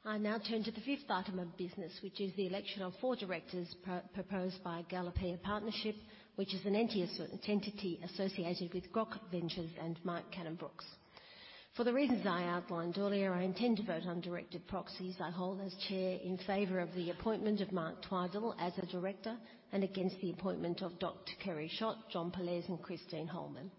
I now turn to the fifth item of business, which is the election of four directors proposed by Galipea Partnership, which is an entity associated with Grok Ventures and Mike Cannon-Brookes. For the reasons I outlined earlier, I intend to vote on directed proxies I hold as chair in favor of the appointment of Mark Twidell as a Director and against the appointment of Dr. Kerry Schott, John Pollaers and Christine Holman.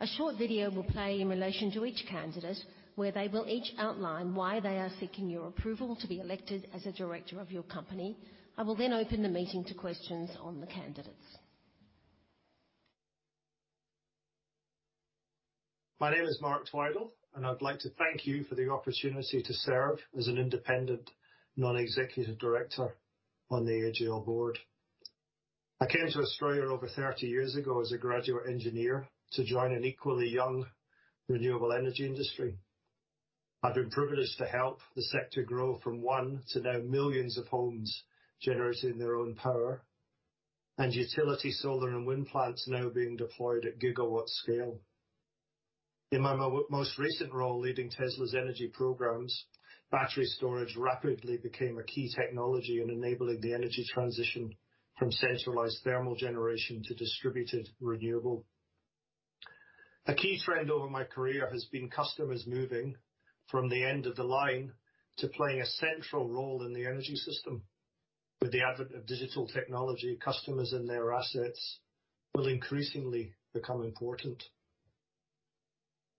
A short video will play in relation to each candidate, where they will each outline why they are seeking your approval to be elected as a Director of your company. I will then open the meeting to questions on the candidates. My name is Mark Twidell, and I'd like to thank you for the opportunity to serve as an Independent Non-Executive Director on the AGL board. I came to Australia over 30 years ago as a graduate engineer to join an equally young renewable energy industry. I've been privileged to help the sector grow from 1 to now millions of homes generating their own power, and utility, solar and wind plants now being deployed at gigawatt scale. In my most recent role, leading Tesla's energy programs, battery storage rapidly became a key technology in enabling the energy transition from centralized thermal generation to distributed renewable. A key trend over my career has been customers moving from the end of the line to playing a central role in the energy system. With the advent of digital technology, customers and their assets will increasingly become important.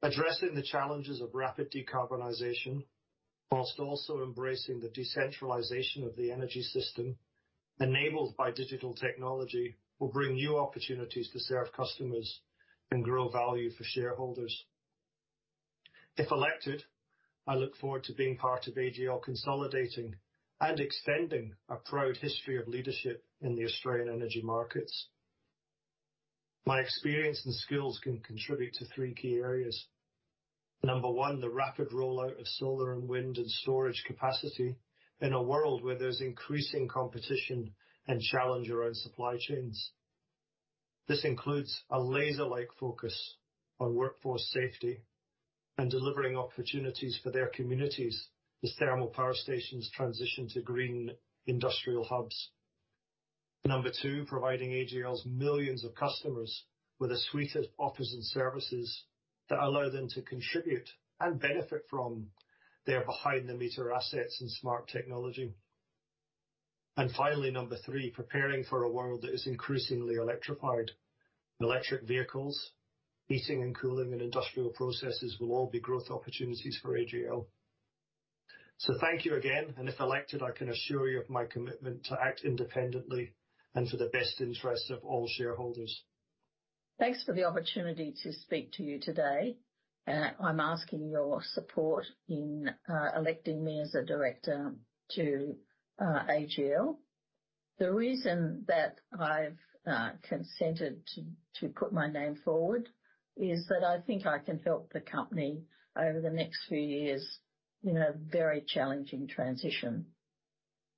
Addressing the challenges of rapid decarbonization, while also embracing the decentralization of the energy system enabled by digital technology, will bring new opportunities to serve customers and grow value for shareholders. If elected, I look forward to being part of AGL consolidating and extending a proud history of leadership in the Australian energy markets. My experience and skills can contribute to three key areas. Number one, the rapid rollout of solar and wind and storage capacity in a world where there's increasing competition and challenge around supply chains. This includes a laser-like focus on workforce safety and delivering opportunities for their communities as thermal power stations transition to green industrial hubs. Number two, providing AGL's millions of customers with a suite of offers and services that allow them to contribute and benefit from their behind-the-meter assets and smart technology. Finally, number three, preparing for a world that is increasingly electrified. Electric vehicles, heating and cooling and industrial processes will all be growth opportunities for AGL. Thank you again, and if elected, I can assure you of my commitment to act independently and for the best interests of all shareholders. Thanks for the opportunity to speak to you today. I'm asking your support in electing me as a Director to AGL. The reason that I've consented to put my name forward is that I think I can help the company over the next few years in a very challenging transition.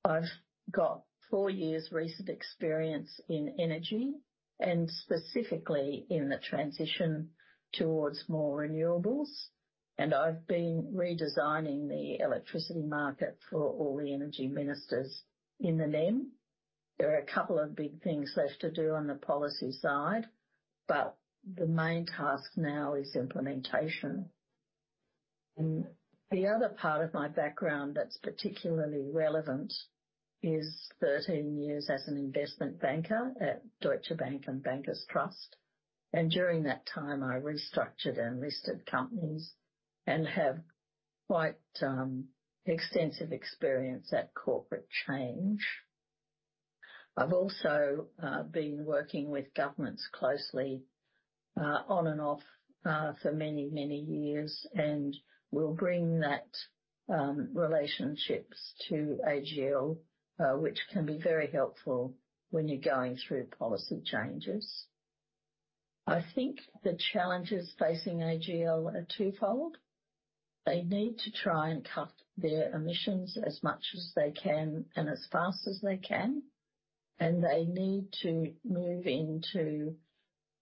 I've got four years recent experience in energy and specifically in the transition towards more renewables, and I've been redesigning the electricity market for all the energy ministers in the NEM. There are a couple of big things left to do on the policy side, but the main task now is implementation. The other part of my background that's particularly relevant is 13 years as an investment banker at Deutsche Bank and Bankers Trust. During that time, I restructured and listed companies and have quite extensive experience at corporate change. I've also been working with governments closely on and off for many, many years and will bring that relationships to AGL, which can be very helpful when you're going through policy changes. I think the challenges facing AGL are twofold. They need to try and cut their emissions as much as they can and as fast as they can, and they need to move into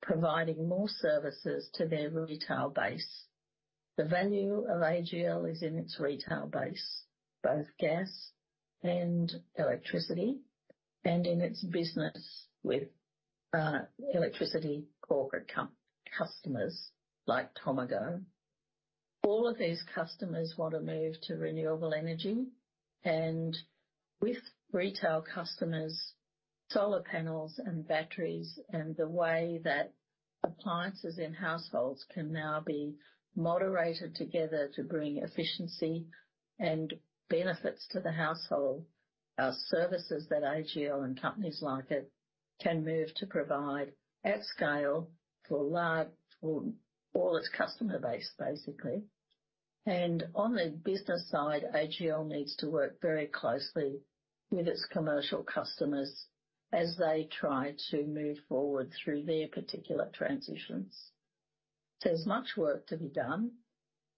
providing more services to their retail base. The value of AGL is in its retail base, both gas and electricity, and in its business with electricity corporate customers like Tomago. All of these customers want to move to renewable energy and with retail customers, solar panels and batteries and the way that appliances in households can now be moderated together to bring efficiency and benefits to the household are services that AGL and companies like it can move to provide at scale for all its customer base, basically. On the business side, AGL needs to work very closely with its commercial customers as they try to move forward through their particular transitions. There's much work to be done.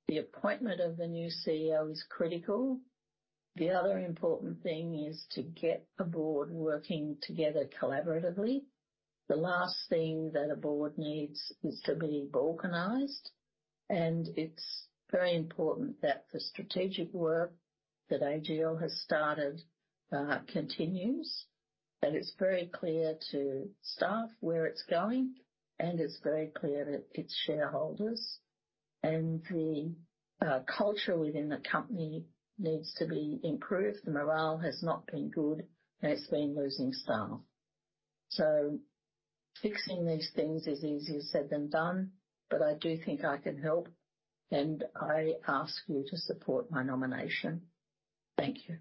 The appointment of the new CEO is critical. The other important thing is to get the board working together collaboratively. The last thing that a board needs is to be balkanized. It's very important that the strategic work that AGL has started continues, that it's very clear to staff where it's going, and it's very clear to its shareholders, and the culture within the company needs to be improved. The morale has not been good, and it's been losing staff. Fixing these things is easier said than done, but I do think I can help, and I ask you to support my nomination. Thank you.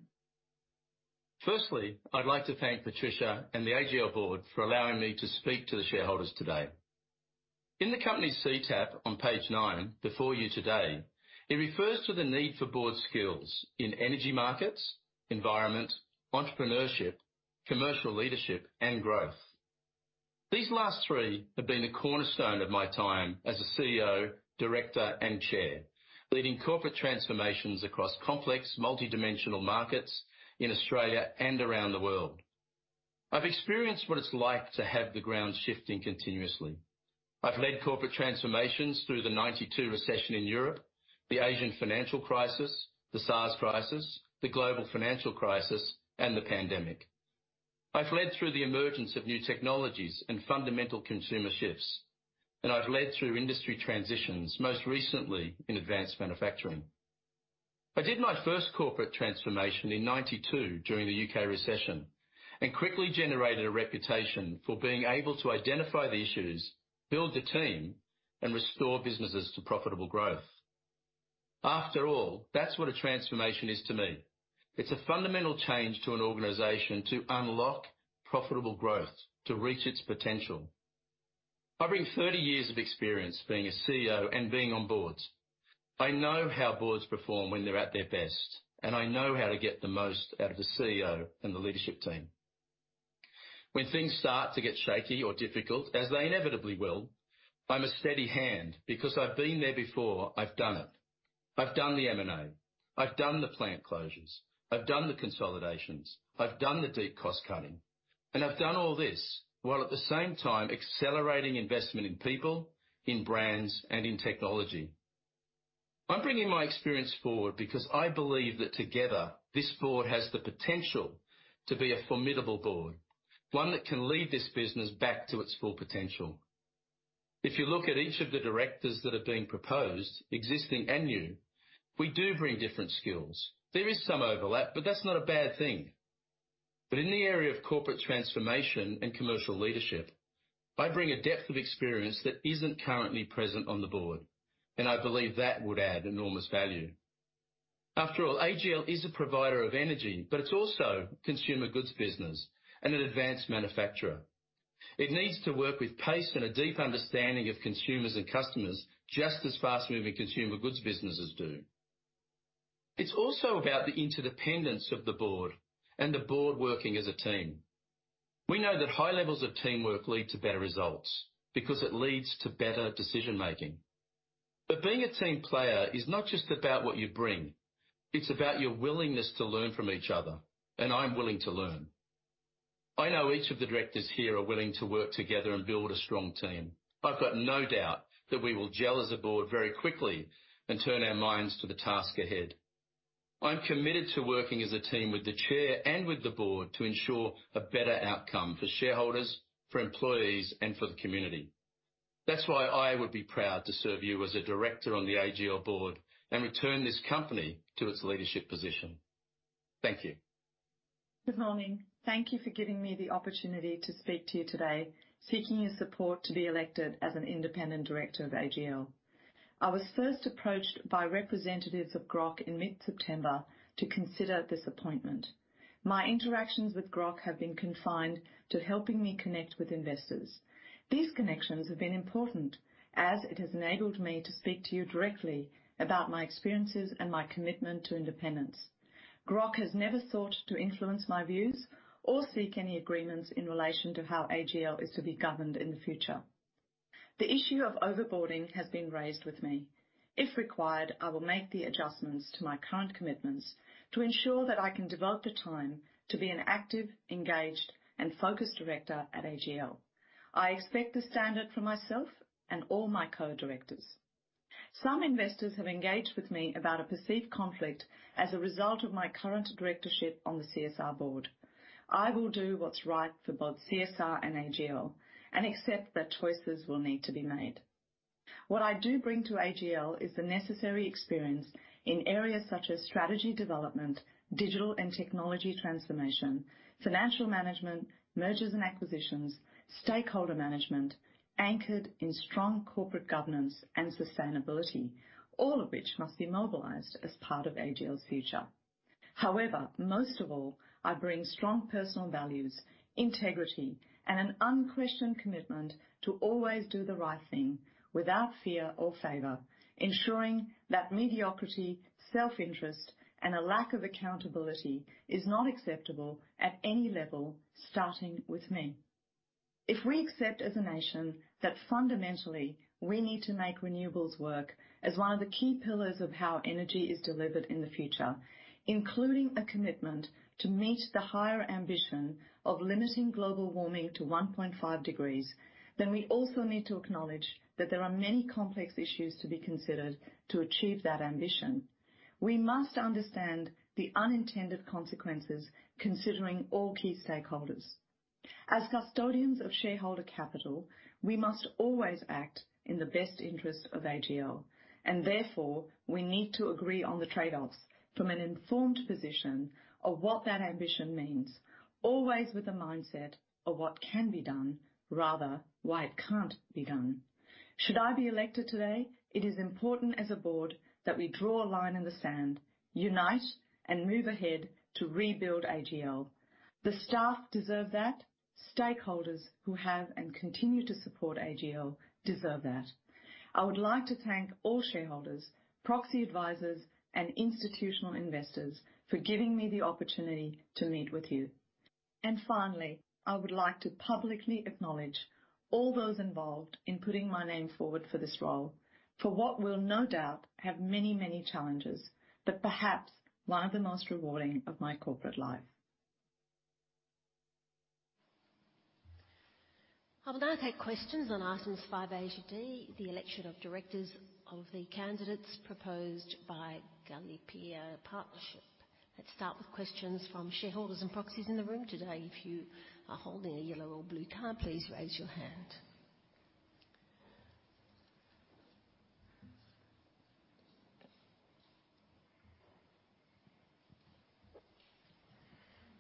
Firstly, I'd like to thank Patricia McKenzie and the AGL board for allowing me to speak to the shareholders today. In the company's CTAP on page nine before you today, it refers to the need for board skills in energy markets, environment, entrepreneurship, commercial leadership, and growth. These last three have been a cornerstone of my time as a CEO, Director, and Chair. Leading corporate transformations across complex, multidimensional markets in Australia and around the world. I've experienced what it's like to have the ground shifting continuously. I've led corporate transformations through the 1992 recession in Europe, the Asian financial crisis, the SARS crisis, the global financial crisis, and the pandemic. I've led through the emergence of new technologies and fundamental consumer shifts, and I've led through industry transitions, most recently in advanced manufacturing. I did my first corporate transformation in 1992 during the U.K. recession, and quickly generated a reputation for being able to identify the issues, build the team, and restore businesses to profitable growth. After all, that's what a transformation is to me. It's a fundamental change to an organization to unlock profitable growth to reach its potential. I bring 30 years of experience being a CEO and being on boards. I know how boards perform when they're at their best, and I know how to get the most out of the CEO and the leadership team. When things start to get shaky or difficult, as they inevitably will, I'm a steady hand because I've been there before. I've done it. I've done the M&A, I've done the plant closures, I've done the consolidations, I've done the deep cost-cutting, and I've done all this while at the same time accelerating investment in people, in brands, and in technology. I'm bringing my experience forward because I believe that together this board has the potential to be a formidable board, one that can lead this business back to its full potential. If you look at each of the directors that are being proposed, existing and new, we do bring different skills. There is some overlap, but that's not a bad thing. In the area of corporate transformation and commercial leadership, I bring a depth of experience that isn't currently present on the board, and I believe that would add enormous value. After all, AGL is a provider of energy, but it's also consumer goods business and an advanced manufacturer. It needs to work with pace and a deep understanding of consumers and customers, just as fast-moving consumer goods businesses do. It's also about the interdependence of the board and the board working as a team. We know that high levels of teamwork lead to better results because it leads to better decision-making. Being a team player is not just about what you bring, it's about your willingness to learn from each other, and I'm willing to learn. I know each of the directors here are willing to work together and build a strong team. I've got no doubt that we will gel as a board very quickly and turn our minds to the task ahead. I'm committed to working as a team with the chair and with the board to ensure a better outcome for shareholders, for employees, and for the community. That's why I would be proud to serve you as a Director on the AGL board and return this company to its leadership position. Thank you. Good morning. Thank you for giving me the opportunity to speak to you today, seeking your support to be elected as an Independent Director of AGL. I was first approached by representatives of Grok in mid-September to consider this appointment. My interactions with Grok have been confined to helping me connect with investors. These connections have been important as it has enabled me to speak to you directly about my experiences and my commitment to independence. Grok has never sought to influence my views or seek any agreements in relation to how AGL is to be governed in the future. The issue of over-boarding has been raised with me. If required, I will make the adjustments to my current commitments to ensure that I can devote the time to be an active, engaged, and focused Director at AGL. I expect this standard for myself and all my co-directors. Some investors have engaged with me about a perceived conflict as a result of my current directorship on the CSR board. I will do what's right for both CSR and AGL and accept that choices will need to be made. What I do bring to AGL is the necessary experience in areas such as strategy development, digital and technology transformation, financial management, mergers and acquisitions, stakeholder management anchored in strong corporate governance and sustainability, all of which must be mobilized as part of AGL's future. However, most of all, I bring strong personal values, integrity, and an unquestioned commitment to always do the right thing without fear or favor, ensuring that mediocrity, self-interest, and a lack of accountability is not acceptable at any level, starting with me. If we accept as a nation that fundamentally we need to make renewables work as one of the key pillars of how energy is delivered in the future, including a commitment to meet the higher ambition of limiting global warming to 1.5 degrees, then we also need to acknowledge that there are many complex issues to be considered to achieve that ambition. We must understand the unintended consequences considering all key stakeholders. As custodians of shareholder capital, we must always act in the best interest of AGL, and therefore, we need to agree on the trade-offs from an informed position of what that ambition means, always with a mindset of what can be done rather why it can't be done. Should I be elected today, it is important as a board that we draw a line in the sand, unite, and move ahead to rebuild AGL. The staff deserve that. Stakeholders who have and continue to support AGL deserve that. I would like to thank all shareholders, proxy advisors, and institutional investors for giving me the opportunity to meet with you. Finally, I would like to publicly acknowledge all those involved in putting my name forward for this role, for what will no doubt have many, many challenges, but perhaps one of the most rewarding of my corporate life. I will now take questions on items five A to D, the election of directors of the candidates proposed by Galipea Partnership. Let's start with questions from shareholders and proxies in the room today. If you are holding a yellow or blue card, please raise your hand.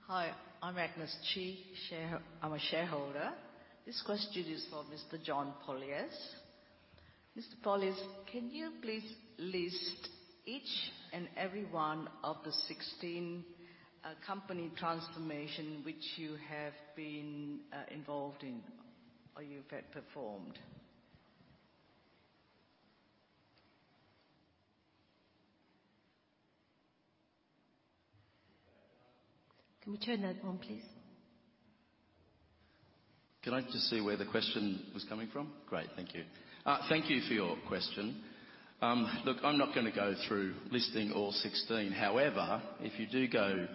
Hi, I'm Agnes Chi. I'm a shareholder. This question is for Mr. John Pollaers. Mr. Pollaers, can you please list each and every one of the 16 company transformation which you have been involved in or you've had performed? Can we turn that on, please? Can I just see where the question was coming from? Great, thank you. Thank you for your question. Look, I'm not gonna go through listing all 16. However, if you do go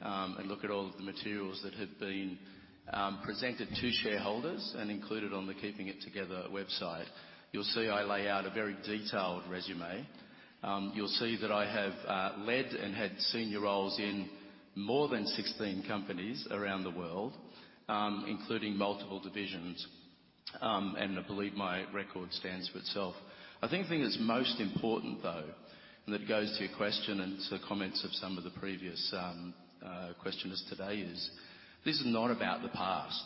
and look at all of the materials that have been presented to shareholders and included on the KeepitTogether website, you'll see I lay out a very detailed resume. You'll see that I have led and had senior roles in more than 16 companies around the world, including multiple divisions. And I believe my record stands for itself. I think the thing that's most important though, and that goes to your question and to the comments of some of the previous questioners today, is this is not about the past.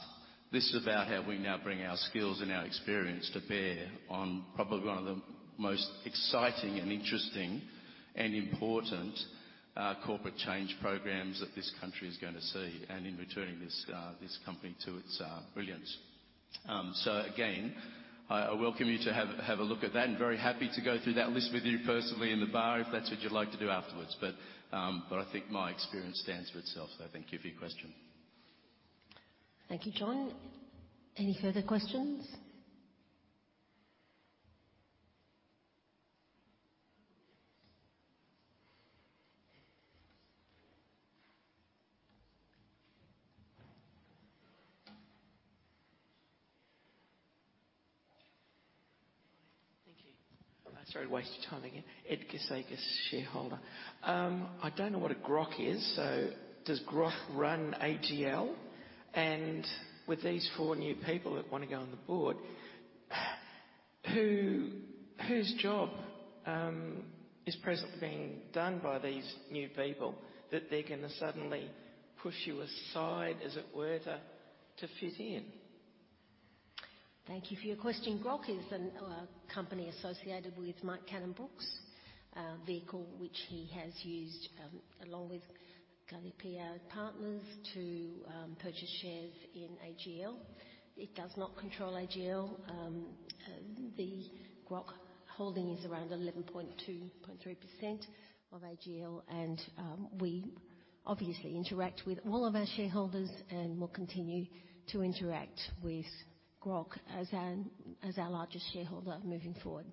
This is about how we now bring our skills and our experience to bear on probably one of the most exciting and interesting and important corporate change programs that this country is gonna see and in returning this company to its brilliance. Again, I welcome you to have a look at that and very happy to go through that list with you personally in the bar if that's what you'd like to do afterwards. I think my experience stands for itself. Thank you for your question. Thank you, John. Any further questions? Thank you. Sorry to waste your time again. Ed Kasekis, shareholder. I don't know what a Grok is. Does Grok run AGL? With these four new people that wanna go on the board, whose job is presently being done by these new people that they're gonna suddenly push you aside, as it were, to fit in? Thank you for your question. Grok is an company associated with Mike Cannon-Brookes, a vehicle which he has used along with Galipea Partnership to purchase shares in AGL. It does not control AGL. The Grok holding is around 11.23% of AGL, and we obviously interact with all of our shareholders and will continue to interact with Grok as our largest shareholder moving forward.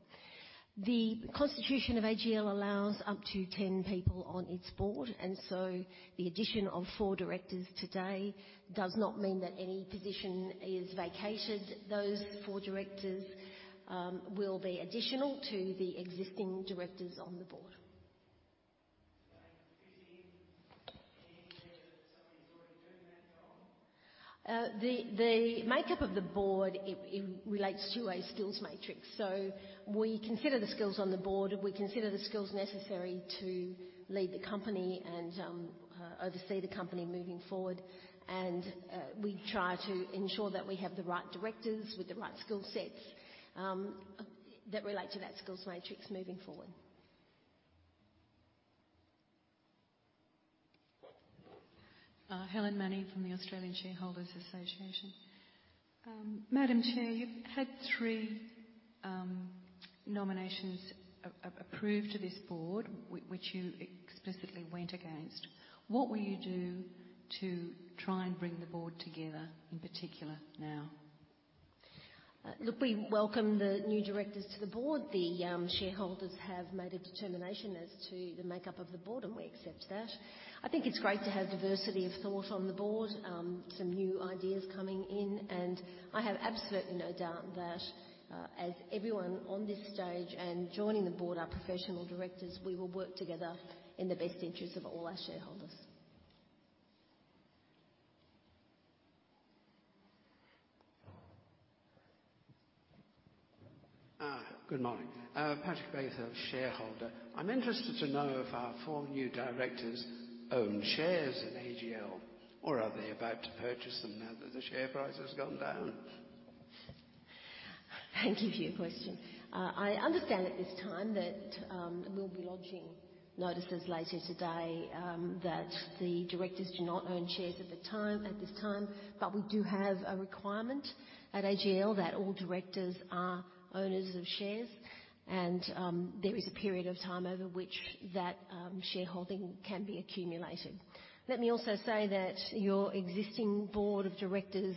The constitution of AGL allows up to 10 people on its board, and so the addition of four directors today does not mean that any position is vacated. Those four directors will be additional to the existing directors on the board. The makeup of the board relates to a skills matrix. We consider the skills on the board necessary to lead the company and oversee the company moving forward. We try to ensure that we have the right directors with the right skill sets that relate to that skills matrix moving forward. Helen Manning from the Australian Shareholders' Association. Madam Chair, you've had three nominations approved to this board, which you explicitly went against. What will you do to try and bring the board together, in particular now? We welcome the new directors to the board. The shareholders have made a determination as to the makeup of the board, and we accept that. I think it's great to have diversity of thought on the board, some new ideas coming in, and I have absolutely no doubt that, as everyone on this stage and joining the board are professional directors, we will work together in the best interest of all our shareholders. Good morning. Patrick Bather, Shareholder. I'm interested to know if our four new directors own shares in AGL, or are they about to purchase them now that the share price has gone down? Thank you for your question. I understand at this time that we'll be lodging notices later today that the directors do not own shares at this time. We do have a requirement at AGL that all directors are owners of shares and there is a period of time over which that shareholding can be accumulated. Let me also say that your existing board of directors,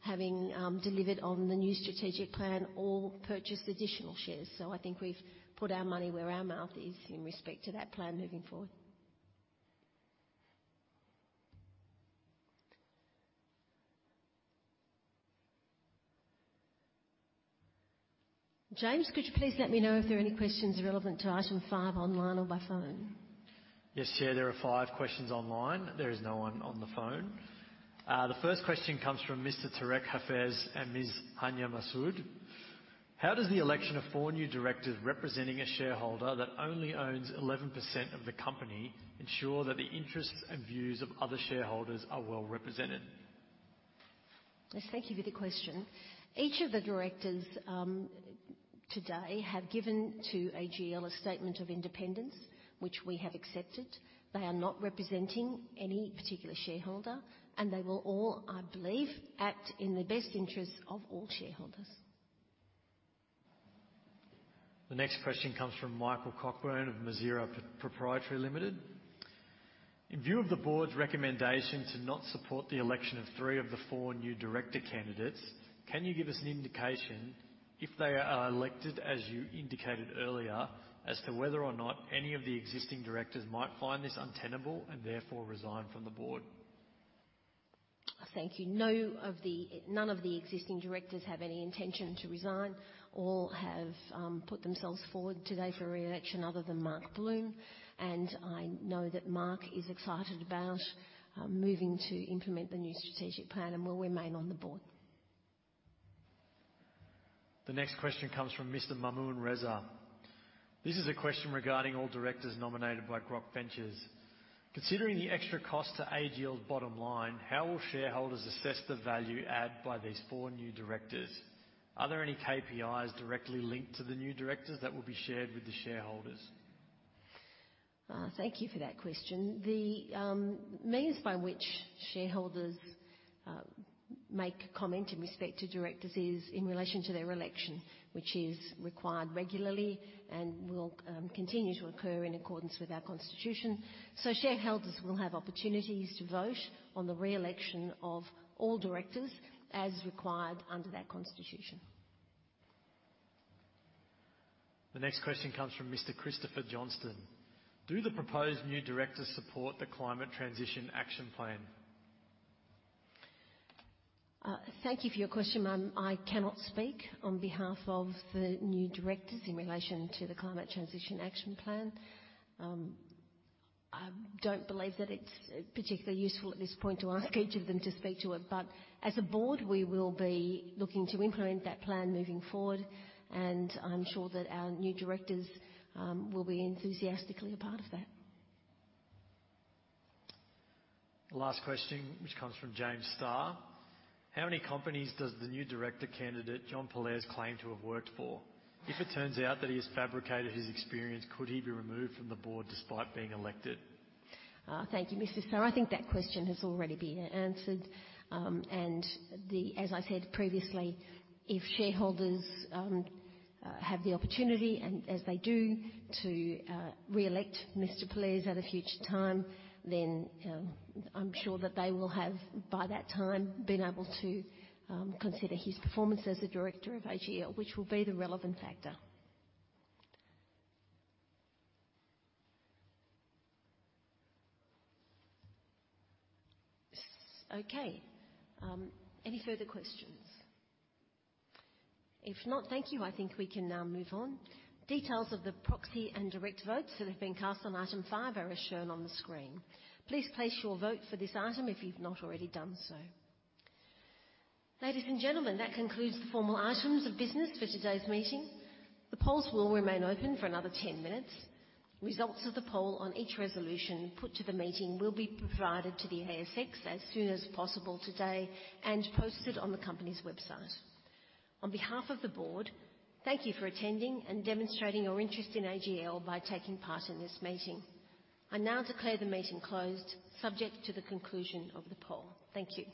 having delivered on the new strategic plan, all purchased additional shares. I think we've put our money where our mouth is in respect to that plan moving forward. James, could you please let me know if there are any questions relevant to item five online or by phone? Yes, Chair. There are five questions online. There is no one on the phone. The first question comes from Mr. Tarek Hafez and Ms. Hania Masood: How does the election of four new directors representing a shareholder that only owns 11% of the company ensure that the interests and views of other shareholders are well represented? Yes, thank you for the question. Each of the directors today have given to AGL a statement of independence, which we have accepted. They are not representing any particular shareholder, and they will all, I believe, act in the best interests of all shareholders. The next question comes from Michael Cockburn of Masirah Pty Limited: In view of the board's recommendation to not support the election of three of the four new director candidates, can you give us an indication, if they are elected, as you indicated earlier, as to whether or not any of the existing directors might find this untenable and therefore resign from the board? Thank you. None of the existing directors have any intention to resign. All have put themselves forward today for reelection other than Mark Bloom, and I know that Mark is excited about moving to implement the new strategic plan and will remain on the board. The next question comes from Mr. Mamoon Reza: This is a question regarding all directors nominated by Grok Ventures. Considering the extra cost to AGL's bottom line, how will shareholders assess the value add by these four new directors? Are there any KPIs directly linked to the new directors that will be shared with the shareholders? Thank you for that question. The means by which shareholders make comment in respect to directors is in relation to their election, which is required regularly and will continue to occur in accordance with our constitution. Shareholders will have opportunities to vote on the reelection of all directors, as required under that constitution. The next question comes from Mr. Christopher Johnston: Do the proposed new directors support the Climate Transition Action Plan? Thank you for your question, ma'am. I cannot speak on behalf of the new directors in relation to the Climate Transition Action Plan. I don't believe that it's particularly useful at this point to ask each of them to speak to it. As a board, we will be looking to implement that plan moving forward, and I'm sure that our new directors will be enthusiastically a part of that. The last question, which comes from James Star: How many companies does the new director candidate, John Pollaers, claim to have worked for? If it turns out that he has fabricated his experience, could he be removed from the board despite being elected? Thank you, Mr. Starr. I think that question has already been answered. As I said previously, if shareholders have the opportunity, and as they do, to reelect Mr. Pollaers at a future time, then I'm sure that they will have, by that time, been able to consider his performance as a director of AGL, which will be the relevant factor. Okay. Any further questions? If not, thank you. I think we can now move on. Details of the proxy and direct votes that have been cast on item five are as shown on the screen. Please place your vote for this item if you've not already done so. Ladies and gentlemen, that concludes the formal items of business for today's meeting. The polls will remain open for another 10 minutes. Results of the poll on each resolution put to the meeting will be provided to the ASX as soon as possible today and posted on the company's website. On behalf of the board, thank you for attending and demonstrating your interest in AGL by taking part in this meeting. I now declare the meeting closed, subject to the conclusion of the poll. Thank you.